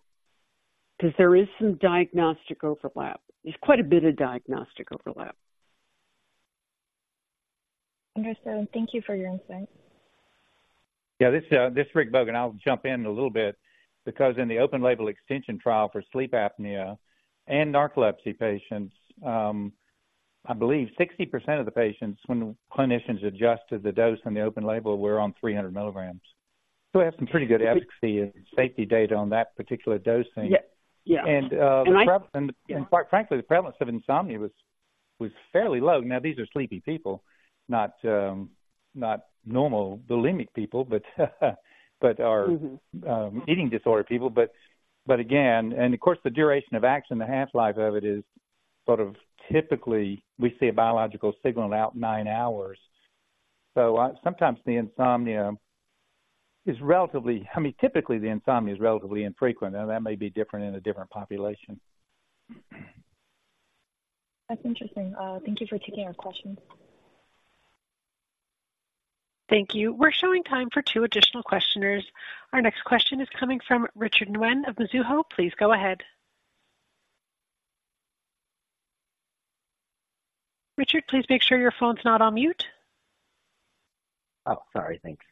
because there is some diagnostic overlap. There's quite a bit of diagnostic overlap. Understood. Thank you for your insight. Yeah, this is Richard Bogan. I'll jump in a little bit because in the open-label extension trial for sleep apnea and narcolepsy patients, I believe 60% of the patients, when clinicians adjusted the dose on the open label, were on 300 milligrams. So we have some pretty good efficacy and safety data on that particular dosing. Yeah, yeah. And, uh- And I- And quite frankly, the prevalence of insomnia was fairly low. Now, these are sleepy people, not not normal bulimic people, but are- Mm-hmm. Eating disorder people. But, but again, and of course, the duration of action, the half-life of it is sort of typically we see a biological signal about nine hours. So, sometimes the insomnia is relatively, I mean, typically the insomnia is relatively infrequent, and that may be different in a different population. That's interesting. Thank you for taking our questions. Thank you. We're showing time for two additional questioners. Our next question is coming from Richard Flynn of Mizuho. Please go ahead. Richard, please make sure your phone's not on mute. Oh, sorry. Thanks.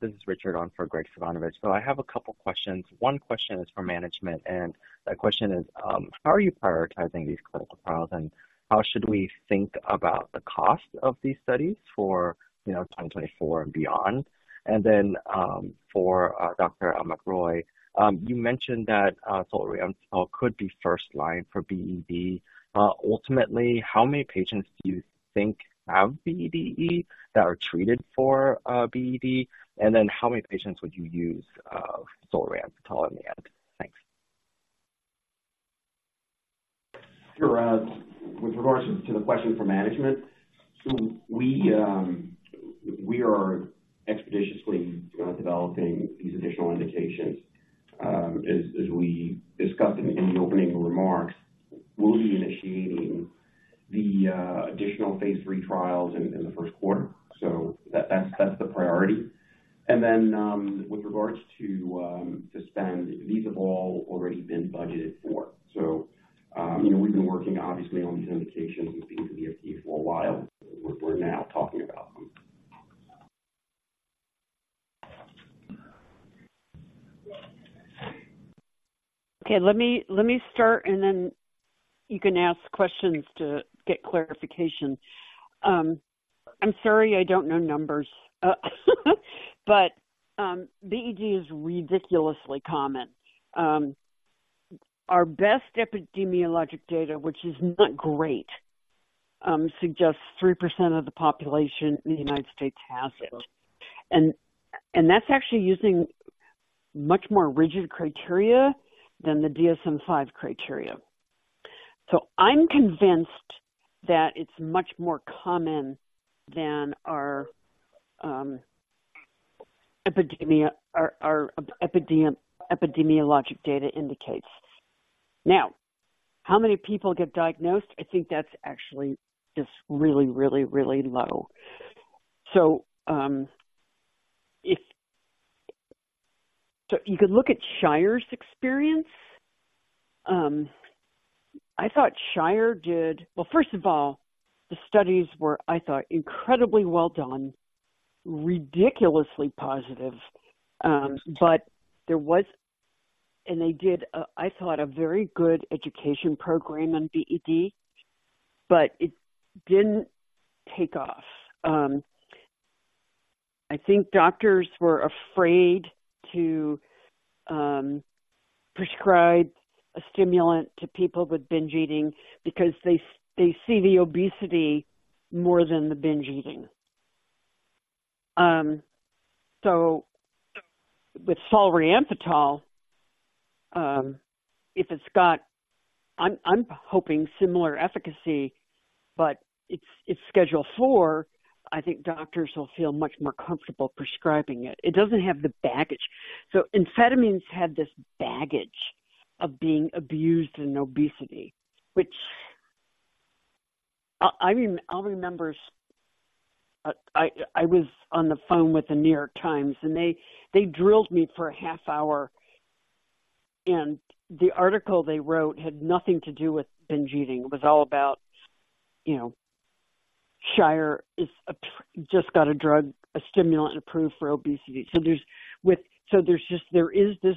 This is Richard on for Graig Suvannavejhh. So I have a couple questions. One question is for management, and that question is, how are you prioritizing these clinical trials, and how should we think about the cost of these studies for, you know, 2024 and beyond? And then, for Dr. McElroy, you mentioned that solriamfetol could be first line for BED. Ultimately, how many patients do you think have BED that are treated for BED? And then how many patients would you use solriamfetol in the end? Thanks. Sure. With regards to the question for management, so we are expeditiously developing these additional indications. As we discussed in the opening remarks, we'll be initiating the additional phase III trials in the first quarter. So that's the priority. And then, with regards to the spend, these have all already been budgeted for. So, you know, we've been working obviously on these indications with the FDA for a while. We're now talking about them. Okay, let me start, and then you can ask questions to get clarification. I'm sorry, I don't know numbers, but BED is ridiculously common. Our best epidemiologic data, which is not great, suggests 3% of the population in the United States has it. And that's actually using much more rigid criteria than the DSM-5 criteria. So I'm convinced that it's much more common than our epidemiologic data indicates. Now, how many people get diagnosed? I think that's actually just really, really, really low. So you could look at Shire's experience. I thought Shire did—Well, first of all, the studies were, I thought, incredibly well done, ridiculously positive. But there was, and they did, I thought, a very good education program on BED, but it didn't take off. I think doctors were afraid to prescribe a stimulant to people with binge eating because they see the obesity more than the binge eating. So with solriamfetol, if it's got, I'm hoping, similar efficacy, but it's Schedule IV, I think doctors will feel much more comfortable prescribing it. It doesn't have the baggage. So amphetamines had this baggage of being abused in obesity, which I'll remember. I was on the phone with The New York Times, and they drilled me for a half hour, and the article they wrote had nothing to do with binge eating. It was all about, you know, Shire just got a drug, a stimulant approved for obesity. So there's just, there is this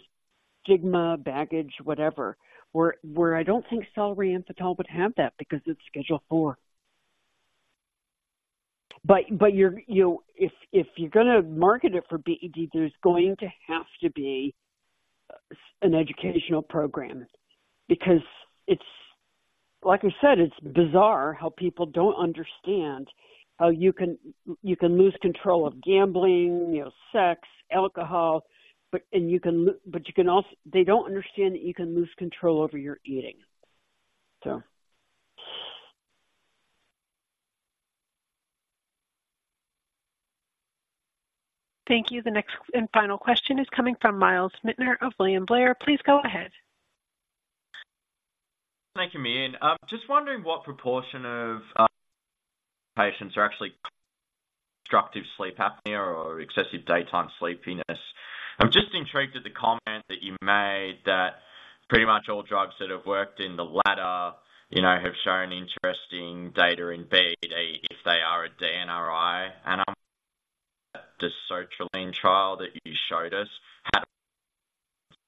stigma, baggage, whatever, where, where I don't think solriamfetol would have that because it's Schedule IV. But, but you're, you, if, if you're gonna market it for BED, there's going to have to be an educational program because it's, like I said, it's bizarre how people don't understand how you can, you can lose control of gambling, you know, sex, alcohol, but, and you can but you can also, they don't understand that you can lose control over your eating, so. Thank you. The next and final question is coming from Myles Minter of William Blair. Please go ahead. Thank you, Megan. I'm just wondering what proportion of patients are actually obstructive sleep apnea or excessive daytime sleepiness. I'm just intrigued at the comment that you made that pretty much all drugs that have worked in the latter, you know, have shown interesting data in BED if they are a DNRI. And the sertraline trial that you showed us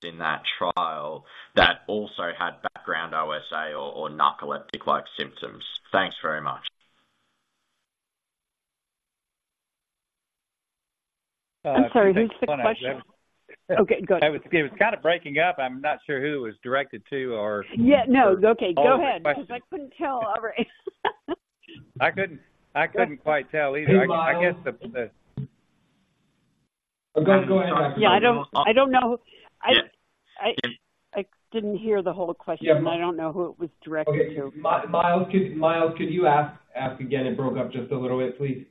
in that trial that also had background OSA or, or narcoleptic-like symptoms. Thanks very much. I'm sorry, who's the question? Okay, go ahead. It was kind of breaking up. I'm not sure who it was directed to or- Yeah, no. Okay, go ahead. Because I couldn't tell, all right. I couldn't quite tell either. Hey, Miles. I guess. Go ahead. Yeah, I don't know. I didn't hear the whole question. Yeah. I don't know who it was directed to. Okay, Miles, could you ask again? It broke up just a little bit, please.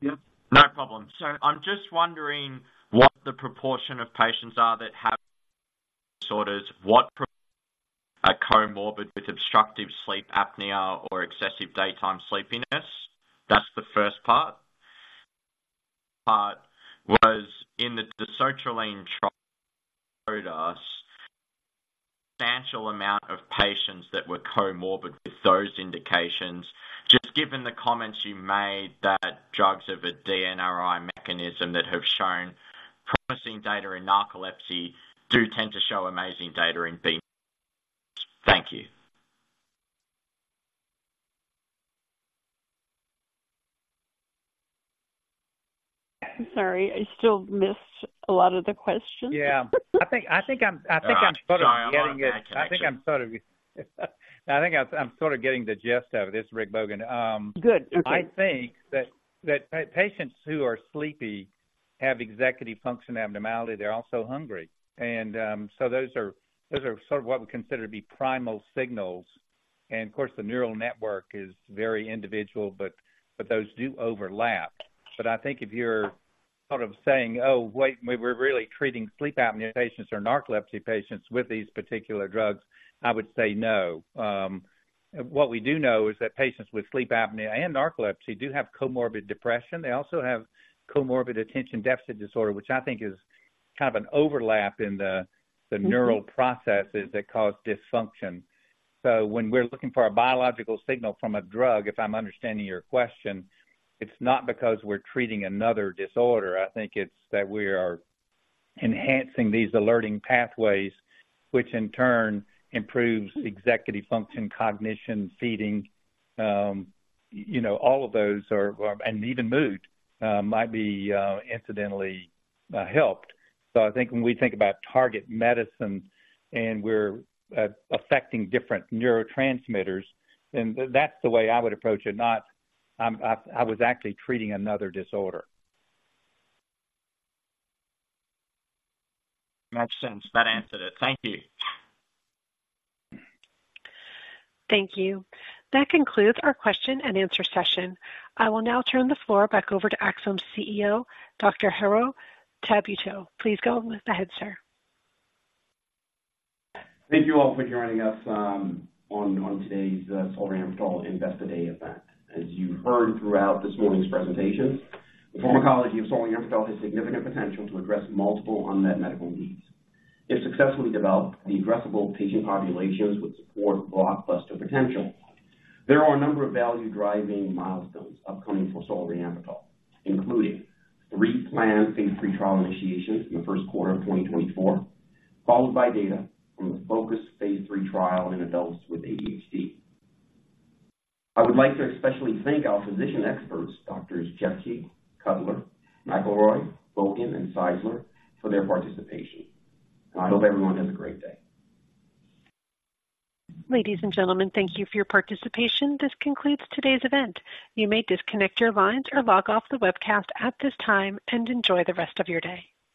Yep, no problem. So I'm just wondering what the proportion of patients are that have disorders. What are comorbid with obstructive sleep apnea or excessive daytime sleepiness? That's the first part. Part was in the sertraline trial, showed us substantial amount of patients that were comorbid with those indications, just given the comments you made, that drugs of a DNRI mechanism that have shown promising data in narcolepsy do tend to show amazing data in B. Thank you. I'm sorry, I still missed a lot of the question. Yeah, I think I'm sort of getting it. Sorry about that connection. I think I'm sort of getting the gist of it. This is Richard Bogan. Good. Okay. I think that patients who are sleepy have executive function abnormality, they're also hungry. And so those are, those are sort of what we consider to be primal signals, and of course, the neural network is very individual, but those do overlap. But I think if you're sort of saying, "Oh, wait, we're really treating sleep apnea patients or narcolepsy patients with these particular drugs," I would say no. What we do know is that patients with sleep apnea and narcolepsy do have comorbid depression. They also have comorbid attention deficit disorder, which I think is kind of an overlap in the- Mm-hmm. the neural processes that cause dysfunction. So when we're looking for a biological signal from a drug, if I'm understanding your question, it's not because we're treating another disorder. I think it's that we are enhancing these alerting pathways, which in turn improves executive function, cognition, feeding, you know, all of those are... And even mood, might be, incidentally, helped. So I think when we think about target medicine and we're, affecting different neurotransmitters, then that's the way I would approach it, not, I, I was actually treating another disorder. Makes sense. That answered it. Thank you. Thank you. That concludes our question and answer session. I will now turn the floor back over to Axsome's CEO, Dr. Herriot Tabuteau. Please go ahead, sir. Thank you all for joining us on today's solriamfetol Investor Day event. As you've heard throughout this morning's presentation, the pharmacology of solriamfetol has significant potential to address multiple unmet medical needs. If successfully developed, the addressable patient populations would support blockbuster potential. There are a number of value-driving milestones upcoming for solriamfetol, including three planned phase III trial initiations in the first quarter of 2024, followed by data from the focused phase III trial in adults with ADHD. I would like to especially thank our physician experts, Doctors Chepke, Cutler, McElroy, Bogan, and Czeisler, for their participation. I hope everyone has a great day. Ladies and gentlemen, thank you for your participation. This concludes today's event. You may disconnect your lines or log off the webcast at this time, and enjoy the rest of your day.